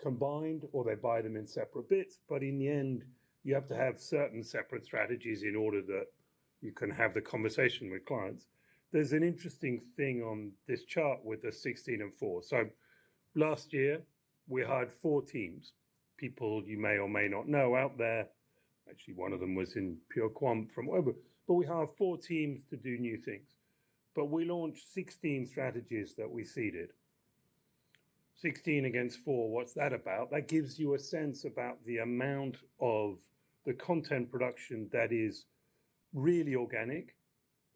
[SPEAKER 2] combined or they buy them in separate bits, but in the end, you have to have certain separate strategies in order that you can have the conversation with clients. There's an interesting thing on this chart with the 16 and 4. Last year we hired 4 teams. People you may or may not know out there. Actually, one of them was in pure quant from Weber. We hired 4 teams to do new things. We launched 16 strategies that we seeded. 16 against 4, what's that about? That gives you a sense about the amount of the content production that is really organic,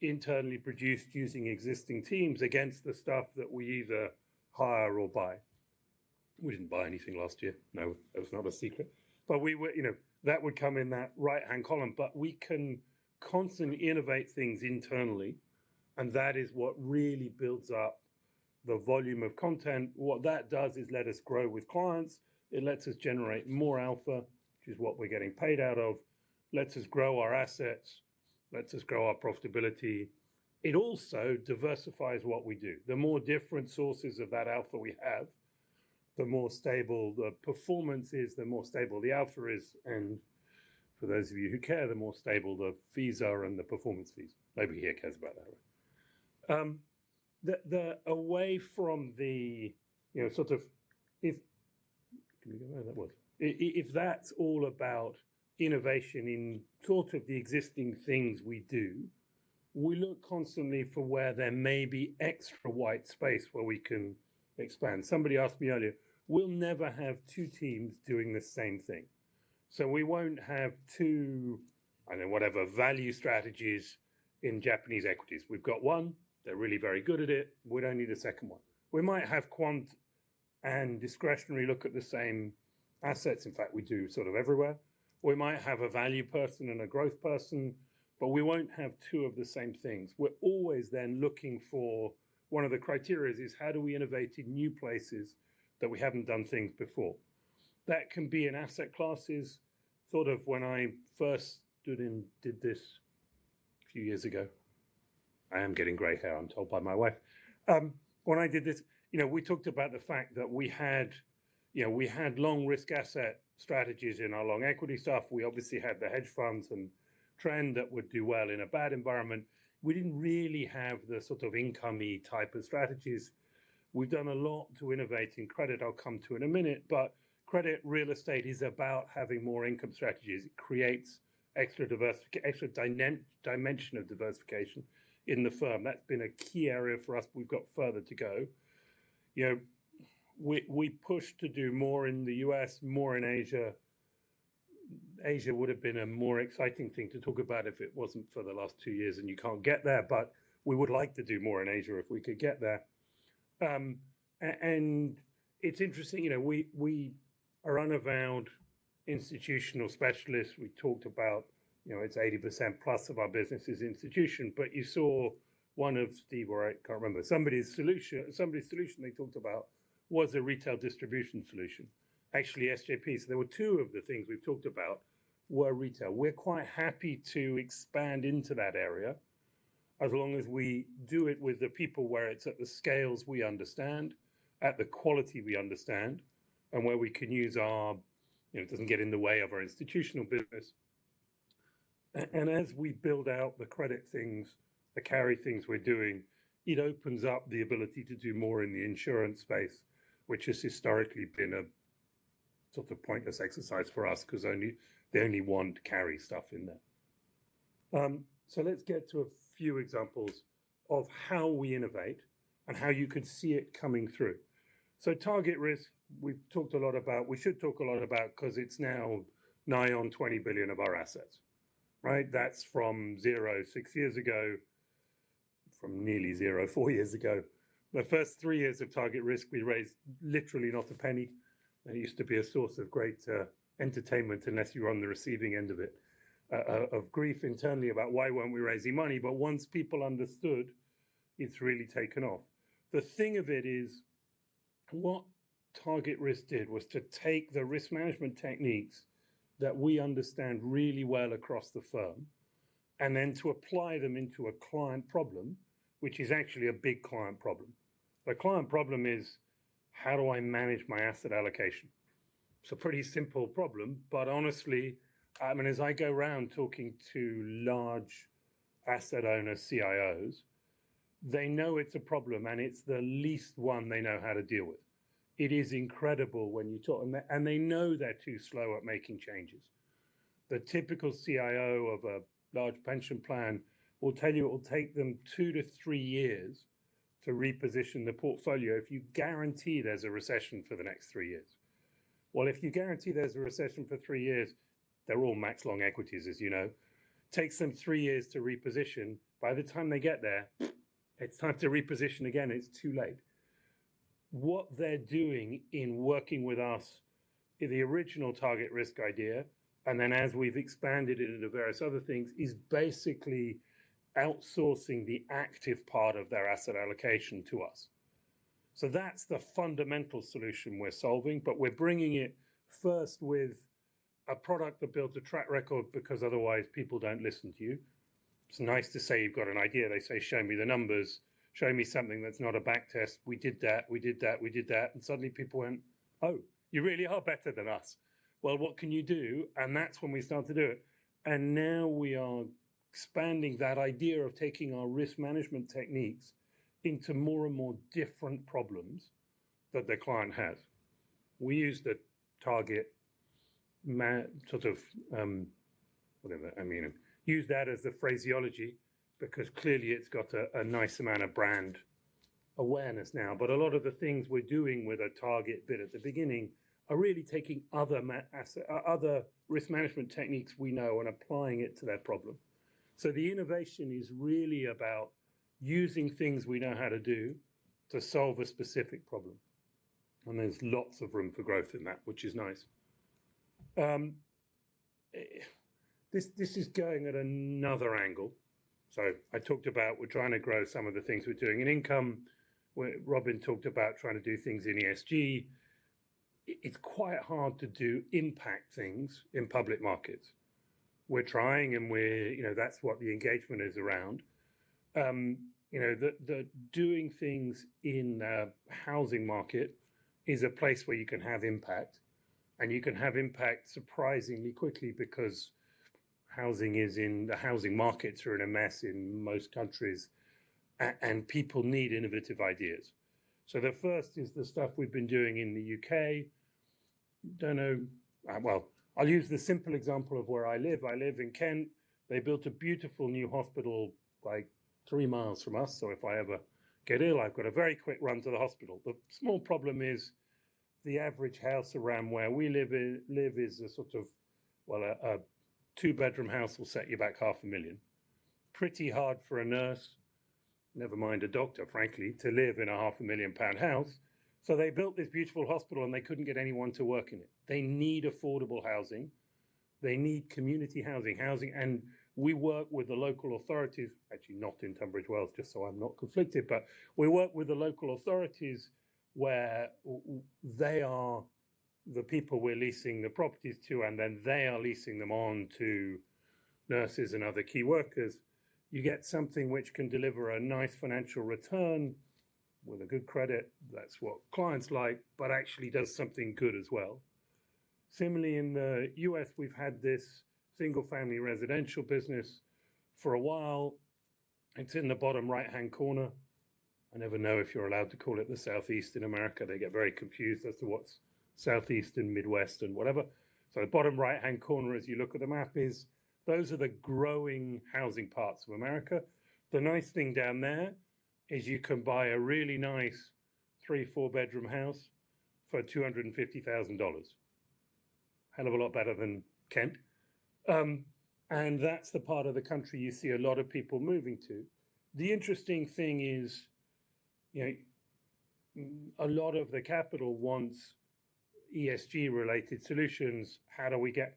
[SPEAKER 2] internally produced using existing teams against the stuff that we either hire or buy. We didn't buy anything last year. No, that was not a secret. You know, that would come in that right-hand column, but we can constantly innovate things internally, and that is what really builds up the volume of content. What that does is let us grow with clients. It lets us generate more alpha, which is what we're getting paid out of. Lets us grow our assets, lets us grow our profitability. It also diversifies what we do. The more different sources of that alpha we have, the more stable the performance is, the more stable the alpha is, and for those of you who care, the more stable the fees are and the performance fees. Nobody here cares about that one. If that's all about innovation in sort of the existing things we do, we look constantly for where there may be extra white space where we can expand. Somebody asked me earlier. We'll never have two teams doing the same thing. We won't have two, I don't know, whatever value strategies in Japanese equities. We've got one. They're really very good at it. We don't need a second one. We might have quant and discretionary look at the same assets. In fact, we do sort of everywhere. We might have a value person and a growth person, but we won't have two of the same things. We're always then looking for one of the criteria is how do we innovate in new places that we haven't done things before. That can be in asset classes. Thought of when I first did this a few years ago. I am getting gray hair, I'm told by my wife. When I did this, you know, we talked about the fact that we had long risk asset strategies in our long equity stuff. We obviously had the hedge funds and trend that would do well in a bad environment. We didn't really have the sort of income-y type of strategies. We've done a lot to innovate in credit. I'll come to it in a minute, but credit and real estate is about having more income strategies. It creates extra dimension of diversification in the firm. That's been a key area for us, but we've got further to go. You know, we pushed to do more in the U.S., more in Asia. Asia would have been a more exciting thing to talk about if it wasn't for the last two years, and you can't get there, but we would like to do more in Asia if we could get there. It's interesting, you know, we are avowed institutional specialists. We talked about, you know, it's 80% plus of our business is institutional, but you saw one of Steve or I can't remember. Somebody's solution they talked about was a retail distribution solution. Actually, SJP's. There were two of the things we've talked about were retail. We're quite happy to expand into that area as long as we do it with the people where it's at the scales we understand, at the quality we understand, and where we can use our, you know, it doesn't get in the way of our institutional business. As we build out the credit things, the carry things we're doing, it opens up the ability to do more in the insurance space, which has historically been a sort of pointless exercise for us because they only want carry stuff in there. Let's get to a few examples of how we innovate and how you can see it coming through. TargetRisk, we've talked a lot about. We should talk a lot about because it's now nigh on $20 billion of our assets, right? That's from zero, six years ago, from nearly zero, four years ago. The first three years of TargetRisk, we raised literally not a penny, and it used to be a source of great entertainment, unless you were on the receiving end of it, of grief internally about why weren't we raising money? Once people understood, it's really taken off. The thing of it is, what TargetRisk did was to take the risk management techniques that we understand really well across the firm and then to apply them into a client problem, which is actually a big client problem. The client problem is, how do I manage my asset allocation? It's a pretty simple problem, but honestly, I mean, as I go around talking to large asset owner CIOs, they know it's a problem, and it's the least one they know how to deal with. It is incredible when you talk, and they know they're too slow at making changes. The typical CIO of a large pension plan will tell you it'll take them two to three years to reposition the portfolio if you guarantee there's a recession for the next three years. Well, if you guarantee there's a recession for three years, they're all max long equities, as you know. Takes them three years to reposition. By the time they get there, it's time to reposition again. It's too late. What they're doing in working with us, the original TargetRisk idea, and then as we've expanded it into various other things, is basically outsourcing the active part of their asset allocation to us. That's the fundamental solution we're solving, but we're bringing it first with a product that builds a track record because otherwise, people don't listen to you. It's nice to say you've got an idea. They say, "Show me the numbers. Show me something that's not a back test." We did that, we did that, we did that, and suddenly people went, "Oh, you really are better than us. Well, what can you do? That's when we start to do it. Now we are expanding that idea of taking our risk management techniques into more and more different problems that the client has. We use the target sort of whatever. I mean, use that as the phraseology because clearly it's got a nice amount of brand awareness now. A lot of the things we're doing with a target bit at the beginning are really taking other risk management techniques we know and applying it to their problem. The innovation is really about using things we know how to do to solve a specific problem, and there's lots of room for growth in that, which is nice. This is going at another angle. I talked about we're trying to grow some of the things we're doing in income. Robyn talked about trying to do things in ESG. It's quite hard to do impact things in public markets. We're trying, and we're, you know, that's what the engagement is around. You know, doing things in a housing market is a place where you can have impact, and you can have impact surprisingly quickly because housing is in the housing markets are in a mess in most countries and people need innovative ideas. The first is the stuff we've been doing in the U.K.. Well, I'll use the simple example of where I live. I live in Kent. They built a beautiful new hospital like three miles from us, so if I ever get ill, I've got a very quick run to the hospital. The small problem is the average house around where we live is a sort of, well, a two-bedroom house will set you back half a million pound. Pretty hard for a nurse, never mind a doctor, frankly, to live in a half a million pound house. They built this beautiful hospital, and they couldn't get anyone to work in it. They need affordable housing. They need community housing. We work with the local authorities, actually not in Tunbridge Wells, just so I'm not conflicted, but we work with the local authorities where they are the people we're leasing the properties to, and then they are leasing them on to nurses and other key workers. You get something which can deliver a nice financial return with a good credit. That's what clients like, but actually does something good as well. Similarly, in the U.S., we've had this single-family residential business for a while. It's in the bottom right-hand corner. I never know if you're allowed to call it the Southeast in America. They get very confused as to what's Southeast and Midwest and whatever. The bottom right-hand corner, as you look at the map, is the growing housing parts of America. The nice thing down there is you can buy a really nice three, four-bedroom house for $250,000. Hell of a lot better than Kent. That's the part of the country you see a lot of people moving to. The interesting thing is, you know, a lot of the capital wants ESG-related solutions. How do we get.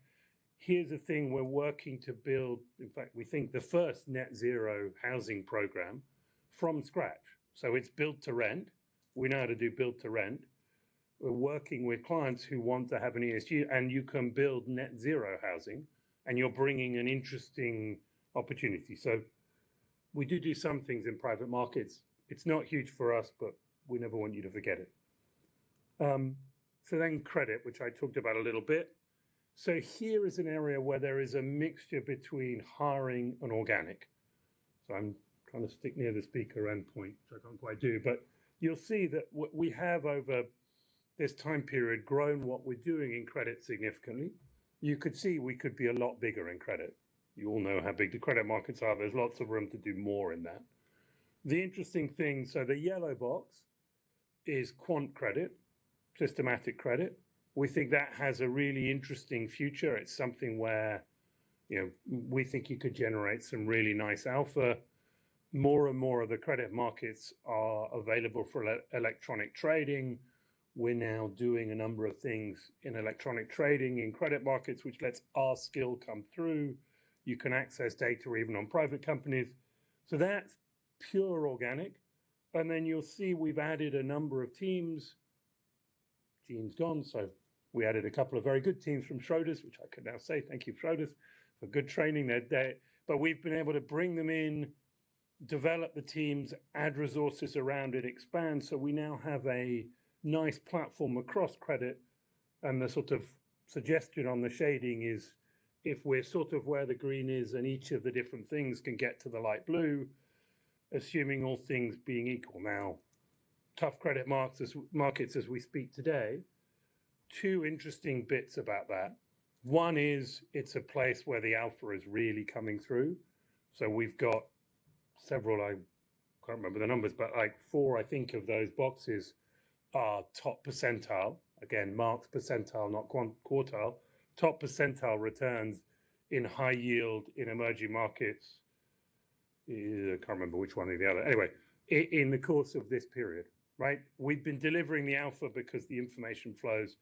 [SPEAKER 2] Here's a thing we're working to build, in fact, we think the first Net Zero housing program from scratch. It's build to rent. We know how to do build to rent. We're working with clients who want to have an ESG, and you can build net zero housing, and you're bringing an interesting opportunity. We do some things in private markets. It's not huge for us, but we never want you to forget it. Then credit, which I talked about a little bit. Here is an area where there is a mixture between hiring and organic. I'm trying to stick near the speaker endpoint, which I can't quite do, but you'll see that what we have over this time period grown what we're doing in credit significantly. You could see we could be a lot bigger in credit. You all know how big the credit markets are. There's lots of room to do more in that. The interesting thing, the yellow box is quant credit, systematic credit. We think that has a really interesting future. It's something where, you know, we think you could generate some really nice alpha. More and more of the credit markets are available for electronic trading. We're now doing a number of things in electronic trading in credit markets, which lets our skill come through. You can access data even on private companies. That's pure organic. Then you'll see we've added a number of teams. Jean's gone, so we added a couple of very good teams from Schroders, which I can now say, thank you, Schroders, for good training that day. We've been able to bring them in, develop the teams, add resources around it, expand. We now have a nice platform across credit, and the sort of suggestion on the shading is if we're sort of where the green is and each of the different things can get to the light blue, assuming all things being equal. Now, tough credit markets as we speak today, two interesting bits about that. One is it's a place where the alpha is really coming through. We've got several, I can't remember the numbers, but, like, 4, I think, of those boxes are top percentile. Again, top percentile, not quartile. Top percentile returns in high yield in emerging markets. I can't remember which one or the other. Anyway, in the course of this period, right? We've been delivering the alpha because the information flows,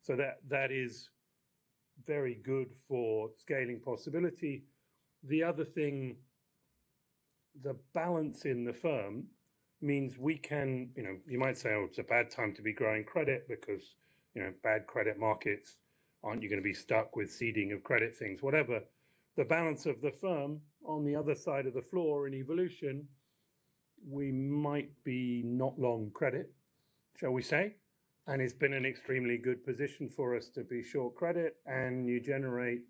[SPEAKER 2] so that is very good for scaling possibility. The other thing, the balance in the firm means we can, you know. You might say, "Oh, it's a bad time to be growing credit because, you know, bad credit markets, aren't you gonna be stuck with seeding of credit things?" Whatever. The balance of the firm on the other side of the floor in Evolution, we might be not long credit, shall we say, and it's been an extremely good position for us to be short credit, and you generate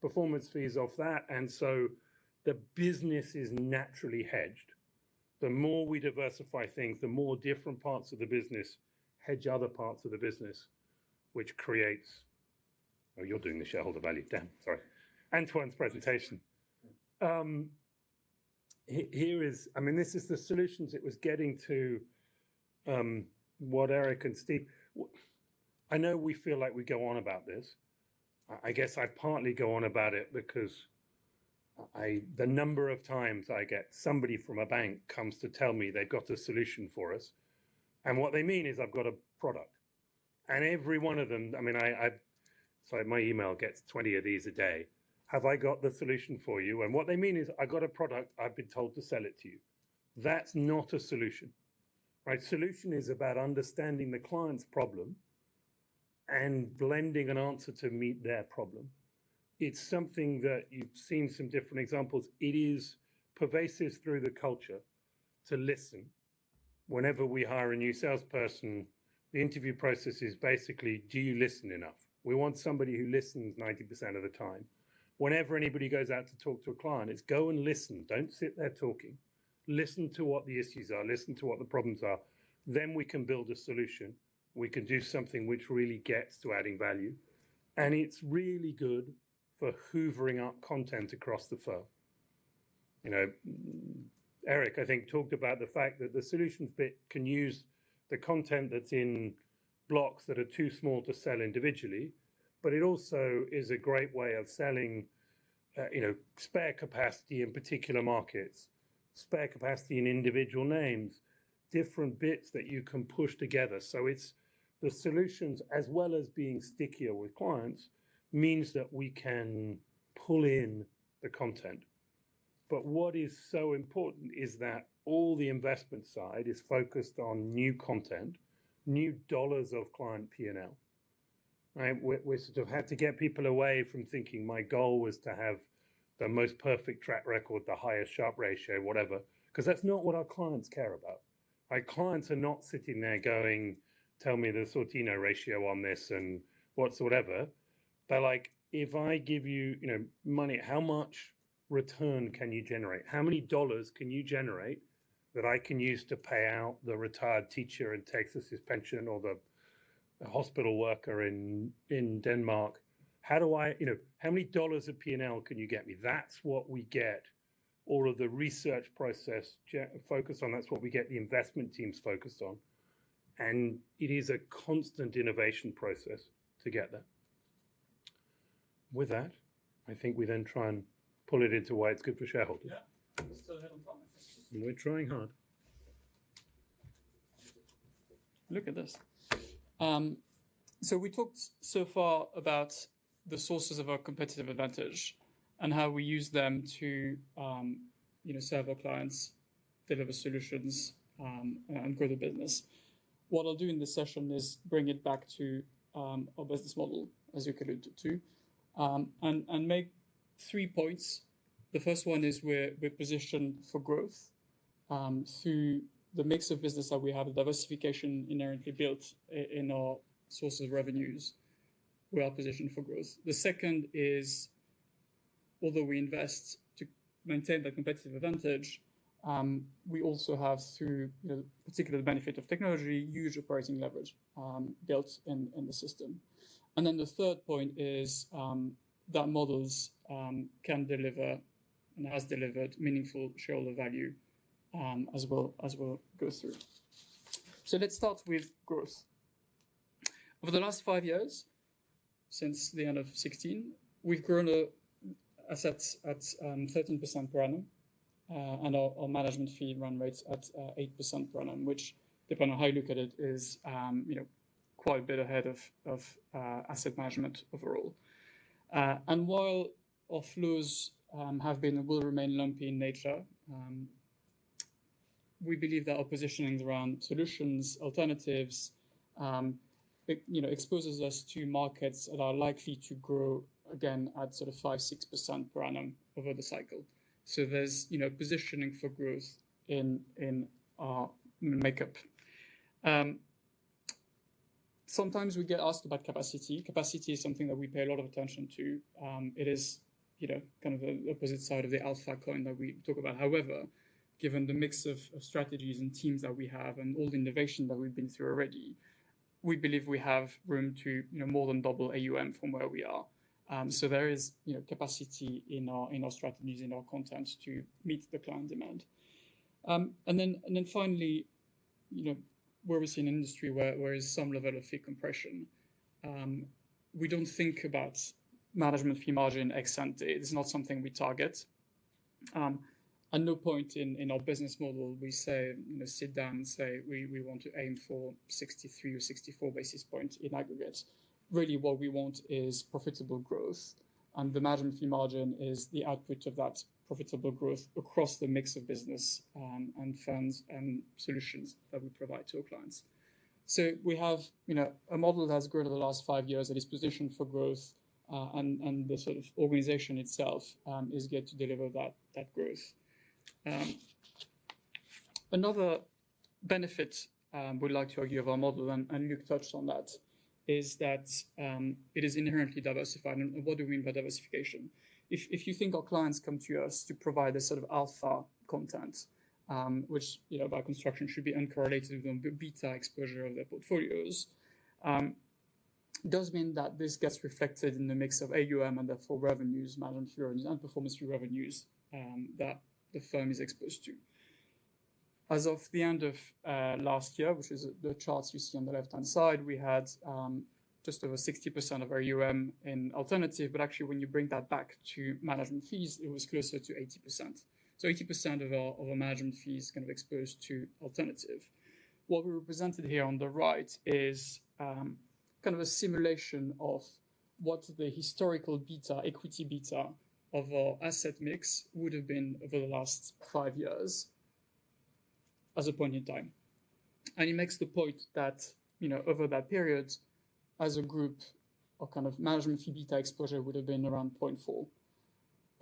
[SPEAKER 2] performance fees off that. The business is naturally hedged. The more we diversify things, the more different parts of the business hedge other parts of the business, which creates shareholder value. Damn. Sorry. Antoine's presentation. Here is. I mean, this is the solution it was getting to, what Eric and Steve. I know we feel like we go on about this. I guess I partly go on about it because the number of times I get somebody from a bank comes to tell me they've got a solution for us, and what they mean is, "I've got a product." Every one of them, I mean. Sorry, my email gets 20 of these a day. "Have I got the solution for you?" What they mean is, "I've got a product. I've been told to sell it to you." That's not a solution, right? Solution is about understanding the client's problem and blending an answer to meet their problem. It's something that you've seen some different examples. It is pervasive through the culture to listen. Whenever we hire a new salesperson, the interview process is basically, do you listen enough? We want somebody who listens 90% of the time. Whenever anybody goes out to talk to a client, it's go and listen. Don't sit there talking. Listen to what the issues are, listen to what the problems are, then we can build a solution. We can do something which really gets to adding value, and it's really good for hoovering up content across the firm. You know, Eric, I think, talked about the fact that the solutions bit can use the content that's in blocks that are too small to sell individually, but it also is a great way of selling, you know, spare capacity in particular markets, spare capacity in individual names, different bits that you can push together. It's the solutions, as well as being stickier with clients, means that we can pull in the content. what is so important is that all the investment side is focused on new content, new dollars of client P&L, right? We're sort of had to get people away from thinking my goal was to have the most perfect track record, the highest Sharpe ratio, whatever, 'cause that's not what our clients care about, right? Clients are not sitting there going, "Tell me the Sortino ratio on this," and whatsoever. They're like, "If I give you know, money, how much return can you generate? How many dollars can you generate that I can use to pay out the retired teacher in Texas, his pension, or the hospital worker in Denmark? How do I, you know, how many dollars of P&L can you get me?" That's what we get all of the research process focused on. That's what we get the investment teams focused on, and it is a constant innovation process to get there. With that, I think we then try and pull it into why it's good for shareholders.
[SPEAKER 11] Yeah. Still ahead on time.
[SPEAKER 2] We're trying hard.
[SPEAKER 11] Look at this. So we talked so far about the sources of our competitive advantage and how we use them to, you know, serve our clients, deliver solutions, and grow the business. What I'll do in this session is bring it back to our business model, as you alluded to, and make three points. The first one is we're positioned for growth, through the mix of business that we have, a diversification inherently built in our sources of revenues. We are positioned for growth. The second is, although we invest to maintain the competitive advantage, we also have through, you know, particular benefit of technology, huge operating leverage, built in the system. The third point is that models can deliver and has delivered meaningful shareholder value, as we'll go through. Let's start with growth. Over the last five years, since the end of 2016, we've grown assets at 13% per annum, and our management fee run rates at 8% per annum, which depending on how you look at it, is, you know, quite a bit ahead of asset management overall. While our flows have been and will remain lumpy in nature, we believe that our positioning around solutions, alternatives, it, you know, exposes us to markets that are likely to grow again at sort of 5%-6% per annum over the cycle. There's, you know, positioning for growth in our makeup. Sometimes we get asked about capacity. Capacity is something that we pay a lot of attention to. It is, you know, kind of the opposite side of the alpha coin that we talk about. However, given the mix of strategies and teams that we have and all the innovation that we've been through already, we believe we have room to, you know, more than double AUM from where we are. So there is, you know, capacity in our strategies, in our content to meet the client demand. And then finally, you know, where we see an industry where is some level of fee compression, we don't think about management fee margin ex-ante. It's not something we target. At no point in our business model we say, you know, sit down and say, we want to aim for 63 or 64 basis points in aggregate. Really what we want is profitable growth, and the management fee margin is the output of that profitable growth across the mix of business, and funds and solutions that we provide to our clients. We have, you know, a model that has grown over the last five years that is positioned for growth, and the sort of organization itself is geared to deliver that growth. Another benefit we like to argue of our model, and Luke touched on that, is that it is inherently diversified. What do we mean by diversification? If you think our clients come to us to provide a sort of alpha content, which, you know, by construction should be uncorrelated with the beta exposure of their portfolios, does mean that this gets reflected in the mix of AUM and therefore revenues, management fees, and performance fee revenues, that the firm is exposed to. As of the end of last year, which is the charts you see on the left-hand side, we had just over 60% of our AUM in alternative, but actually, when you bring that back to management fees, it was closer to 80%. 80% of our management fee is kind of exposed to alternative. What we represented here on the right is kind of a simulation of what the historical beta, equity beta of our asset mix would have been over the last five years as a point in time. It makes the point that, you know, over that period, as a group, our kind of management fee beta exposure would have been around 0.4.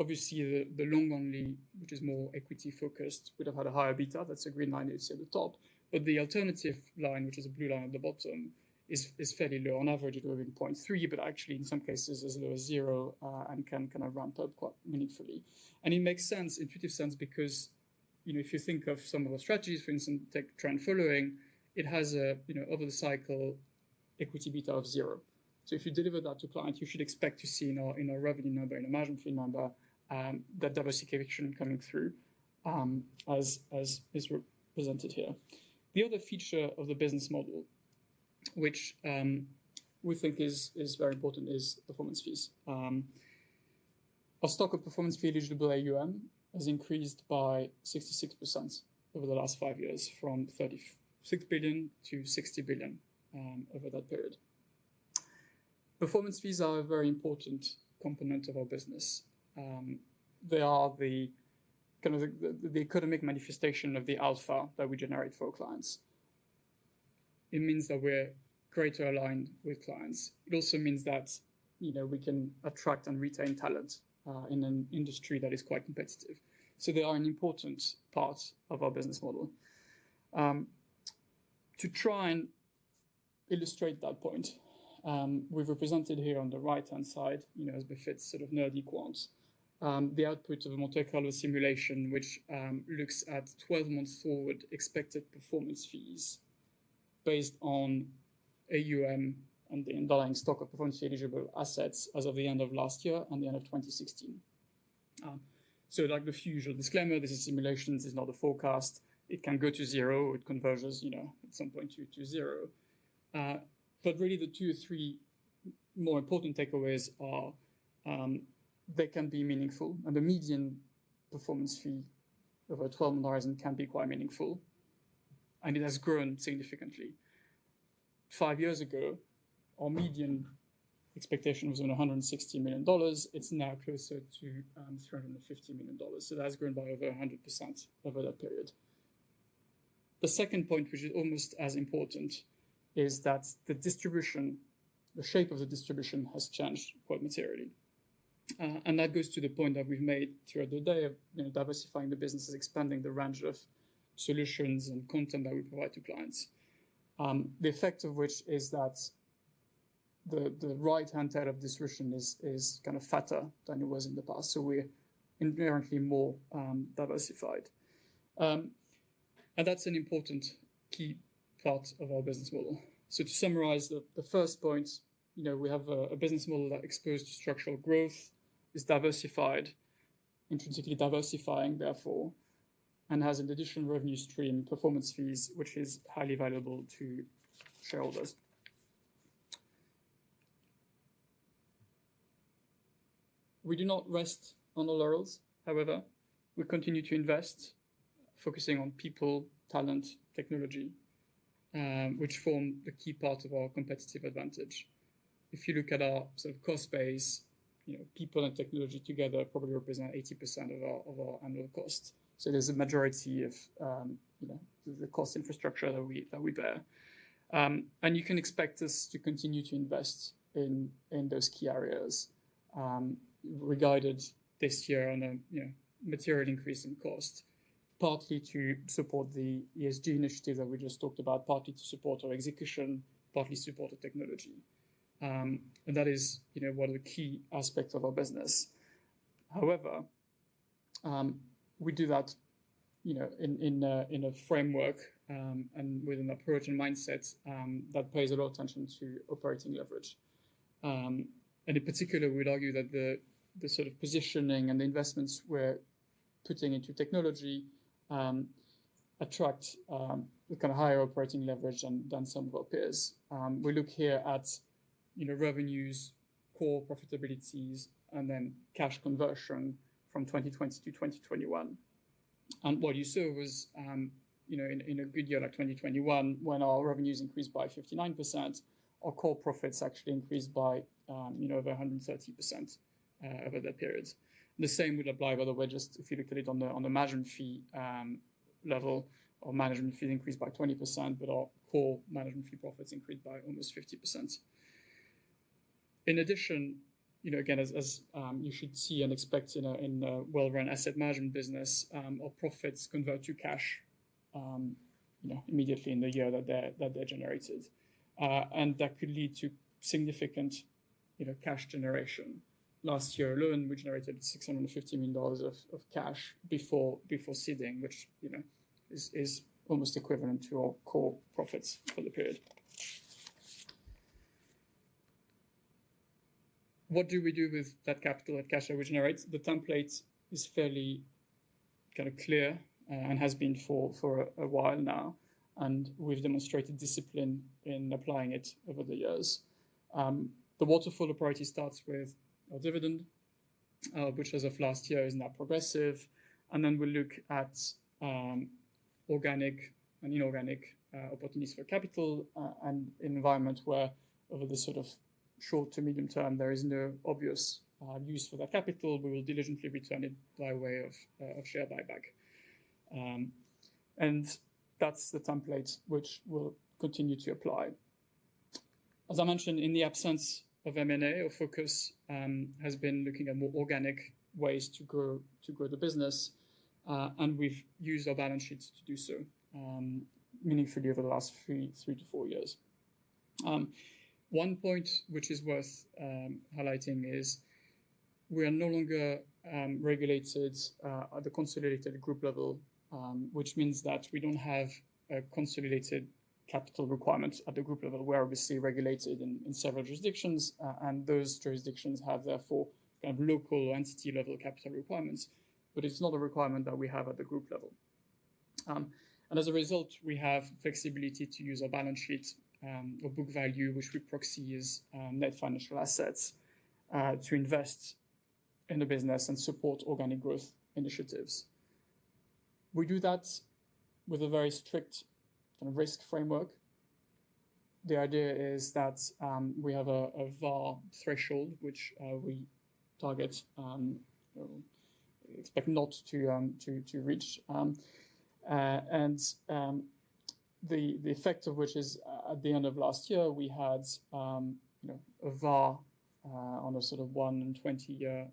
[SPEAKER 11] Obviously, the long only, which is more equity-focused, would have had a higher beta. That's the green line you see at the top. The alternative line, which is the blue line at the bottom, is fairly low. On average, it would have been 0.3, but actually in some cases as low as 0, and can kind of ramp up quite meaningfully. It makes sense, intuitive sense, because, you know, if you think of some of the strategies, for instance, tech trend following, it has a, you know, over the cycle equity beta of zero. So if you deliver that to clients, you should expect to see in our, in our revenue number, in our management fee number, that diversification coming through, as is represented here. The other feature of the business model, which, we think is very important is performance fees. Our stock of performance fee eligible AUM has increased by 66% over the last five years from 36 billion to 60 billion, over that period. Performance fees are a very important component of our business. They are the, kind of the economic manifestation of the alpha that we generate for our clients. It means that we're greater aligned with clients. It also means that, you know, we can attract and retain talent in an industry that is quite competitive. They are an important part of our business model. To try and illustrate that point, we've represented here on the right-hand side, you know, as befits sort of nerdy quants, the output of a Monte Carlo simulation which looks at 12 months forward expected performance fees based on AUM and the underlying stock of performance fee eligible assets as of the end of last year and the end of 2016. Like the usual disclaimer, this is simulations. This is not a forecast. It can go to zero. It converges, you know, at some point to zero. Really the two or three more important takeaways are, they can be meaningful, and the median performance fee over a 12-month horizon can be quite meaningful, and it has grown significantly. Five years ago, our median expectation was on $160 million. It's now closer to $350 million. That has grown by over 100% over that period. The second point, which is almost as important, is that the distribution, the shape of the distribution has changed quite materially. That goes to the point that we've made throughout the day of, you know, diversifying the business is expanding the range of solutions and content that we provide to clients. The effect of which is that the right-hand tail of distribution is kind of fatter than it was in the past, so we're inherently more diversified. That's an important key part of our business model. To summarize the first point, you know, we have a business model that exposed to structural growth, is diversified, intrinsically diversifying therefore, and has an additional revenue stream, performance fees, which is highly valuable to shareholders. We do not rest on our laurels, however. We continue to invest, focusing on people, talent, technology, which form a key part of our competitive advantage. If you look at our sort of cost base, you know, people and technology together probably represent 80% of our annual cost. There's a majority of, you know, the cost infrastructure that we bear. You can expect us to continue to invest in those key areas, resulting this year in a material increase in cost, partly to support the ESG initiative that we just talked about, partly to support our execution, partly to support the technology. That is one of the key aspects of our business. However, we do that in a framework and with an approach and mindset that pays a lot of attention to operating leverage. In particular, we'd argue that the sort of positioning and the investments we're putting into technology attract a kind of higher operating leverage than some of our peers. We look here at revenues, core profitabilities, and then cash conversion from 2020 to 2021. What you saw was, you know, in a good year like 2021, when our revenues increased by 59%, our core profits actually increased by, you know, over 130%, over that period. The same would apply, by the way, just if you look at it on the management fee level. Our management fee increased by 20%, but our core management fee profits increased by almost 50%. In addition, you know, again, as you should see and expect in a well-run asset management business, our profits convert to cash, you know, immediately in the year that they're generated. That could lead to significant, you know, cash generation. Last year alone, we generated GBP 650 million of cash before tax, which is almost equivalent to our core profits for the period. What do we do with that capital and cash that we generate? The template is fairly kind of clear and has been for a while now, and we've demonstrated discipline in applying it over the years. The waterfall priority starts with our dividend, which as of last year is now progressive, and then we look at organic and inorganic opportunities for capital. In an environment where over the sort of short to medium term there is no obvious use for that capital, we will diligently return it by way of share buyback. That's the template which we'll continue to apply. As I mentioned, in the absence of M&A, our focus has been looking at more organic ways to grow the business, and we've used our balance sheets to do so, meaningfully over the last three to four years. One point which is worth highlighting is we are no longer regulated at the consolidated group level, which means that we don't have a consolidated capital requirement at the group level. We are obviously regulated in several jurisdictions, and those jurisdictions have therefore kind of local entity-level capital requirements, but it's not a requirement that we have at the group level. As a result, we have flexibility to use our balance sheet, or book value, which we proxy as net financial assets, to invest in the business and support organic growth initiatives. We do that with a very strict kind of risk framework. The idea is that we have a VaR threshold which we target expect not to reach. The effect of which is, at the end of last year, we had, you know, a VaR on a sort of one and 20-year,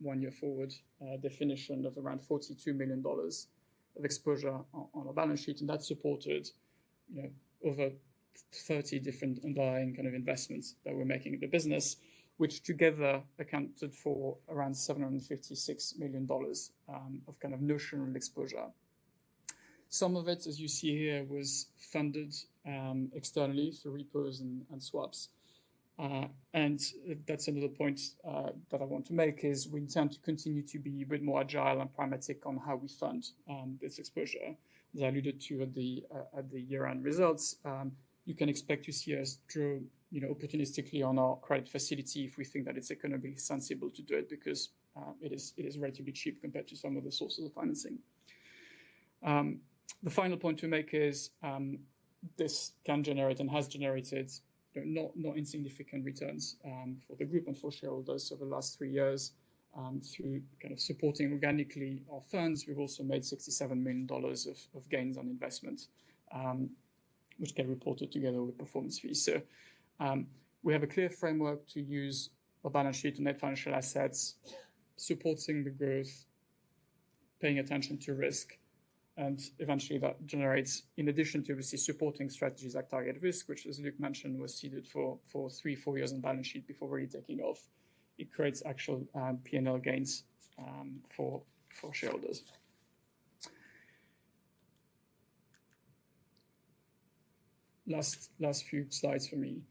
[SPEAKER 11] one year forward definition of around $42 million of exposure on our balance sheet. That supported, you know, over 30 different underlying kind of investments that we're making in the business, which together accounted for around $756 million of kind of notional exposure. Some of it, as you see here, was funded externally through repos and swaps. That's another point that I want to make, is we intend to continue to be a bit more agile and pragmatic on how we fund this exposure. As I alluded to at the year-end results, you can expect to see us draw, you know, opportunistically on our credit facility if we think that it's gonna be sensible to do it because it is relatively cheap compared to some other sources of financing. The final point to make is this can generate and has generated, you know, not insignificant returns for the group and for shareholders over the last three years, through kind of supporting organically our funds. We've also made $67 million of gains on investment, which get reported together with performance fees. We have a clear framework to use our balance sheet and net financial assets, supporting the growth, paying attention to risk, and eventually that generates in addition to obviously supporting strategies like TargetRisk, which as Luke mentioned, was seeded for three to four years on balance sheet before really taking off. It creates actual P&L gains for shareholders. Last few slides for me.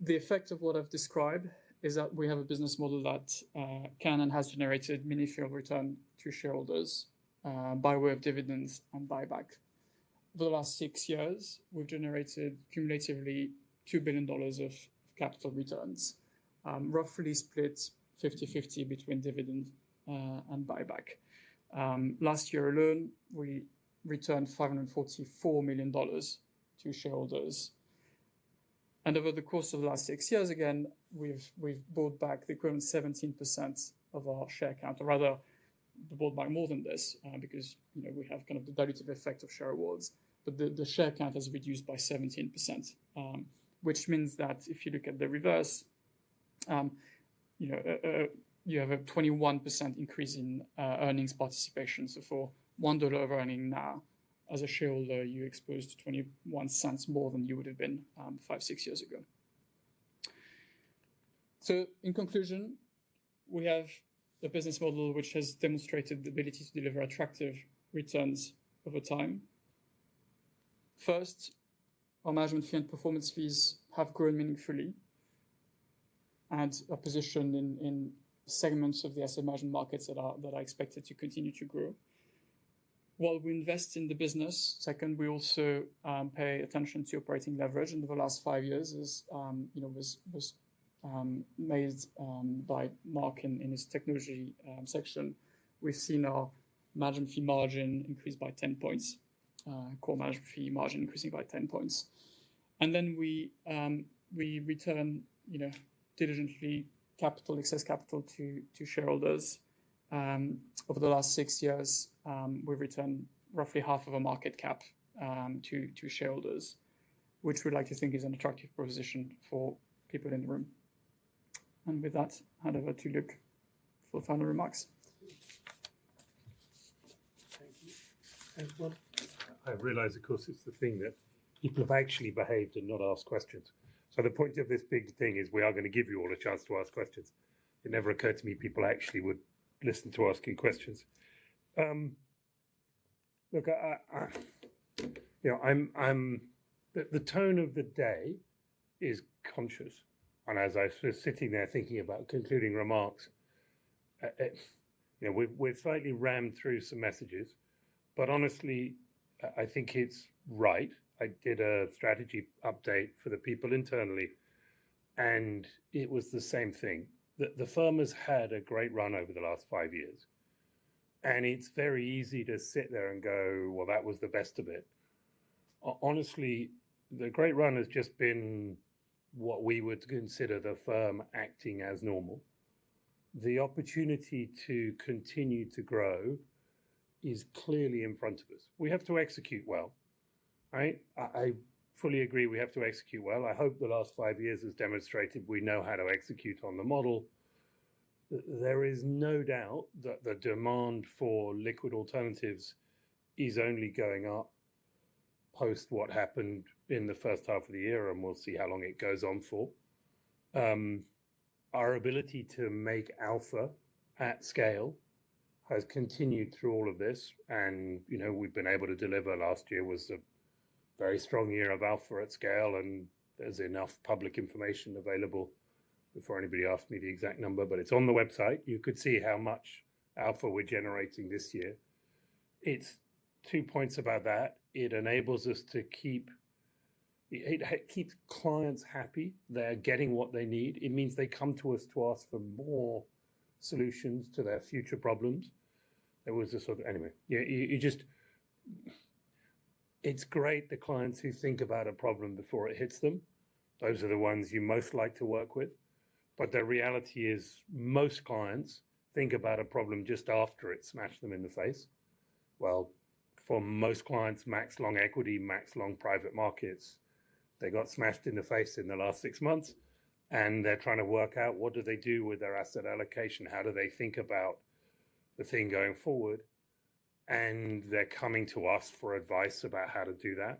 [SPEAKER 11] The effect of what I've described is that we have a business model that can and has generated meaningful return to shareholders by way of dividends and buyback. The last six years, we've generated cumulatively $2 billion of capital returns, roughly split 50/50 between dividend and buyback. Last year alone, we returned $544 million to shareholders. Over the course of the last six years, again, we've bought back the equivalent 17% of our share count, or rather we bought back more than this, because, you know, we have kind of the dilutive effect of share awards. The share count has reduced by 17%, which means that if you look at the reverse, you know, you have a 21% increase in earnings participation. For $1 of earnings now, as a shareholder, you expose to $0.21 more than you would've been, five to six years ago. In conclusion, we have a business model which has demonstrated the ability to deliver attractive returns over time. First, our management fee and performance fees have grown meaningfully, and are positioned in segments of the asset management markets that are expected to continue to grow. While we invest in the business, second, we also pay attention to operating leverage. Over the last five years as you know was made by Mark in his technology section, we've seen our management fee margin increase by 10 points, core management fee margin increasing by 10 points. Then we return you know diligently capital, excess capital to shareholders. Over the last six years, we've returned roughly half of a market cap to shareholders, which we'd like to think is an attractive proposition for people in the room. With that, hand over to Luke for final remarks.
[SPEAKER 2] Thank you. Thanks, Antoine. I've realized, of course, it's the thing that people have actually behaved and not asked questions. The point of this big thing is we are gonna give you all a chance to ask questions. It never occurred to me people actually would listen to asking questions. Look, you know, I'm. The tone of the day is conscious, and as I was sort of sitting there thinking about concluding remarks, it's, you know, we've slightly rammed through some messages, but honestly, I think it's right. I did a strategy update for the people internally, and it was the same thing. The firm has had a great run over the last five years, and it's very easy to sit there and go, "Well, that was the best of it." Honestly, the great run has just been what we would consider the firm acting as normal. The opportunity to continue to grow is clearly in front of us. We have to execute well, right? I fully agree we have to execute well. I hope the last five years has demonstrated we know how to execute on the model. There is no doubt that the demand for liquid alternatives is only going up. Post what happened in the first half of the year, and we'll see how long it goes on for. Our ability to make alpha at scale has continued through all of this, and, you know, we've been able to deliver. Last year was a very strong year of alpha at scale. There's enough public information available before anybody asks me the exact number, but it's on the website. You could see how much alpha we're generating this year. It's 2 points about that. It keeps clients happy. They're getting what they need. It means they come to us to ask for more solutions to their future problems. Anyway. It's great the clients who think about a problem before it hits them. Those are the ones you most like to work with. The reality is most clients think about a problem just after it's smashed them in the face. Well, for most clients, max long equity, max long private markets, they got smashed in the face in the last six months, and they're trying to work out what do they do with their asset allocation, how do they think about the thing going forward, and they're coming to us for advice about how to do that.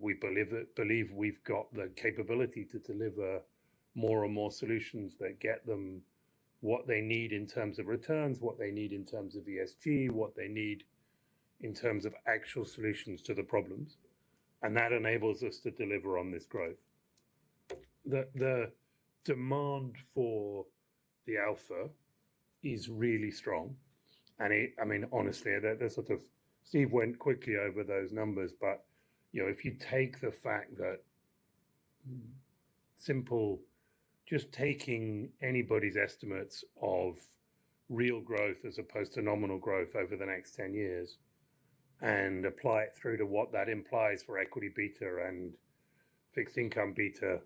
[SPEAKER 2] We believe we've got the capability to deliver more and more solutions that get them what they need in terms of returns, what they need in terms of ESG, what they need in terms of actual solutions to the problems, and that enables us to deliver on this growth. The demand for the alpha is really strong, and it, I mean, honestly, they're sort of. Steve went quickly over those numbers, but you know, if you take the fact that simply, just taking anybody's estimates of real growth as opposed to nominal growth over the next 10 years and apply it through to what that implies for equity beta and fixed income beta,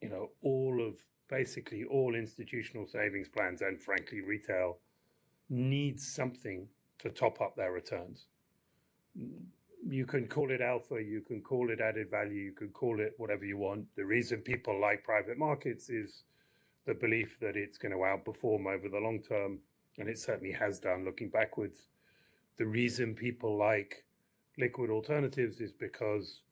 [SPEAKER 2] you know, all of basically all institutional savings plans and frankly retail needs something to top up their returns. You can call it alpha, you can call it added value, you can call it whatever you want. The reason people like private markets is the belief that it's gonna outperform over the long term, and it certainly has done looking backwards. The reason people like liquid alternatives is because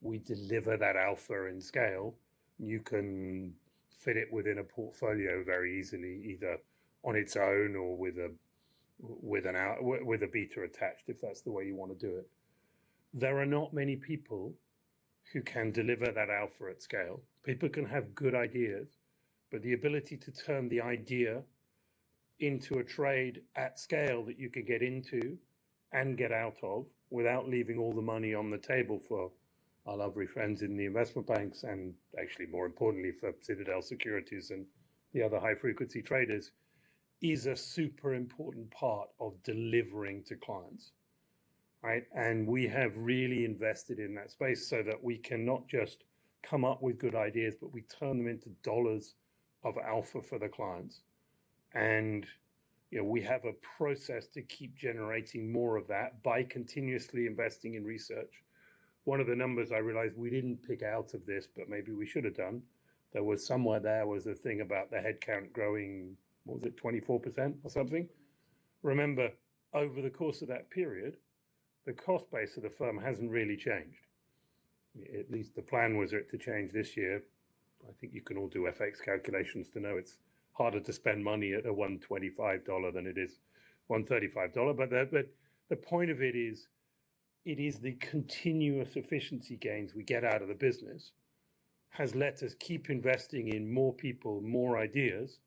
[SPEAKER 2] we deliver that alpha in scale. You can fit it within a portfolio very easily, either on its own or with a beta attached, if that's the way you wanna do it. There are not many people who can deliver that alpha at scale. People can have good ideas, but the ability to turn the idea into a trade at scale that you can get into and get out of without leaving all the money on the table for our lovely friends in the investment banks, and actually more importantly, for Citadel Securities and the other high-frequency traders, is a super important part of delivering to clients, right? We have really invested in that space so that we can not just come up with good ideas, but we turn them into dollars of alpha for the clients. You know, we have a process to keep generating more of that by continuously investing in research. One of the numbers I realized we didn't pick out of this, but maybe we should have done, there was somewhere there was a thing about the headcount growing, what was it, 24% or something? Remember, over the course of that period, the cost base of the firm hasn't really changed. At least the plan was it to change this year, but I think you can all do FX calculations to know it's harder to spend money at a $1.25 than it is $1.35. The point of it is, it is the continuous efficiency gains we get out of the business has let us keep investing in more people, more ideas,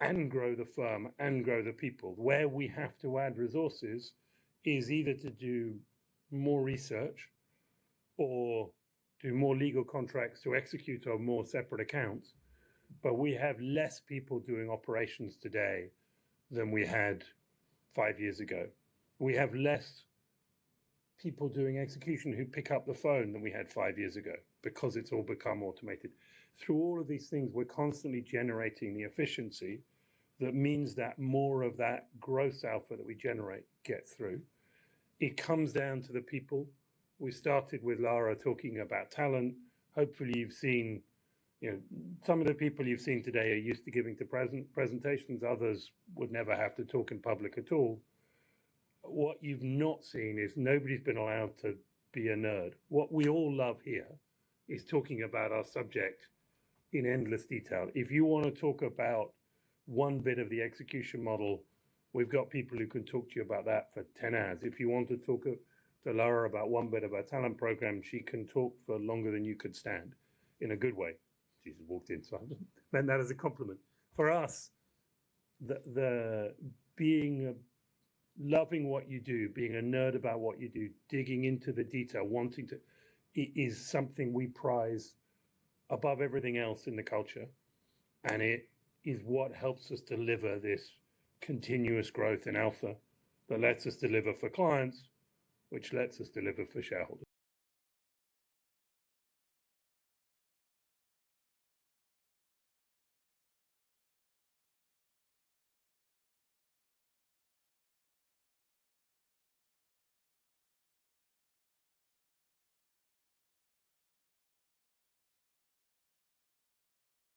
[SPEAKER 2] and grow the firm and grow the people. Where we have to add resources is either to do more research or do more legal contracts to execute our more separate accounts, but we have less people doing operations today than we had five years ago. We have less people doing execution who pick up the phone than we had five years ago because it's all become automated. Through all of these things, we're constantly generating the efficiency that means that more of that gross alpha that we generate gets through. It comes down to the people. We started with Lara talking about talent. Hopefully, you've seen, you know. Some of the people you've seen today are used to giving the presentations, others would never have to talk in public at all. What you've not seen is nobody's been allowed to be a nerd. What we all love here is talking about our subject in endless detail. If you wanna talk about one bit of the execution model, we've got people who can talk to you about that for 10 hours. If you want to talk to Lara about one bit of our talent program, she can talk for longer than you could stand, in a good way. She's walked in, so I meant that as a compliment. For us, loving what you do, being a nerd about what you do, digging into the detail, wanting to is something we prize above everything else in the culture, and it is what helps us deliver this continuous growth in alpha that lets us deliver for clients, which lets us deliver for shareholders.